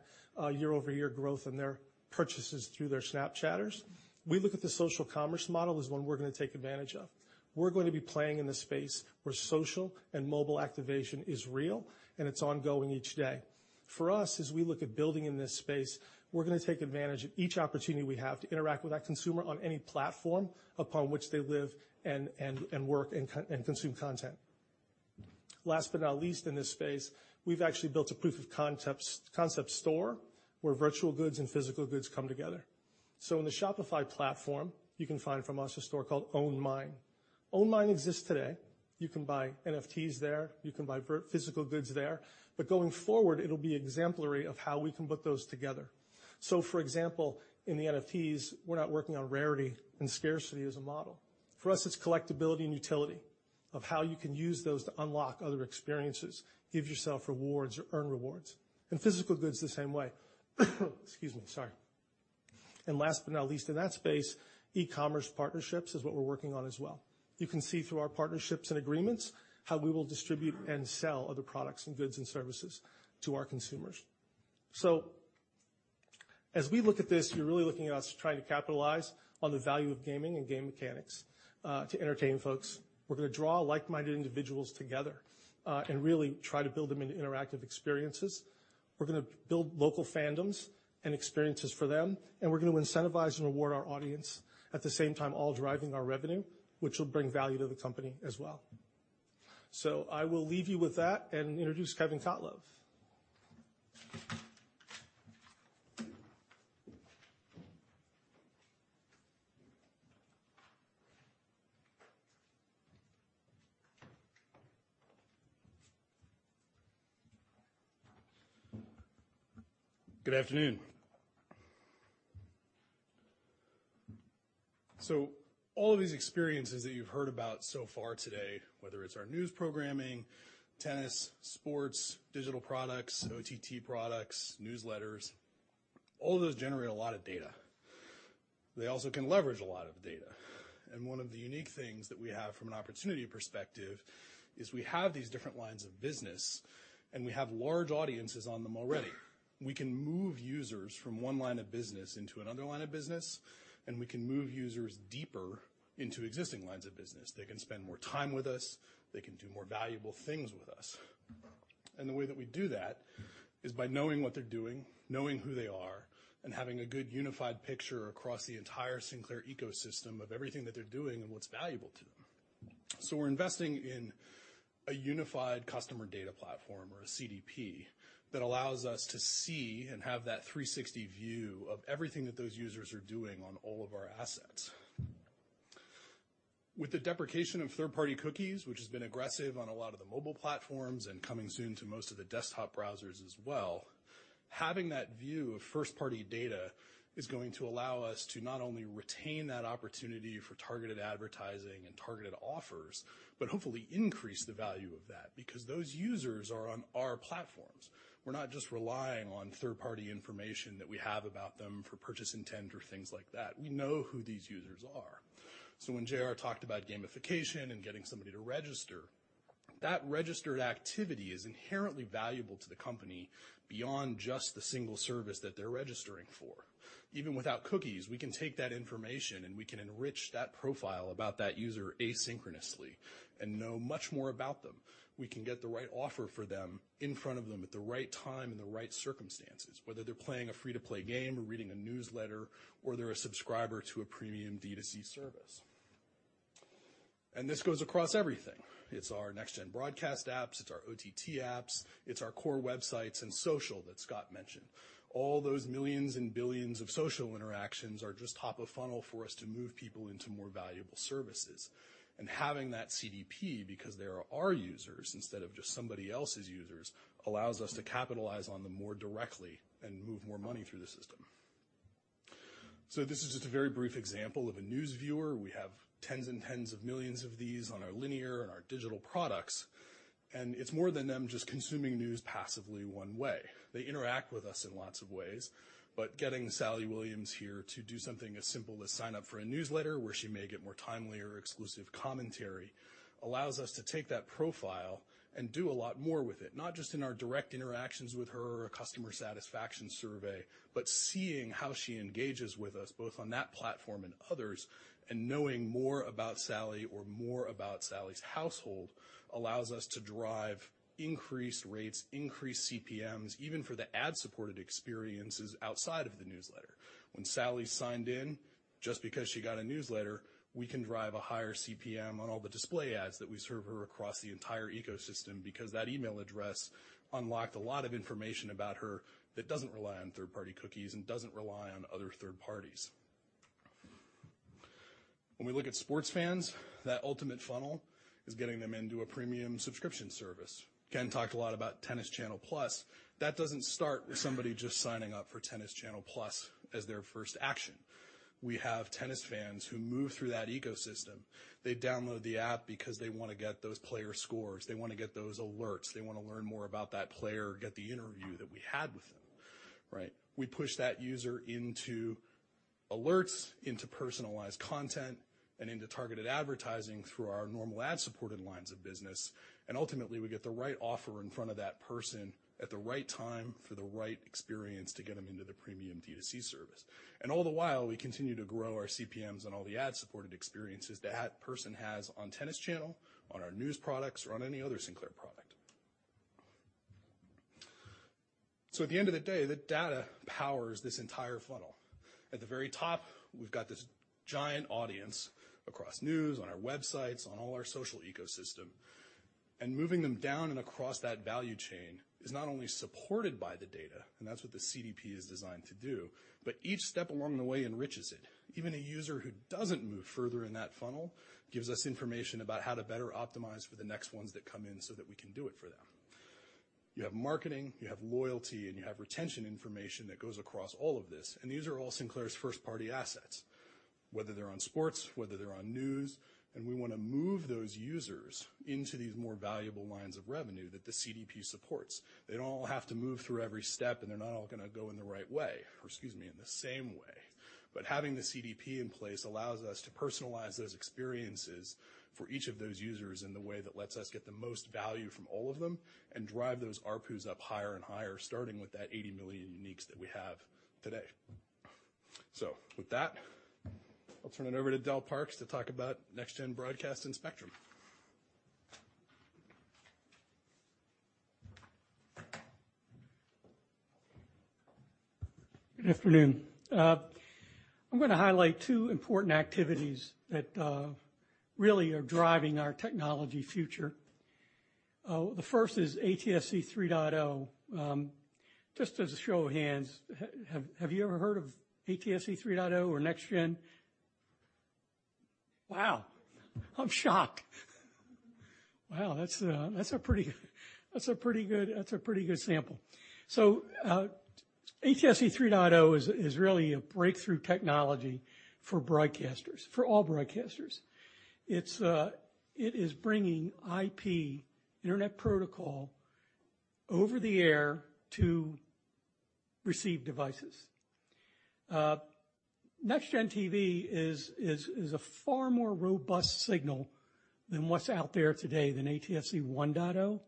N: year-over-year growth in their purchases through their Snapchatters, we look at the social commerce model as one we're gonna take advantage of. We're going to be playing in the space where social and mobile activation is real, and it's ongoing each day. For us, as we look at building in this space, we're gonna take advantage of each opportunity we have to interact with that consumer on any platform upon which they live and work and consume content. Last but not least, in this space, we've actually built a proof of concept store where virtual goods and physical goods come together. So in the Shopify platform, you can find from us a store called OwnMine. OwnMine exists today. You can buy NFTs there. You can buy physical goods there. Going forward, it'll be exemplary of how we can put those together. For example, in the NFTs, we're not working on rarity and scarcity as a model. For us, it's collectibility and utility of how you can use those to unlock other experiences, give yourself rewards or earn rewards. Physical goods the same way. Excuse me. Sorry. Last but not least in that space, e-commerce partnerships is what we're working on as well. You can see through our partnerships and agreements how we will distribute and sell other products and goods and services to our consumers. As we look at this, you're really looking at us trying to capitalize on the value of gaming and game mechanics to entertain folks. We're gonna draw like-minded individuals together and really try to build them into interactive experiences. We're gonna build local fandoms and experiences for them, and we're gonna incentivize and reward our audience at the same time all driving our revenue, which will bring value to the company as well. I will leave you with that and introduce Kevin Cotlove.
O: Good afternoon. All of these experiences that you've heard about so far today, whether it's our news programming, tennis, sports, digital products, OTT products, newsletters, all of those generate a lot of data. They also can leverage a lot of data. One of the unique things that we have from an opportunity perspective is we have these different lines of business, and we have large audiences on them already. We can move users from one line of business into another line of business, and we can move users deeper into existing lines of business. They can spend more time with us. They can do more valuable things with us. The way that we do that is by knowing what they're doing, knowing who they are, and having a good unified picture across the entire Sinclair ecosystem of everything that they're doing and what's valuable to them. We're investing in a unified customer data platform or a CDP that allows us to see and have that 360 view of everything that those users are doing on all of our assets. With the deprecation of third-party cookies, which has been aggressive on a lot of the mobile platforms and coming soon to most of the desktop browsers as well, having that view of first-party data is going to allow us to not only retain that opportunity for targeted advertising and targeted offers, but hopefully increase the value of that because those users are on our platforms. We're not just relying on third-party information that we have about them for purchase intent or things like that. We know who these users are. When J.R. talked about gamification and getting somebody to register, that registered activity is inherently valuable to the company beyond just the single service that they're registering for. Even without cookies, we can take that information, and we can enrich that profile about that user asynchronously and know much more about them. We can get the right offer for them in front of them at the right time, in the right circumstances, whether they're playing a free-to-play game or reading a newsletter, or they're a subscriber to a premium D2C service. This goes across everything. It's our next-gen broadcast apps. It's our OTT apps. It's our core websites and social that Scott mentioned. All those millions and billions of social interactions are just top of funnel for us to move people into more valuable services. Having that CDP because they are our users instead of just somebody else's users, allows us to capitalize on them more directly and move more money through the system. This is just a very brief example of a news viewer. We have tens and tens of millions of these on our linear and our digital products, and it's more than them just consuming news passively one way. They interact with us in lots of ways, but getting Sally Williams here to do something as simple as sign up for a newsletter where she may get more timely or exclusive commentary allows us to take that profile and do a lot more with it, not just in our direct interactions with her or a customer satisfaction survey. Seeing how she engages with us both on that platform and others, and knowing more about Sally or more about Sally's household allows us to drive increased rates, increased CPMs, even for the ad-supported experiences outside of the newsletter. When Sally's signed in, just because she got a newsletter, we can drive a higher CPM on all the display ads that we serve her across the entire ecosystem because that email address unlocked a lot of information about her that doesn't rely on third-party cookies and doesn't rely on other third parties. When we look at sports fans, that ultimate funnel is getting them into a premium subscription service. Ken talked a lot about Tennis Channel+. That doesn't start with somebody just signing up for Tennis Channel+ as their first action. We have tennis fans who move through that ecosystem. They download the app because they wanna get those player scores, they wanna get those alerts, they wanna learn more about that player, or get the interview that we had with them, right? We push that user into alerts, into personalized content, and into targeted advertising through our normal ad-supported lines of business. Ultimately, we get the right offer in front of that person at the right time for the right experience to get them into the premium D2C service. All the while, we continue to grow our CPMs and all the ad-supported experiences that person has on Tennis Channel, on our news products, or on any other Sinclair product. At the end of the day, the data powers this entire funnel. At the very top, we've got this giant audience across news, on our websites, on all our social ecosystem, and moving them down and across that value chain is not only supported by the data, and that's what the CDP is designed to do, but each step along the way enriches it. Even a user who doesn't move further in that funnel gives us information about how to better optimize for the next ones that come in so that we can do it for them. You have marketing, you have loyalty, and you have retention information that goes across all of this, and these are all Sinclair's first-party assets, whether they're on sports, whether they're on news, and we wanna move those users into these more valuable lines of revenue that the CDP supports. They don't all have to move through every step, and they're not all gonna go in the right way or, excuse me, in the same way. Having the CDP in place allows us to personalize those experiences for each of those users in the way that lets us get the most value from all of them and drive those ARPUs up higher and higher, starting with that 80 million uniques that we have today. With that, I'll turn it over to Del Parks to talk about next-gen broadcast and spectrum.
P: Good afternoon. I'm gonna highlight two important activities that really are driving our technology future. The first is ATSC 3.0. Just as a show of hands, have you ever heard of ATSC 3.0 or NextGen TV. Wow. I'm shocked. Wow, that's a pretty good sample. ATSC 3.0 is really a breakthrough technology for broadcasters, for all broadcasters. It is bringing IP, Internet Protocol, over-the-air to receive devices. NextGen TV is a far more robust signal than what's out there today than ATSC 1.0.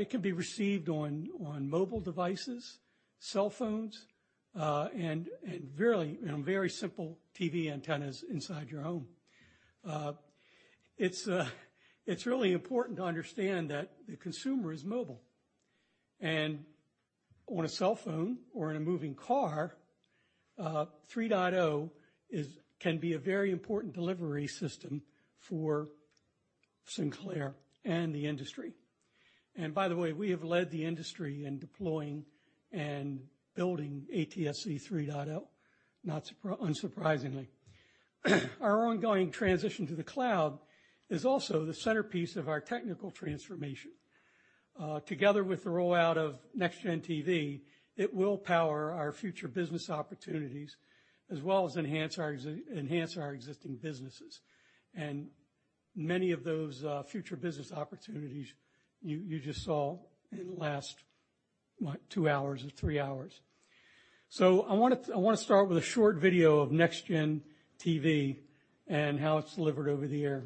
P: It can be received on mobile devices, cell phones, and virtually on very simple TV antennas inside your home. It's really important to understand that the consumer is mobile, and on a cell phone or in a moving car, 3.0 can be a very important delivery system for Sinclair and the industry. By the way, we have led the industry in deploying and building ATSC 3.0, unsurprisingly. Our ongoing transition to the cloud is also the centerpiece of our technical transformation. Together with the rollout of NextGen TV, it will power our future business opportunities as well as enhance our existing businesses. Many of those future business opportunities you just saw in the last, what, two hours or three hours. I wanna start with a short video of NextGen TV and how it's delivered over the air.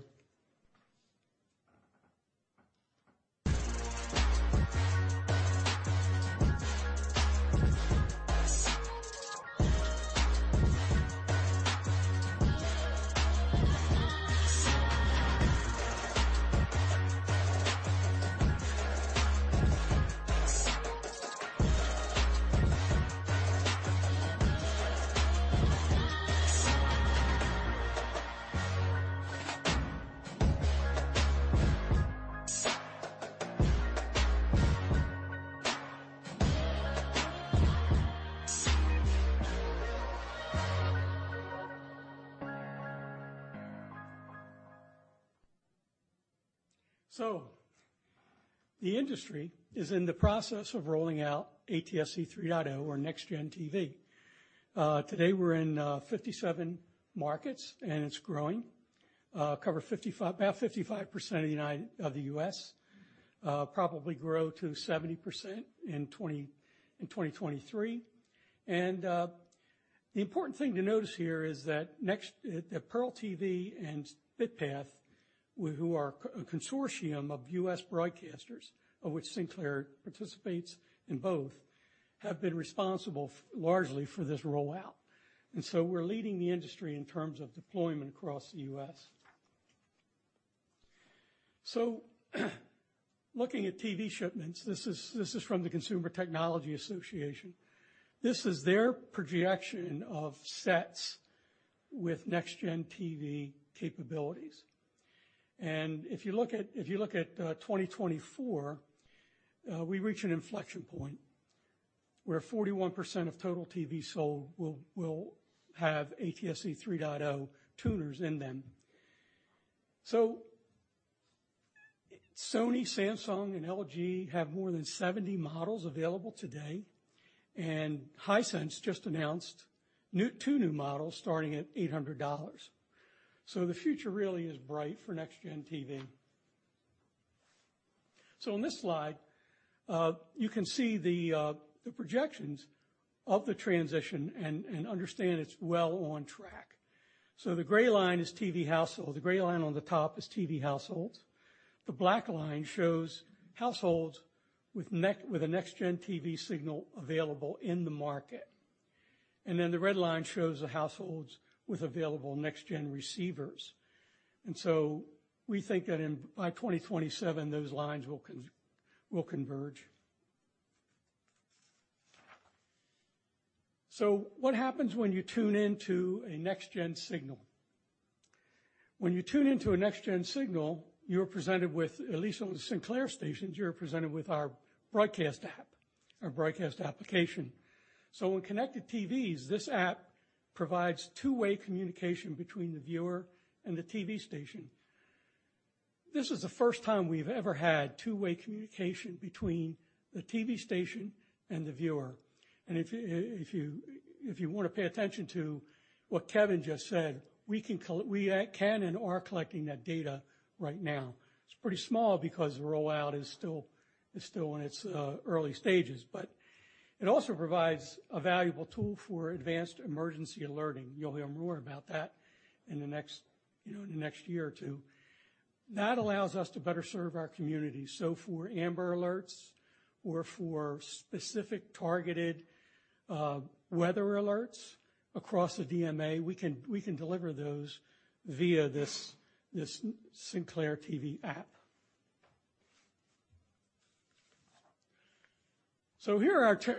P: The industry is in the process of rolling out ATSC 3.0 or NextGen TV. Today we're in 57 markets, and it's growing. Cover about 55% of the U.S. Probably grow to 70% in 2023. The important thing to notice here is that Pearl TV and BitPath, who are a consortium of U.S. broadcasters, of which Sinclair participates in both, have been largely responsible for this rollout. We're leading the industry in terms of deployment across the U.S. Looking at TV shipments, this is from the Consumer Technology Association. This is their projection of sets with NextGen TV capabilities. If you look at 2024, we reach an inflection point where 41% of total TVs sold will have ATSC 3.0 tuners in them. Sony, Samsung, and LG have more than 70 models available today, and Hisense just announced two new models starting at $800. The future really is bright for NextGen TV. On this slide, you can see the projections of the transition and understand it's well on track. The gray line is TV household. The gray line on the top is TV households. The black line shows households with a NextGen TV signal available in the market. The red line shows the households with available NextGen receivers. We think that by 2027, those lines will converge. What happens when you tune into a NextGen signal? When you tune into a NextGen signal, you're presented with, at least on the Sinclair stations, you're presented with our broadcast app, our broadcast application. On connected TVs, this app provides two-way communication between the viewer and the TV station. This is the first time we've ever had two-way communication between the TV station and the viewer. If you wanna pay attention to what Kevin just said, we can and are collecting that data right now. It's pretty small because the rollout is still in its early stages, but it also provides a valuable tool for advanced emergency alerting. You'll hear more about that in the next year or two. That allows us to better serve our community. For AMBER Alerts or for specific targeted weather alerts across the DMA, we can deliver those via this Sinclair Broadcast App.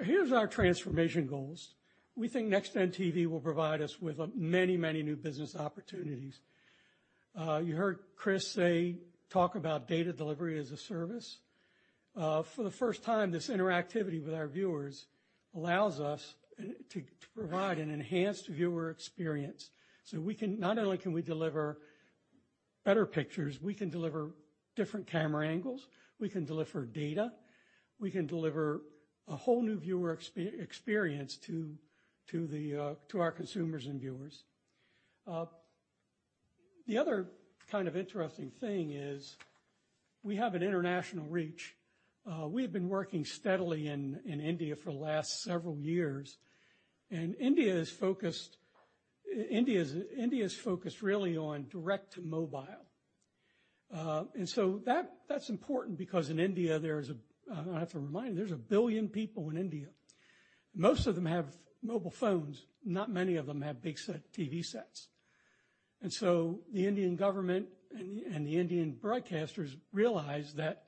P: Here's our transformation goals. We think NextGen TV will provide us with many new business opportunities. You heard Chris say talk about data delivery as a service. For the first time, this interactivity with our viewers allows us to provide an enhanced viewer experience, so we can not only deliver better pictures, we can deliver different camera angles, we can deliver data, we can deliver a whole new viewer experience to the our consumers and viewers. The other kind of interesting thing is we have an international reach. We have been working steadily in India for the last several years, and India is focused. India is focused really on direct to mobile. That's important because in India, and I have to remind you, there's 1 billion people in India. Most of them have mobile phones, not many of them have big set TV sets. The Indian government and the Indian broadcasters realize that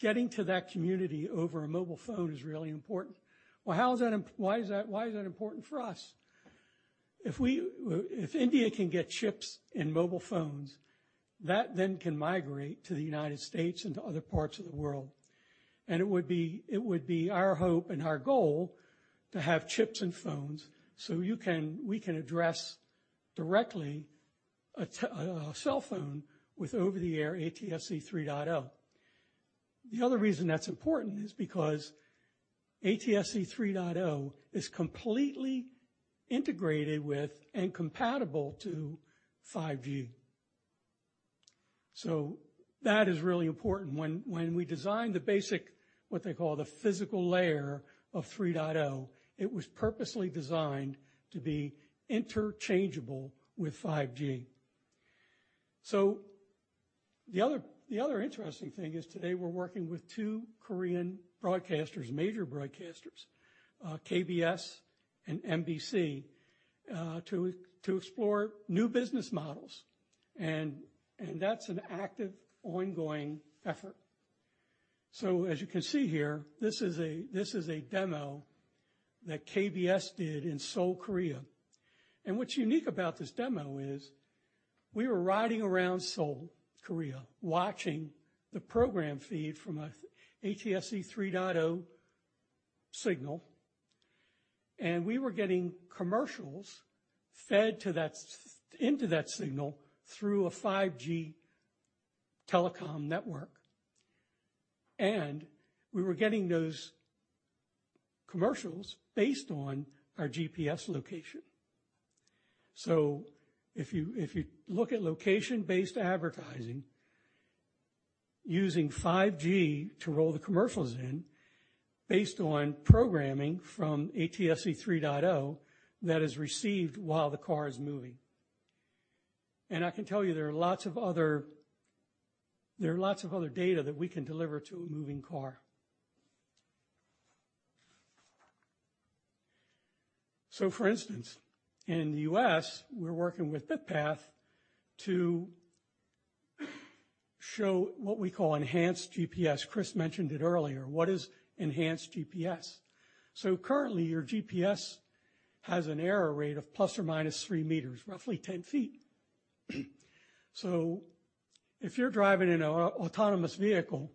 P: getting to that community over a mobile phone is really important. Well, why is that important for us? If India can get chips in mobile phones, that then can migrate to the United States and to other parts of the world. It would be our hope and our goal to have chips in phones, so we can address directly a cell phone with over-the-air ATSC 3.0. The other reason that's important is because ATSC 3.0 is completely integrated with and compatible to 5G. That is really important. When we designed the basic, what they call the physical layer of 3.0, it was purposely designed to be interchangeable with 5G. The other interesting thing is today we're working with two Korean broadcasters, major broadcasters, KBS and MBC, to explore new business models, and that's an active ongoing effort. As you can see here, this is a demo that KBS did in Seoul, Korea. What's unique about this demo is we were riding around Seoul, Korea, watching the program feed from an ATSC 3.0 signal, and we were getting commercials fed into that signal through a 5G telecom network. We were getting those commercials based on our GPS location. If you look at location-based advertising, using 5G to roll the commercials in based on programming from ATSC 3.0 that is received while the car is moving. I can tell you there are lots of other data that we can deliver to a moving car. For instance, in the U.S., we're working with BitPath to show what we call enhanced GPS. Chris mentioned it earlier. What is enhanced GPS? Currently, your GPS has an error rate of ±3 meters, roughly 10 feet. If you're driving in an autonomous vehicle,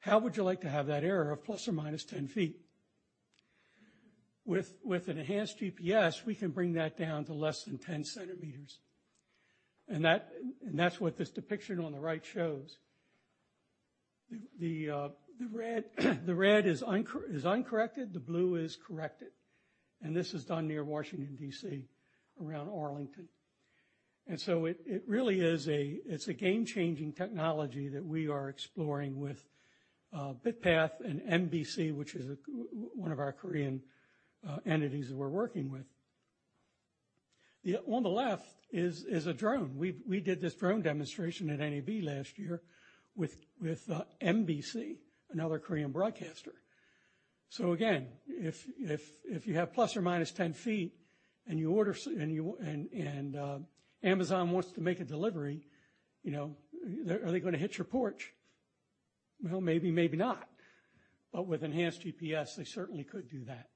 P: how would you like to have that error of ±10 feet? With enhanced GPS, we can bring that down to less than 10 centimeters. That's what this depiction on the right shows. The red is uncorrected, the blue is corrected, and this is done near Washington, D.C., around Arlington. It really is a game-changing technology that we are exploring with BitPath and MBC, which is one of our Korean entities that we're working with. On the left is a drone. We did this drone demonstration at NAB last year with MBC, another Korean broadcaster. Again, if you have plus or minus 10 feet and you order and Amazon wants to make a delivery, are they going to hit your porch? Well, maybe not. With enhanced GPS, they certainly could do that.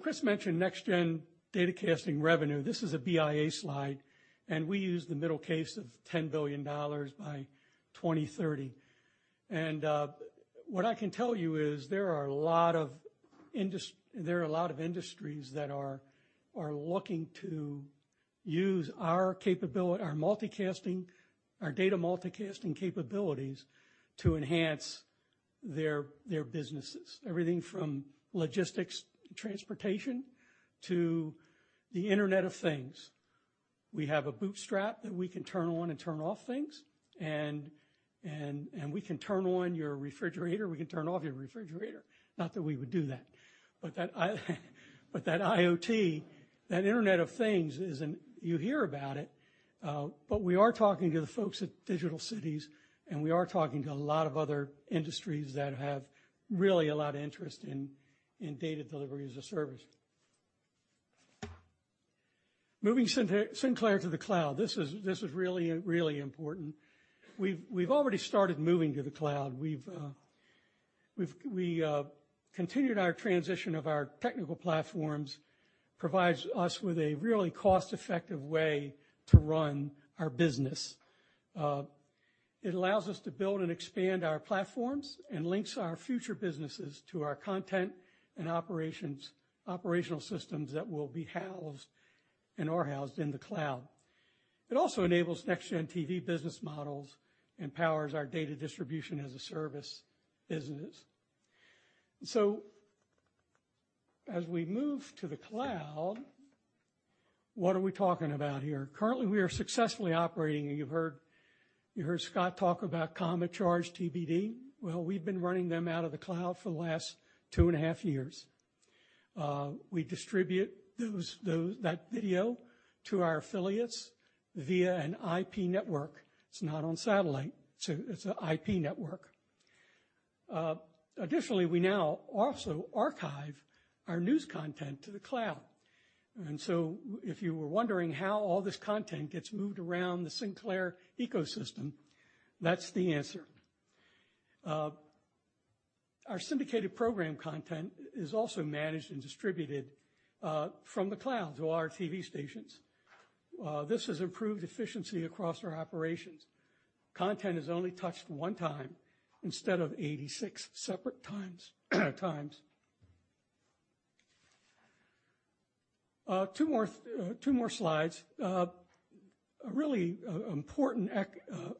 P: Chris mentioned next-gen datacasting revenue. This is a BIA slide, and we use the middle case of $10 billion by 2030. What I can tell you is there are a lot of industries that are looking to use our multicasting, our data multicasting capabilities to enhance their businesses. Everything from logistics, transportation, to the Internet of Things. We have a bootstrap that we can turn on and turn off things and we can turn on your refrigerator, we can turn off your refrigerator. Not that we would do that. But that IoT, that Internet of Things is. You hear about it, but we are talking to the folks at Digital Cities, and we are talking to a lot of other industries that have really a lot of interest in data delivery as a service. Moving Sinclair to the cloud. This is really important. We've already started moving to the cloud. We continued our transition of our technical platforms, provides us with a really cost-effective way to run our business. It allows us to build and expand our platforms and links our future businesses to our content and operational systems that will be housed and are housed in the cloud. It also enables NextGen TV business models and powers our data distribution as a service business. As we move to the cloud, what are we talking about here? Currently, we are successfully operating. You've heard Scott talk about Comet, CHARGE!, TBD. We've been running them out of the cloud for the last two point five years. We distribute that video to our affiliates via an IP network. It's not on satellite. It's an IP network. Additionally, we now also archive our news content to the cloud. If you were wondering how all this content gets moved around the Sinclair ecosystem, that's the answer. Our syndicated program content is also managed and distributed from the cloud to our TV stations. This has improved efficiency across our operations. Content is only touched 1 time instead of 86 separate times. 2 more slides. A really important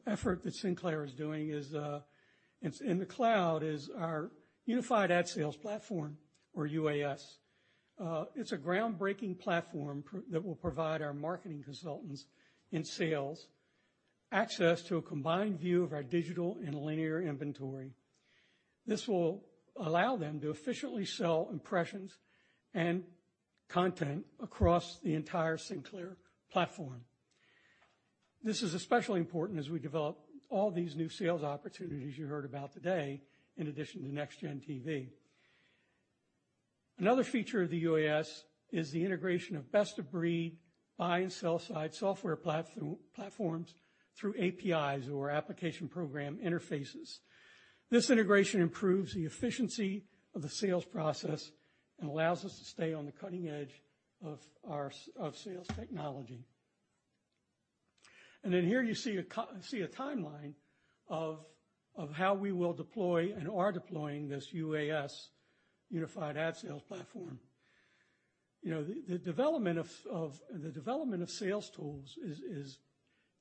P: effort that Sinclair is doing in the cloud is our Unified Ad Sales platform or UAS. It's a groundbreaking platform that will provide our marketing consultants and sales access to a combined view of our digital and linear inventory. This will allow them to efficiently sell impressions and content across the entire Sinclair platform. This is especially important as we develop all these new sales opportunities you heard about today, in addition to NextGen TV. Another feature of the UAS is the integration of best-of-breed buy- and sell-side software platforms through APIs or application program interfaces. This integration improves the efficiency of the sales process and allows us to stay on the cutting edge of our sales technology. Here you see a timeline of how we will deploy and are deploying this UAS, Unified Ad Sales platform. You know, the development of sales tools is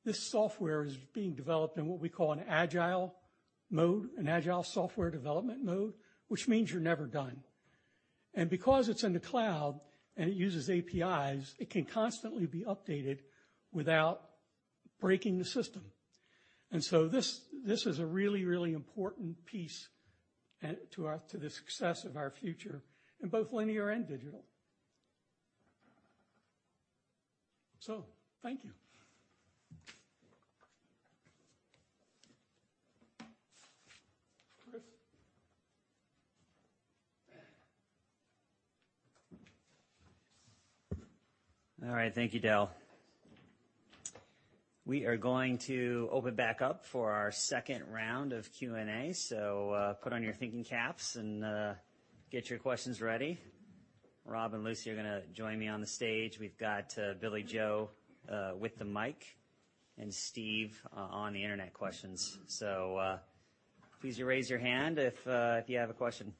P: this software is being developed in what we call an agile mode, an agile software development mode, which means you're never done. Because it's in the cloud and it uses APIs, it can constantly be updated without breaking the system. This is a really important piece to the success of our future in both linear and digital. Thank you. Chris.
B: All right. Thank you, Del. We are going to open back up for our second round of Q&A. Put on your thinking caps and get your questions ready. Rob and Lucy are gonna join me on the stage. We've got Billie-Jo McIntire with the mic and Steve on the Internet questions. Please raise your hand if you have a question.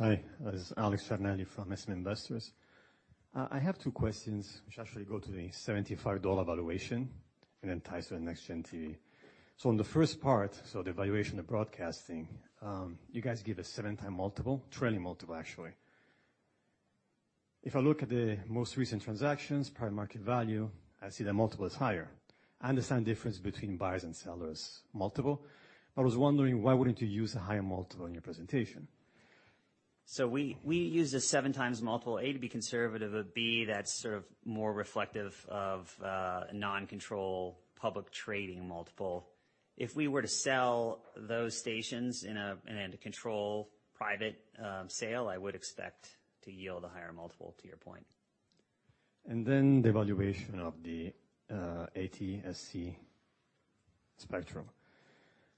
Q: Hi. This is Alex Fuhrman from SM Investors. I have two questions which actually go to the $75 valuation and then ties to NextGen TV. On the first part, the valuation of broadcasting, you guys give a 7x multiple, trailing multiple actually. If I look at the most recent transactions, private market value, I see the multiple is higher. I understand the difference between buyers' and sellers' multiple, but I was wondering why wouldn't you use a higher multiple in your presentation?
B: We use the 7x multiple: A, to be conservative, but B, that's sort of more reflective of a non-control public trading multiple. If we were to sell those stations in a control private sale, I would expect to yield a higher multiple to your point.
Q: Then the valuation of the ATSC spectrum.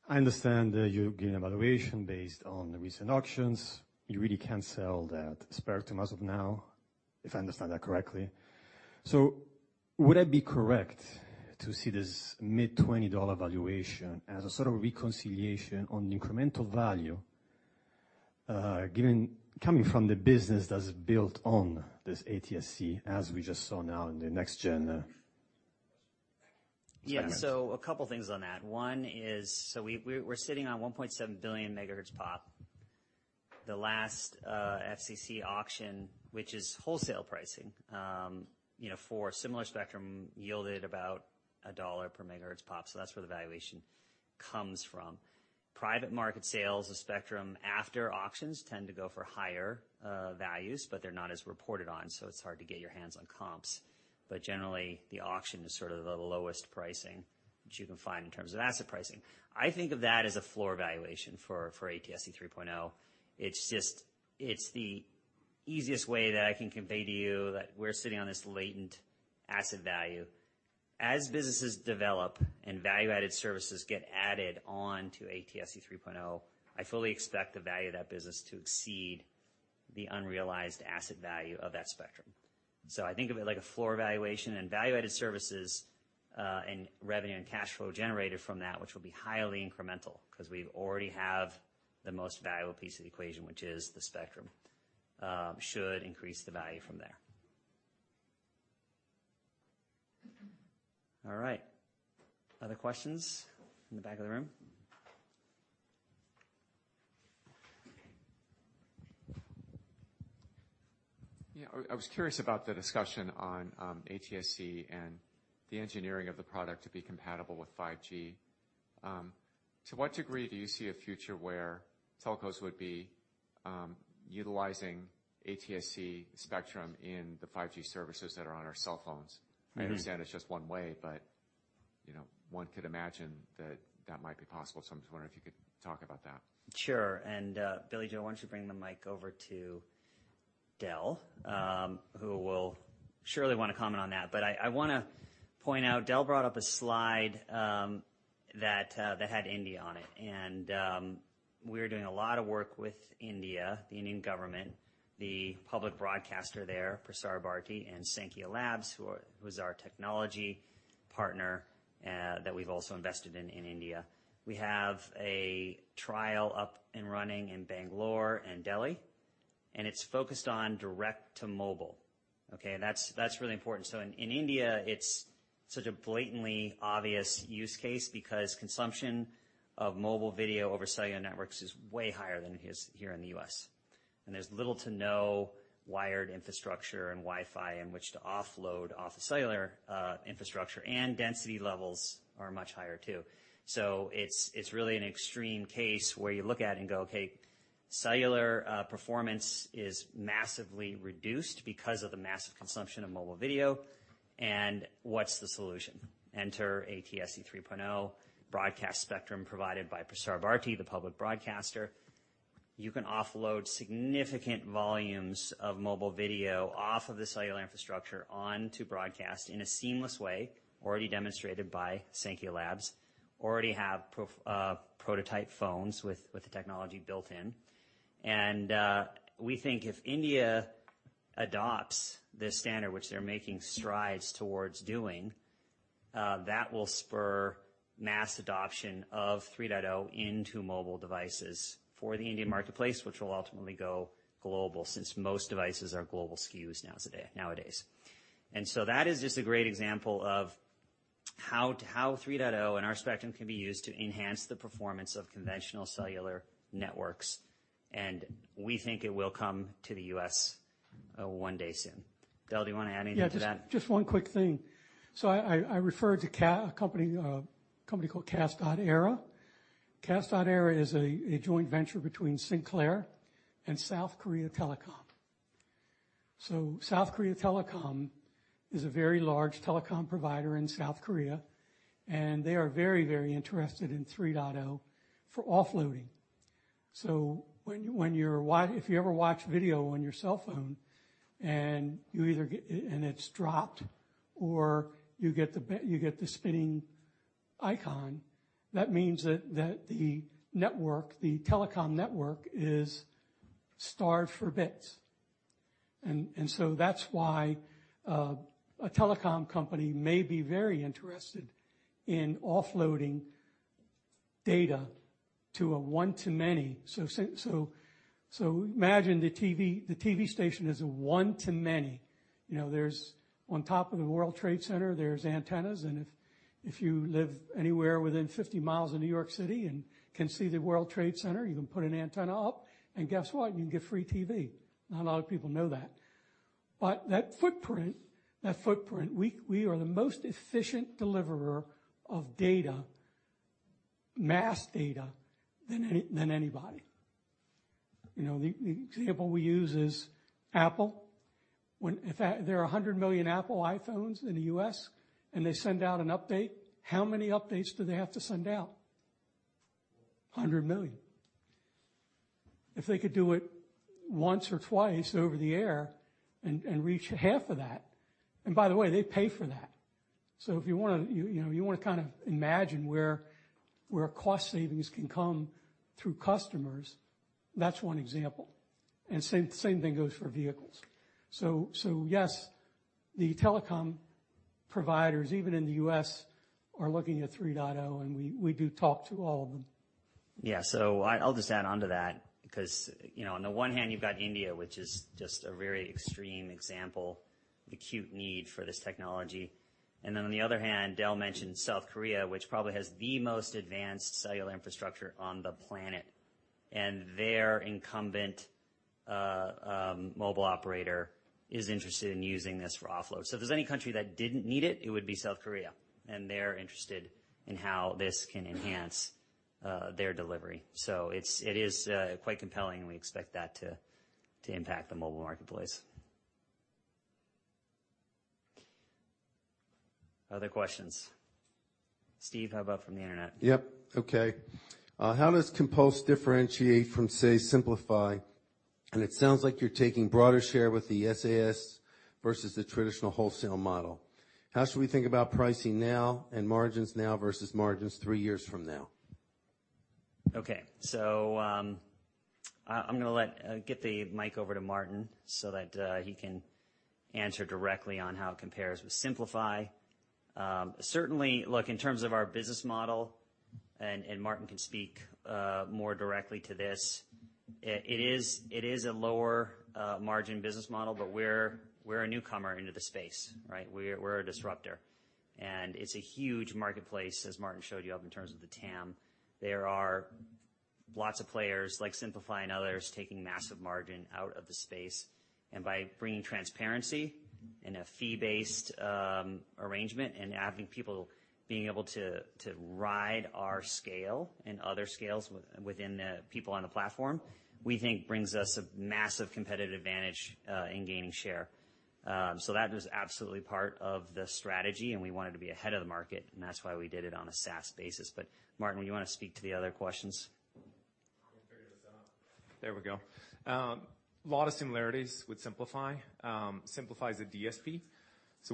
Q: I understand that you're giving a valuation based on the recent auctions. You really can't sell that spectrum as of now, if I understand that correctly. Would I be correct to see this mid-$20 valuation as a sort of reconciliation on the incremental value, given coming from the business that's built on this ATSC, as we just saw now in the NextGen segments?
B: Yeah. A couple things on that. One is, we're sitting on 1.7 billion MHz-POP. The last FCC auction, which is wholesale pricing, for a similar spectrum, yielded about $1 per MHz-POP. That's where the valuation comes from. Private market sales of spectrum after auctions tend to go for higher values, but they're not as reported on, so it's hard to get your hands on comps. Generally, the auction is sort of the lowest pricing that you can find in terms of asset pricing. I think of that as a floor valuation for ATSC 3.0. It's just the easiest way that I can convey to you that we're sitting on this latent asset value. As businesses develop and value-added services get added on to ATSC 3.0, I fully expect the value of that business to exceed the unrealized asset value of that spectrum. I think of it like a floor valuation and value-added services, and revenue and cash flow generated from that, which will be highly incremental 'cause we already have the most valuable piece of the equation, which is the spectrum, should increase the value from there. All right. Other questions? In the back of the room.
R: Yeah. I was curious about the discussion on ATSC and the engineering of the product to be compatible with 5G. To what degree do you see a future where telcos would be- Utilizing ATSC spectrum in the 5G services that are on our cell phones.
B: Mm-hmm.
R: I understand it's just one way, but, you know, one could imagine that that might be possible. I'm just wondering if you could talk about that.
B: Sure. Billie-Jo McIntire, why don't you bring the mic over to Del, who will surely wanna comment on that. I wanna point out, Del brought up a slide that had India on it. We're doing a lot of work with India, the Indian government, the public broadcaster there, Prasar Bharati, and Saankhya Labs, who's our technology partner that we've also invested in in India. We have a trial up and running in Bangalore and Delhi, and it's focused on direct to mobile, okay? That's really important. In India, it's such a blatantly obvious use case because consumption of mobile video over cellular networks is way higher than it is here in the U.S. There's little to no wired infrastructure and Wi-Fi in which to offload the cellular infrastructure, and density levels are much higher too. It's really an extreme case where you look at it and go, "Okay, cellular performance is massively reduced because of the massive consumption of mobile video. What's the solution?" Enter ATSC 3.0, broadcast spectrum provided by Prasar Bharati, the public broadcaster. You can offload significant volumes of mobile video off of the cellular infrastructure onto broadcast in a seamless way, already demonstrated by Saankhya Labs, already have prototype phones with the technology built in. We think if India adopts this standard, which they're making strides towards doing, that will spur mass adoption of 3.0 into mobile devices for the Indian marketplace, which will ultimately go global since most devices are global SKUs nowadays. That is just a great example of how 3.0 and our spectrum can be used to enhance the performance of conventional cellular networks, and we think it will come to the U.S. one day soon. Del, do you wanna add anything to that?
P: Yeah, just one quick thing. I referred to a company called CAST.ERA. CAST.ERA is a joint venture between Sinclair and SK Telecom. SK Telecom is a very large telecom provider in South Korea, and they are very interested in 3.0 for offloading. When you're watching video on your cell phone and you either get it dropped, or you get the spinning icon, that means that the network, the telecom network, is starved for bits. That's why a telecom company may be very interested in offloading data to a one-to-many. Imagine the TV station is a one-to-many. You know, there's. On top of the World Trade Center, there are antennas, and if you live anywhere within 50 miles of New York City and can see the World Trade Center, you can put an antenna up, and guess what? You can get free TV. Not a lot of people know that. But that footprint, we are the most efficient deliverer of data, mass data, than anybody. You know, the example we use is Apple. If there are 100 million Apple iPhones in the U.S. and they send out an update, how many updates do they have to send out? 100 million. If they could do it once or twice over the air and reach half of that. By the way, they pay for that. If you wanna, you know, kind of imagine where cost savings can come through customers, that's one example. Same thing goes for vehicles. Yes, the telecom providers, even in the U.S. are looking at 3.0, and we do talk to all of them.
B: Yeah. I'll just add on to that because, on the one hand, you've got India, which is just a very extreme example of acute need for this technology. Then on the other hand, Del mentioned South Korea, which probably has the most advanced cellular infrastructure on the planet. Their incumbent mobile operator is interested in using this for offload. If there's any country that didn't need it would be South Korea, and they're interested in how this can enhance their delivery. It's quite compelling, and we expect that to impact the mobile marketplace. Other questions? Steve, how about from the internet?
A: Yep. Okay. How does Compulse differentiate from, say, Simpli.fi? It sounds like you're taking broader share with the SaaS versus the traditional wholesale model. How should we think about pricing now and margins now versus margins three years from now?
B: Okay. I'm gonna let get the mic over to Martin so that he can answer directly on how it compares with Simpli.fi. In terms of our business model, and Martin can speak more directly to this, it is a lower margin business model, but we're a newcomer into the space, right? We're a disruptor. It's a huge marketplace, as Martin showed you, in terms of the TAM. There are lots of players like Simpli.fi and others taking massive margin out of the space. By bringing transparency in a fee-based arrangement and having people being able to ride our scale and other scales within the people on the platform, we think brings us a massive competitive advantage in gaining share. That was absolutely part of the strategy, and we wanted to be ahead of the market, and that's why we did it on a SaaS basis. Martin, you wanna speak to the other questions?
K: Let me figure this out. There we go. A lot of similarities with Simpli.fi. Simpli.fi is a DSP.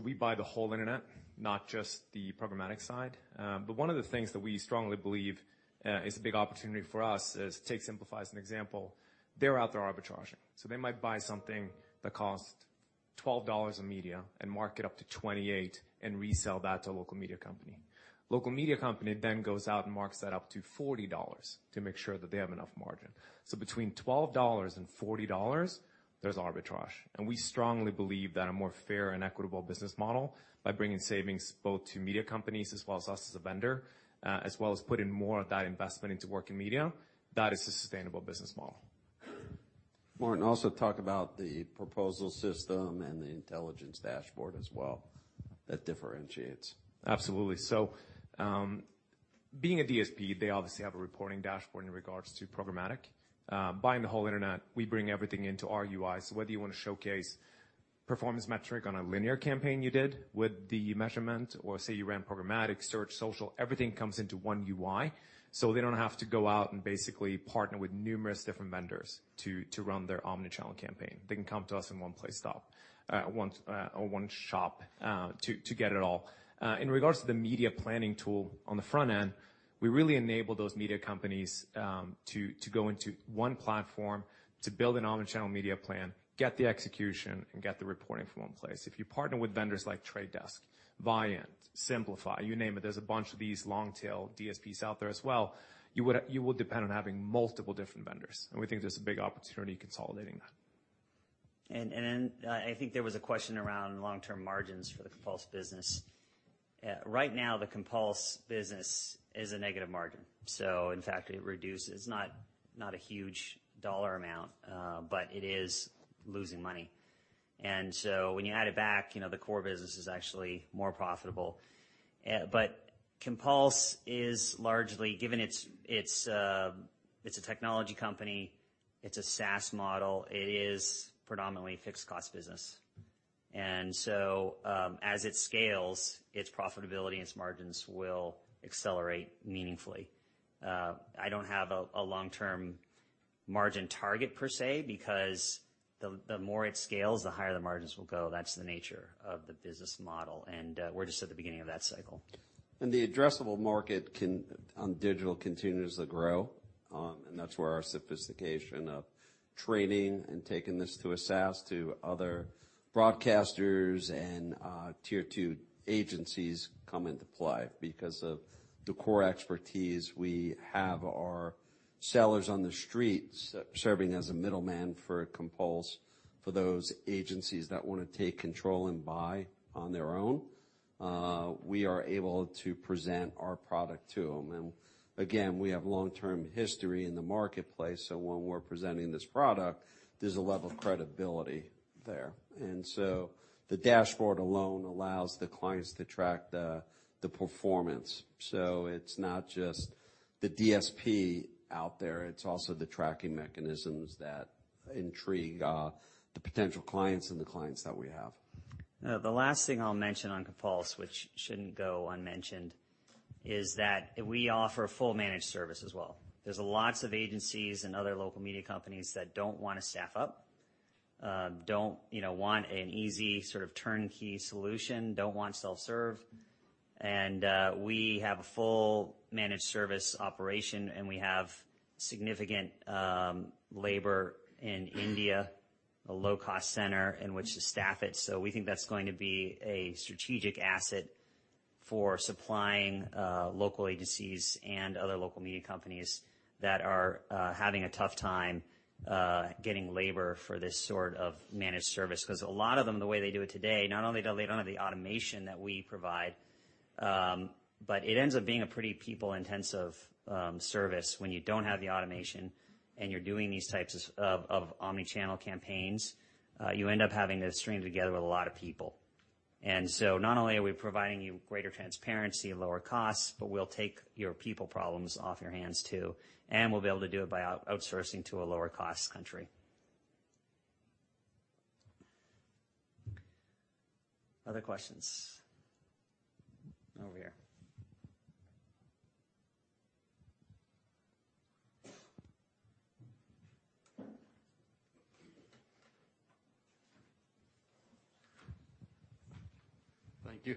K: We buy the whole internet, not just the programmatic side. One of the things that we strongly believe is a big opportunity for us is, take Simpli.fi as an example. They're out there arbitraging. They might buy something that cost $12 in media and mark it up to $28 and resell that to a local media company. Local media company then goes out and marks that up to $40 to make sure that they have enough margin. Between $12 and $40, there's arbitrage. We strongly believe that a more fair and equitable business model, by bringing savings both to media companies as well as us as a vendor, as well as putting more of that investment into working media, that is a sustainable business model.
C: Martin, also talk about the proposal system and the intelligence dashboard as well that differentiates.
K: Absolutely. Being a DSP, they obviously have a reporting dashboard in regards to programmatic. Buying the whole internet, we bring everything into our UI. Whether you wanna showcase performance metric on a linear campaign you did with the measurement or say you ran programmatic, search, social, everything comes into one UI, so they don't have to go out and basically partner with numerous different vendors to run their omni-channel campaign. They can come to us in one-stop shop to get it all. In regards to the media planning tool on the front end, we really enable those media companies to go into one platform to build an omni-channel media plan, get the execution, and get the reporting from one place. If you partner with vendors like The Trade Desk, Viant, Simpli.fi, you name it, there's a bunch of these long tail DSPs out there as well, you will depend on having multiple different vendors, and we think there's a big opportunity consolidating that.
B: I think there was a question around long-term margins for the Compulse business. Right now, the Compulse business is a negative margin. In fact, it reduces. Not a huge dollar amount, but it is losing money. When you add it back, the core business is actually more profitable. But Compulse is largely, given it's a technology company, it's a SaaS model, it is predominantly fixed cost business. As it scales, its profitability and its margins will accelerate meaningfully. I don't have a long-term margin target per se because the more it scales, the higher the margins will go. That's the nature of the business model, and we're just at the beginning of that cycle.
C: The addressable market, on digital, continues to grow. That's where our sophistication of training and taking this to a SaaS to other broadcasters and tier two agencies come into play. Because of the core expertise we have, our sellers on the streets serving as a middleman for Compulse for those agencies that wanna take control and buy on their own. We are able to present our product to them. Again, we have long-term history in the marketplace, so when we're presenting this product, there's a level of credibility there. The dashboard alone allows the clients to track the performance. It's not just the DSP out there, it's also the tracking mechanisms that intrigue the potential clients and the clients that we have.
B: Now the last thing I'll mention on Compulse, which shouldn't go unmentioned, is that we offer full managed service as well. There's lots of agencies and other local media companies that don't wanna staff up, don't, you know, want an easy sort of turnkey solution, don't want self-serve. We have a full managed service operation, and we have significant labor in India, a low-cost center in which to staff it. We think that's going to be a strategic asset for supplying local agencies and other local media companies that are having a tough time getting labor for this sort of managed service. 'Cause a lot of them, the way they do it today, not only don't they have the automation that we provide, but it ends up being a pretty people-intensive service when you don't have the automation and you're doing these types of omni-channel campaigns, you end up having to string together with a lot of people. So not only are we providing you greater transparency and lower costs, but we'll take your people problems off your hands too, and we'll be able to do it by outsourcing to a lower-cost country. Other questions? Over here.
S: Thank you.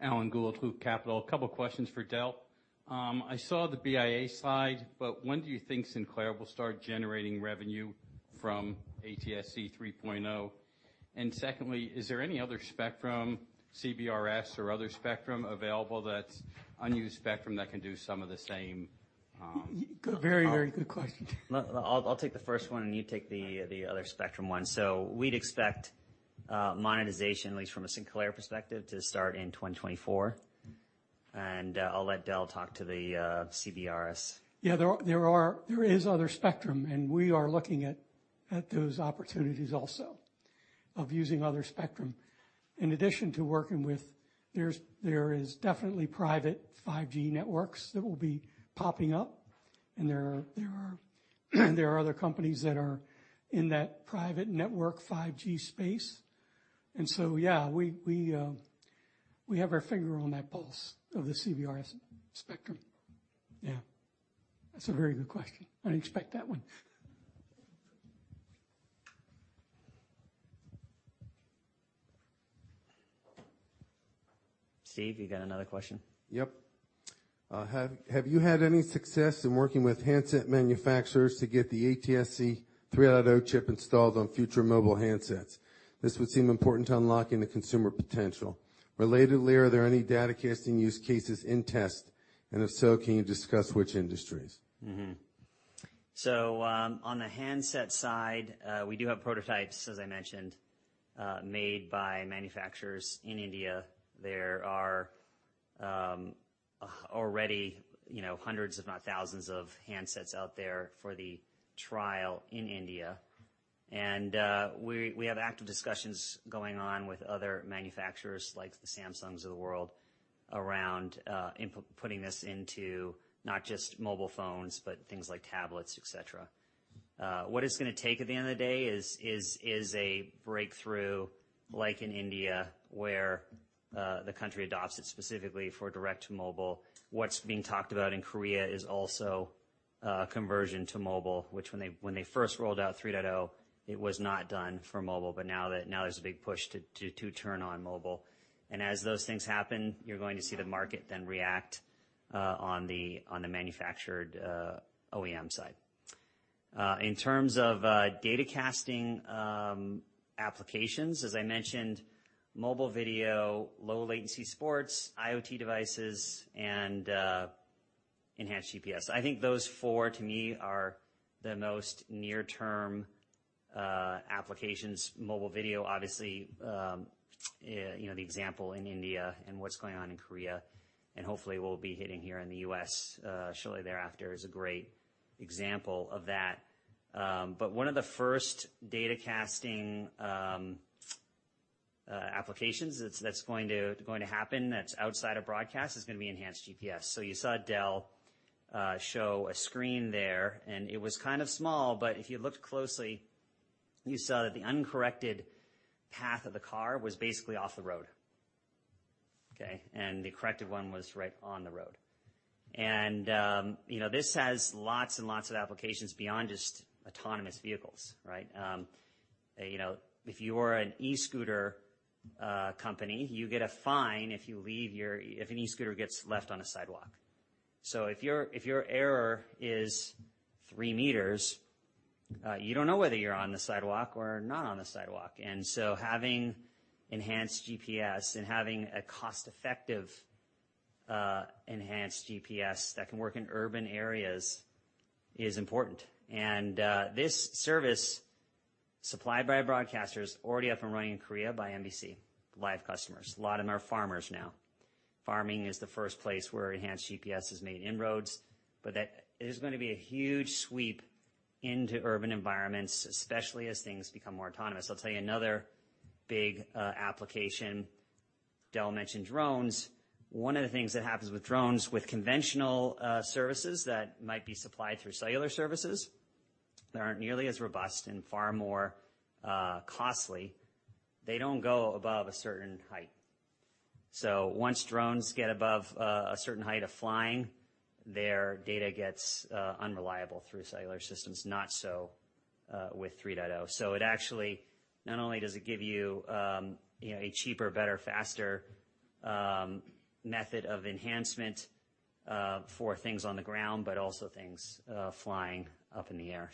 S: Alan Gould, Loop Capital. A couple questions for Del Parks. I saw the BIA slide, but when do you think Sinclair will start generating revenue from ATSC 3.0? Secondly, is there any other spectrum, CBRS or other spectrum available that's unused spectrum that can do some of the same?
P: Very, very good question.
B: I'll take the first one, and you take the other spectrum one. We'd expect monetization, at least from a Sinclair perspective, to start in 2024. I'll let Del talk to the CBRS.
P: Yeah. There is other spectrum, and we are looking at those opportunities also of using other spectrum. There is definitely private 5G networks that will be popping up, and there are other companies that are in that private network 5G space. Yeah, we have our finger on that pulse of the CBRS spectrum. Yeah. That's a very good question. I didn't expect that one.
B: Steve, you got another question?
A: Yep. Have you had any success in working with handset manufacturers to get the ATSC 3.0 chip installed on future mobile handsets? This would seem important to unlocking the consumer potential. Relatedly, are there any datacasting use cases in test? If so, can you discuss which industries?
B: On the handset side, we do have prototypes, as I mentioned, made by manufacturers in India. There are already, you know, hundreds, if not thousands of handsets out there for the trial in India. We have active discussions going on with other manufacturers, like the Samsungs of the world, around putting this into not just mobile phones, but things like tablets, et cetera. What it's gonna take at the end of the day is a breakthrough, like in India, where the country adopts it specifically for direct to mobile. What's being talked about in Korea is also conversion to mobile, which when they first rolled out 3.0, it was not done for mobile. Now there's a big push to turn on mobile. As those things happen, you're going to see the market then react on the manufacturing OEM side. In terms of datacasting applications, as I mentioned, mobile video, low latency sports, IoT devices, and enhanced GPS. I think those four, to me, are the most near-term applications. Mobile video, obviously, the example in India and what's going on in Korea, and hopefully we'll be hitting here in the U.S. shortly, thereafter, is a great example of that. But one of the first datacasting applications that's going to happen that's outside of broadcast is gonna be enhanced GPS. You saw Del show a screen there, and it was kind of small, but if you looked closely, you saw that the uncorrected path of the car was basically off the road. Okay? The corrected one was right on the road. You know, this has lots and lots of applications beyond just autonomous vehicles, right? You know, if you are an e-scooter company, you get a fine if an e-scooter gets left on a sidewalk. If your error is three meters, you don't know whether you're on the sidewalk or not on the sidewalk. This service supplied by broadcasters already up and running in Korea by KBS. Live customers. A lot of them are farmers now. Farming is the first place where enhanced GPS has made inroads, but that is gonna be a huge sweep into urban environments, especially as things become more autonomous. I'll tell you another big application. Del mentioned drones. One of the things that happens with drones, with conventional services that might be supplied through cellular services that aren't nearly as robust and far more costly, they don't go above a certain height. So once drones get above a certain height of flying, their data gets unreliable through cellular systems. Not so with 3.0. So, it actually not only does it give a cheaper, better, faster method of enhancement for things on the ground, but also things flying up in the air.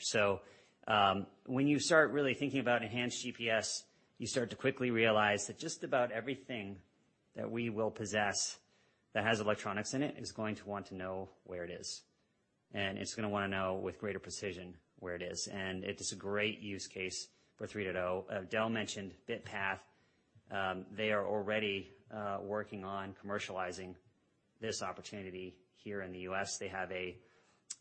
B: When you start really thinking about enhanced GPS, you start to quickly realize that just about everything that we will possess that has electronics in it is going to want to know where it is, and it's gonna wanna know with greater precision where it is. It is a great use case for 3.0. Del mentioned BitPath. They are already working on commercializing this opportunity here in the U.S. They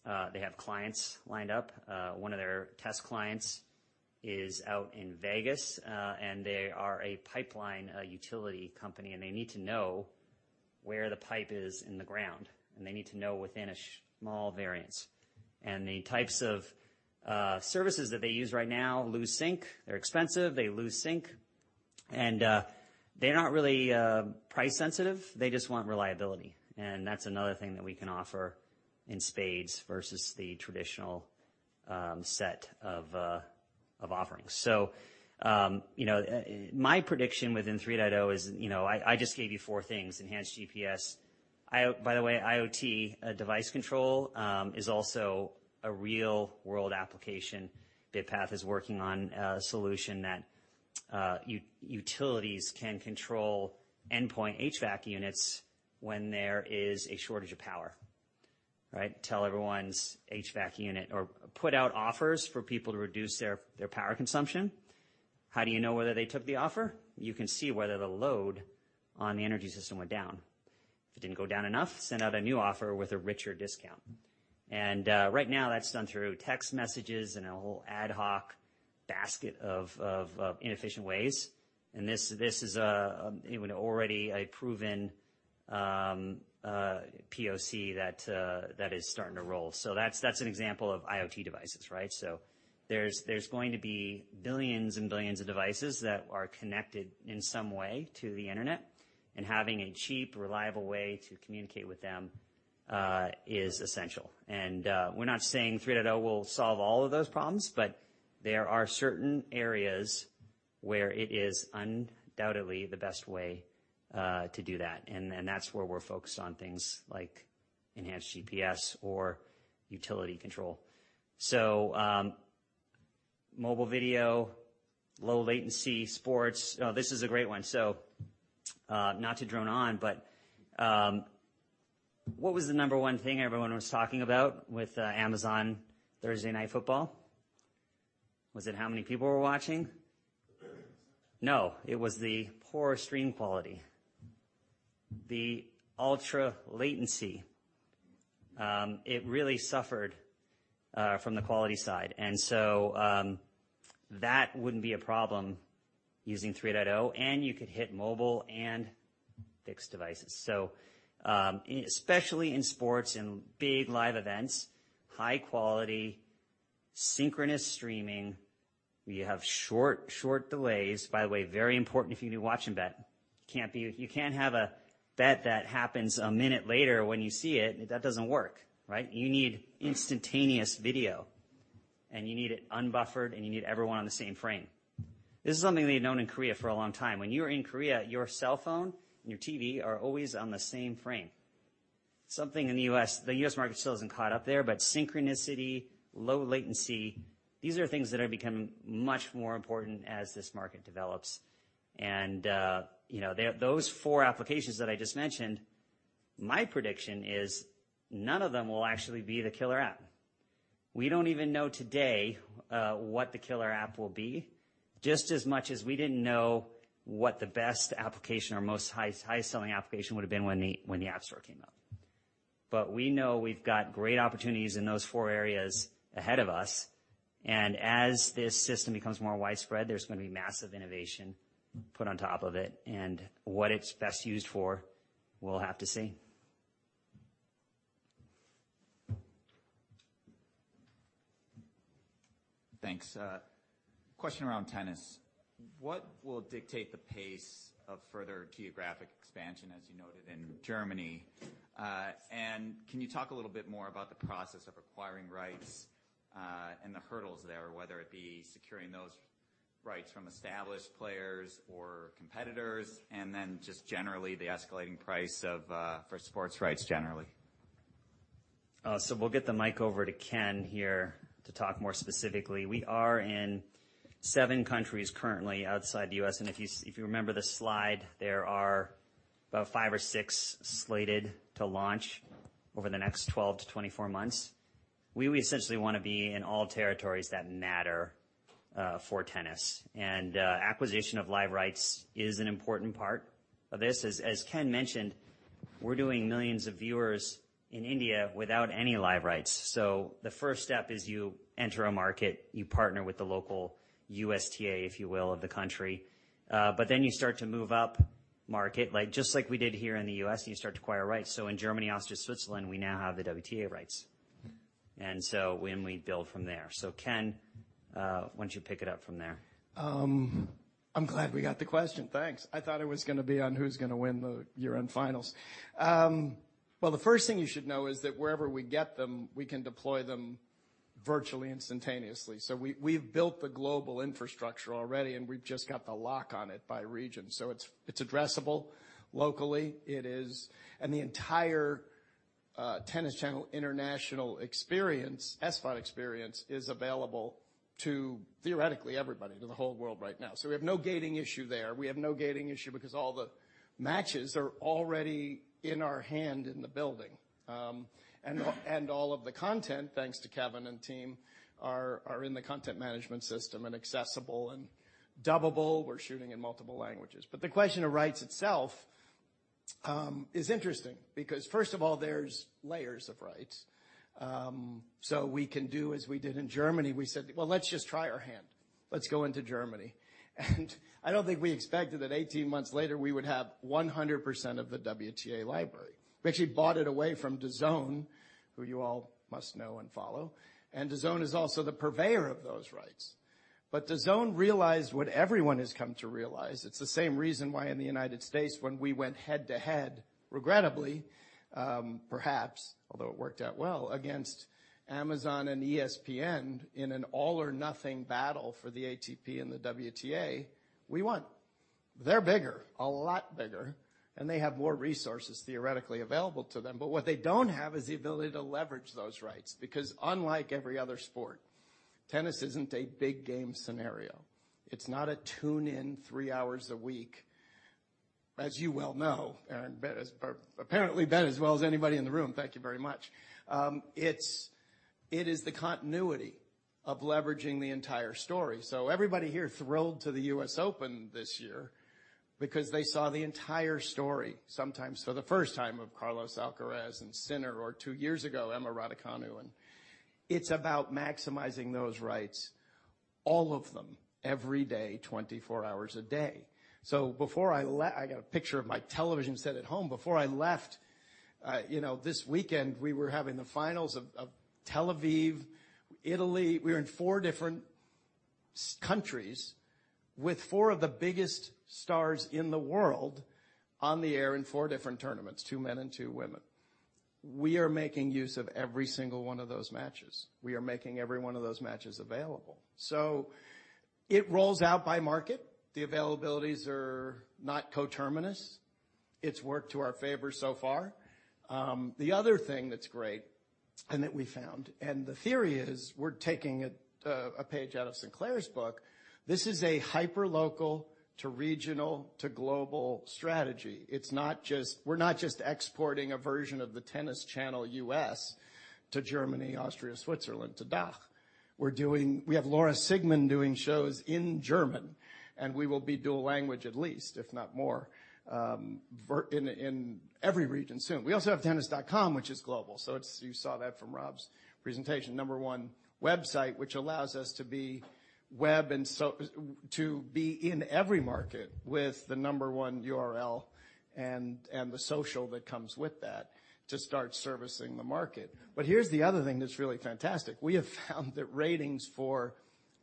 B: have clients lined up. One of their test clients is out in Vegas, and they are a pipeline utility company, and they need to know where the pipe is in the ground, and they need to know within a small variance. The types of services that they use right now lose sync. They're expensive, they lose sync, and they're not really price sensitive. They just want reliability. That's another thing that we can offer in spades versus the traditional set of offerings. You know, my prediction within 3.0 is, I just gave you four things. Enhanced GPS. By the way, IoT device control is also a real world application. BitPath is working on a solution that utilities can control endpoint HVAC units when there is a shortage of power. Right? Tell everyone's HVAC unit or put out offers for people to reduce their power consumption. How do you know whether they took the offer? You can see whether the load on the energy system went down. If it didn't go down enough, send out a new offer with a richer discount. Right now that's done through text messages and a whole ad hoc basket of inefficient ways. This is, already a proven POC that is starting to roll. That's an example of IoT devices, right? There's going to be billions and billions of devices that are connected in some way to the Internet, and having a cheap, reliable way to communicate with them is essential. We're not saying 3.0 will solve all of those problems, but there are certain areas where it is undoubtedly the best way to do that. That's where we're focused on things like enhanced GPS or utility control. Mobile video, low latency sports. This is a great one. Not to drone on, but what was the number one thing everyone was talking about with Amazon Thursday Night Football? Was it how many people were watching? No, it was the poor stream quality, the ultra-latency. It really suffered from the quality side. That wouldn't be a problem using 3.0, and you could hit mobile and fixed devices. Especially in sports and big live events, high quality, synchronous streaming, where you have short delays. By the way, very important if you do watch and bet. You can't have a bet that happens a minute later when you see it. That doesn't work, right? You need instantaneous video, and you need it unbuffered, and you need everyone on the same frame. This is something they've known in Korea for a long time. When you're in Korea, your cellphone and your TV are always on the same frame. Something in the U.S., the U.S. market still hasn't caught up there, but synchronicity, low latency, these are things that are becoming much more important as this market develops. Those four applications that I just mentioned, my prediction is none of them will actually be the killer app. We don't even know today what the killer app will be, just as much as we didn't know what the best application or most high-selling application would've been when the App Store came out. We know we've got great opportunities in those four areas ahead of us, and as this system becomes more widespread, there's gonna be massive innovation put on top of it. What it's best used for, we'll have to see.
A: Thanks. Question around tennis. What will dictate the pace of further geographic expansion, as you noted in Germany? Can you talk a little bit more about the process of acquiring rights, and the hurdles there, whether it be securing those rights from established players or competitors, and then just generally the escalating price for sports rights generally?
B: We'll get the mic over to Ken here to talk more specifically. We are in 7 countries currently outside the U.S., and if you remember the slide, there are about 5 or 6 slated to launch over the next 12-24 months. We essentially wanna be in all territories that matter for tennis. Acquisition of live rights is an important part of this. As Ken mentioned, we're doing millions of viewers in India without any live rights. The first step is you enter a market, you partner with the local USTA, if you will, of the country. Then you start to move up market, like, just like we did here in the U.S., and you start to acquire rights. In Germany, Austria, Switzerland, we now have the WTA rights. When we build from there. Ken, why don't you pick it up from there?
M: I'm glad we got the question, thanks. I thought it was gonna be on who's gonna win the year-end finals. Well, the first thing you should know is that wherever we get them, we can deploy them virtually instantaneously. We've built the global infrastructure already, and we've just got the lock on it by region. It's addressable locally. The entire Tennis Channel International experience, SVOD experience is available to theoretically everybody, to the whole world right now. We have no gating issue there. We have no gating issue because all the matches are already in our hand in the building. All of the content, thanks to Kevin and team, are in the content management system and accessible and dubbable. We're shooting in multiple languages. The question of rights itself is interesting because first of all, there's layers of rights. We can do as we did in Germany, we said, "Well, let's just try our hand. Let's go into Germany." I don't think we expected that 18 months later we would have 100% of the WTA library. We actually bought it away from DAZN, who you all must know and follow. DAZN is also the purveyor of those rights. DAZN realized what everyone has come to realize. It's the same reason why in the United States when we went head-to-head, regrettably, perhaps, although it worked out well, against Amazon and ESPN in an all-or-nothing battle for the ATP and the WTA, we won. They're bigger, a lot bigger, and they have more resources theoretically available to them. What they don't have is the ability to leverage those rights, because unlike every other sport, tennis isn't a big game scenario. It's not a tune-in three hours a week. As you well know, and Ben is apparently as well as anybody in the room. Thank you very much. It is the continuity of leveraging the entire story. Everybody here thrilled to the U.S. Open this year because they saw the entire story, sometimes for the first time, of Carlos Alcaraz and Sinner, or two years ago, Emma Raducanu. It's about maximizing those rights, all of them, every day, 24 hours a day. I got a picture of my television set at home. Before I left, this weekend, we were having the finals of Tel Aviv, Italy. We were in four different countries with four of the biggest stars in the world on the air in four different tournaments, two men and two women. We are making use of every single one of those matches. We are making every one of those matches available. It rolls out by market. The availabilities are not coterminous. It's worked to our favor so far. The other thing that's great and that we found, and the theory is we're taking a page out of Sinclair's book. This is a hyperlocal to regional to global strategy. It's not just. We're not just exporting a version of the Tennis Channel U.S. to Germany, Austria, Switzerland, to DACH. We're doing. We have Laura Siegemund doing shows in German, and we will be dual language at least, if not more, in every region soon. We also have Tennis.com, which is global. It's you saw that from Rob's presentation. Number one website, which allows us to be web and to be in every market with the number one URL and the social that comes with that to start servicing the market. Here's the other thing that's really fantastic. We have found that ratings for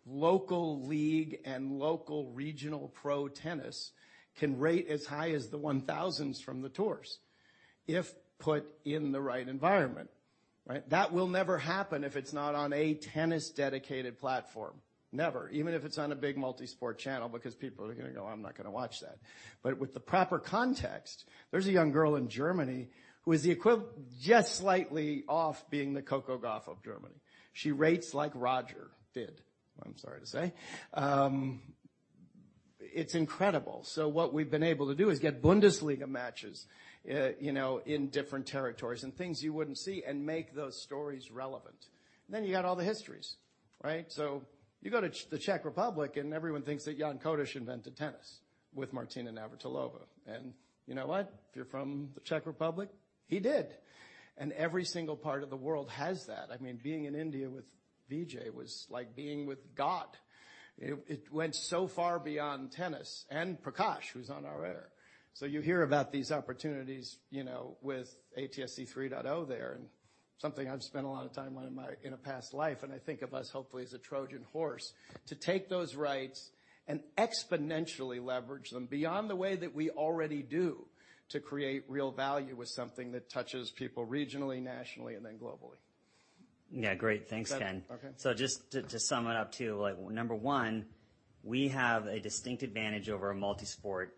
M: local league and local regional pro tennis can rate as high as the 1,000s from the tours if put in the right environment, right? That will never happen if it's not on a tennis-dedicated platform. Never. Even if it's on a big multi-sport channel, because people are gonna go, "I'm not gonna watch that." With the proper context, there's a young girl in Germany who is the equivalent just slightly off being the Coco Gauff of Germany. She rates like Roger did, I'm sorry to say. It's incredible. What we've been able to do is get Bundesliga matches in different territories and things you wouldn't see, and make those stories relevant. Then you got all the histories, right? You go to the Czech Republic, and everyone thinks that Jan Kodeš invented tennis with Martina Navratilova. You know what? If you're from the Czech Republic, he did. Every single part of the world has that. I mean, being in India with Vijay was like being with God. It went so far beyond tennis, and Prakash, who's on our air. You hear about these opportunities, with ATSC 3.0 there, and something I've spent a lot of time on in a past life, and I think of us hopefully as a Trojan horse, to take those rights and exponentially leverage them beyond the way that we already do to create real value with something that touches people regionally, nationally, and then globally.
B: Yeah, great. Thanks, Ken.
M: Okay.
B: Just to sum it up, too, like, number one, we have a distinct advantage over a multi-sport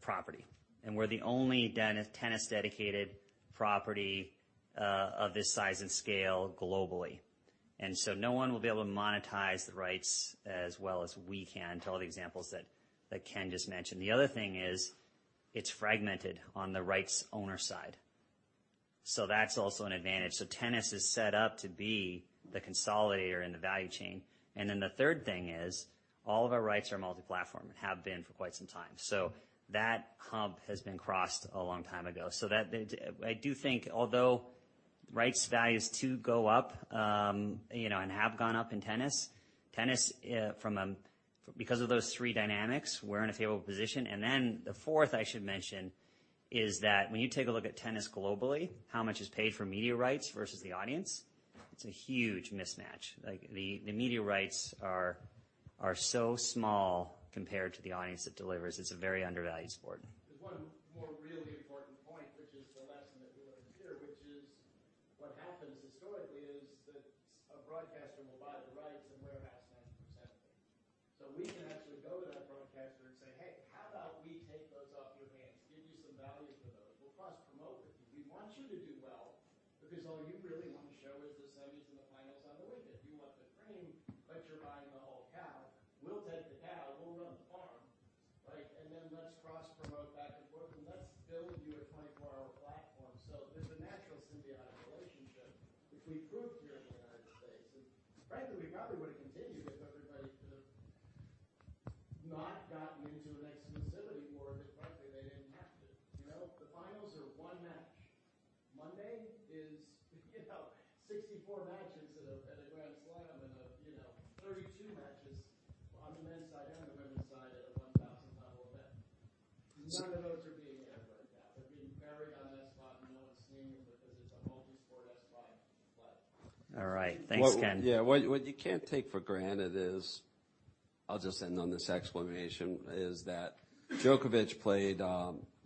B: property, and we're the only tennis-dedicated property of this size and scale globally. No one will be able to monetize the rights as well as we can to all the examples that Ken just mentioned. The other thing is it's fragmented on the rights owner side. That's also an advantage. Tennis is set up to be the consolidator in the value chain. The third thing is all of our rights are multi-platform and have been for quite some time. That hump has been crossed a long time ago. I do think although rights values, too, go up, and have gone up in tennis. Because of those three dynamics, we're in a favorable position. The fourth I should mention
M: Frankly, we probably would've continued if everybody could've not gotten into an exclusivity war, because frankly, they didn't have to. You know, the finals are one match. Monday is, 64 matches at a Grand Slam and, 32 matches on the men's side and the women's side at a 1000 title event. None of those are being aired right now. They're being buried on SVOD, and no one's seeing them because it's a multi-sport SVOD flag.
B: All right. Thanks, Ken.
C: What you can't take for granted is, I'll just end on this explanation, is that Djokovic played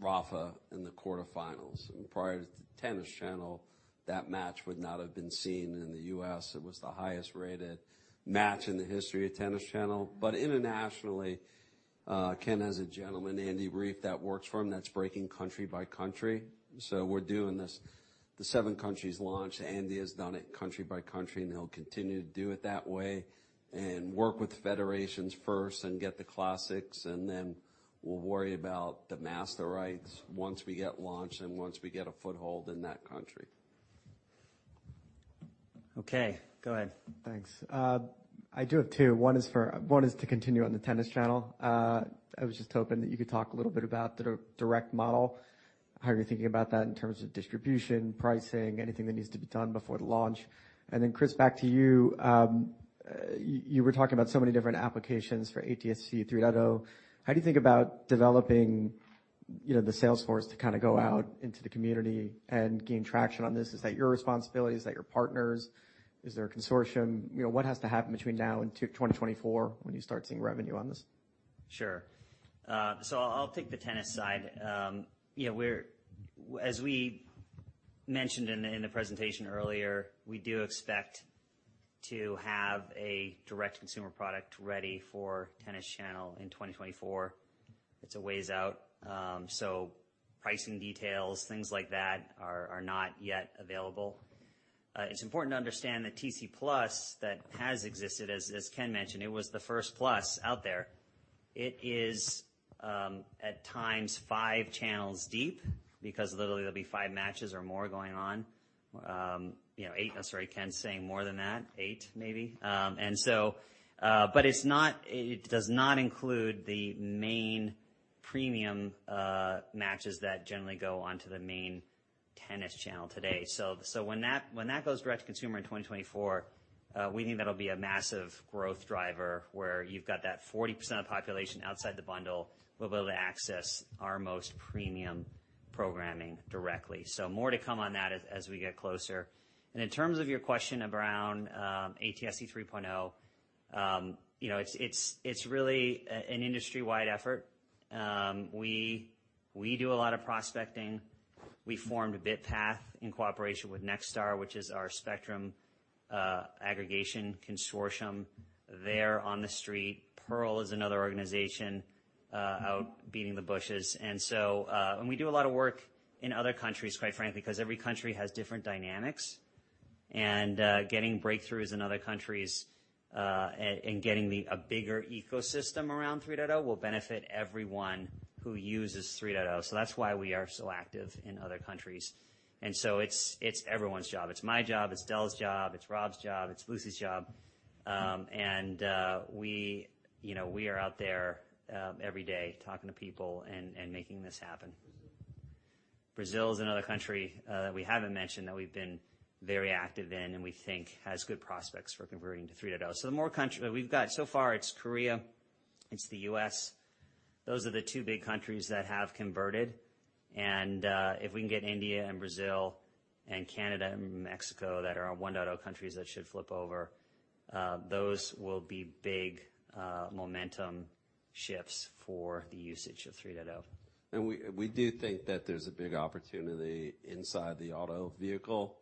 C: Rafa in the quarterfinals. Prior to the Tennis Channel, that match would not have been seen in the U.S. It was the highest-rated match in the history of Tennis Channel. Internationally, Ken has a gentleman, Andy Reif, that works for him that's breaking country by country. We're doing this. The seven countries launch, Andy has done it country by country, and he'll continue to do it that way and work with federations first and get the classics, and then we'll worry about the master rights once we get launched and once we get a foothold in that country.
B: Okay, go ahead.
H: Thanks. I do have two. One is to continue on the Tennis Channel. I was just hoping that you could talk a little bit about the direct model. How are you thinking about that in terms of distribution, pricing, anything that needs to be done before the launch? And then Chris, back to you. You were talking about so many different applications for ATSC 3.0. How do you think about developing, the sales force to kinda go out into the community and gain traction on this? Is that your responsibility? Is that your partners'? Is there a consortium? You know, what has to happen between now and 2024 when you start seeing revenue on this?
B: Sure. I'll take the Tennis side. You know, as we mentioned in the presentation earlier, we do expect to have a direct consumer product ready for Tennis Channel in 2024. It's a ways out, so pricing details, things like that are not yet available. It's important to understand that Tennis Channel+ that has existed, as Ken mentioned, it was the first plus out there. It is at times five channels deep because literally there'll be five matches or more going on. You know, eight. I'm sorry, Ken's saying more than that. Eight maybe. It does not include the main premium matches that generally go onto the main Tennis Channel today. When that goes direct to consumer in 2024, we think that'll be a massive growth driver where you've got that 40% of the population outside the bundle will be able to access our most premium programming directly. More to come on that as we get closer. In terms of your question around ATSC 3.0 it's really an industry-wide effort. We do a lot of prospecting. We formed a BitPath in cooperation with Nexstar, which is our spectrum aggregation consortium. They're on the street. Pearl TV is another organization out beating the bushes. We do a lot of work in other countries, quite frankly, 'cause every country has different dynamics. Getting breakthroughs in other countries and getting the bigger ecosystem around 3.0 will benefit everyone who uses 3.0. That's why we are so active in other countries. It's everyone's job. It's my job, it's Del's job, it's Rob's job, it's Lucy's job. You know, we are out there every day talking to people and making this happen. Brazil is another country that we haven't mentioned that we've been very active in, and we think has good prospects for converting to 3.0. The more countries we've got so far, it's Korea, it's the U.S. Those are the two big countries that have converted. If we can get India and Brazil and Canada and Mexico that are on 1.0 countries that should flip over, those will be big momentum shifts for the usage of 3.0.
C: We do think that there's a big opportunity inside the auto vehicle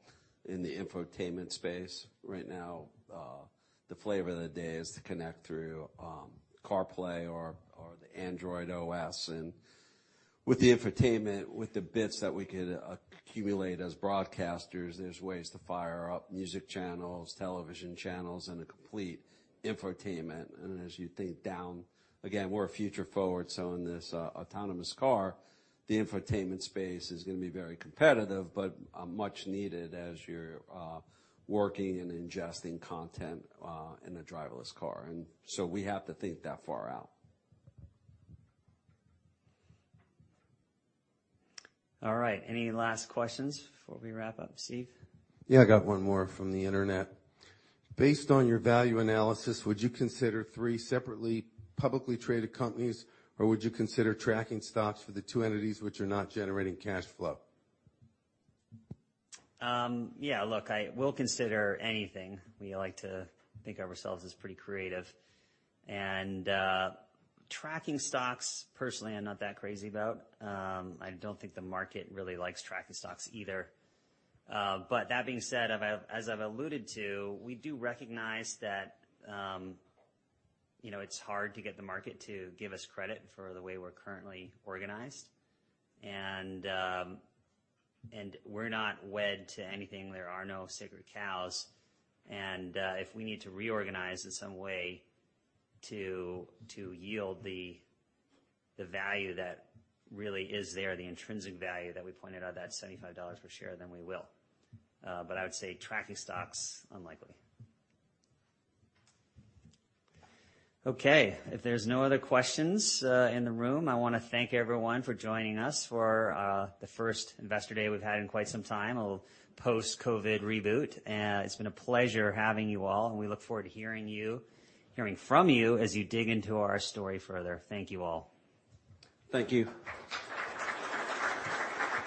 C: in the infotainment space. Right now, the flavor of the day is to connect through CarPlay or the Android Auto. With the infotainment, with the bits that we could accumulate as broadcasters, there's ways to fire up music channels, television channels, and a complete infotainment. As you think down. Again, we're future forward, so in this autonomous car, the infotainment space is gonna be very competitive, but much needed as you're working and ingesting content in a driverless car. We have to think that far out.
B: All right. Any last questions before we wrap up? Steve?
A: Yeah, I got one more from the internet. Based on your value analysis, would you consider three separately publicly traded companies, or would you consider tracking stocks for the two entities which are not generating cash flow?
B: Look, we'll consider anything. We like to think of ourselves as pretty creative. Tracking stocks personally, I'm not that crazy about. I don't think the market really likes tracking stocks either. That being said, as I've alluded to, we do recognize that, it's hard to get the market to give us credit for the way we're currently organized. We're not wed to anything. There are no sacred cows. If we need to reorganize in some way to yield the value that really is there, the intrinsic value that we pointed out, that $75 per share, then we will. I would say tracking stocks, unlikely. Okay. If there's no other questions in the room, I wanna thank everyone for joining us for the first investor day we've had in quite some time, a little post-COVID reboot. It's been a pleasure having you all, and we look forward to hearing from you as you dig into our story further. Thank you all.
C: Thank you.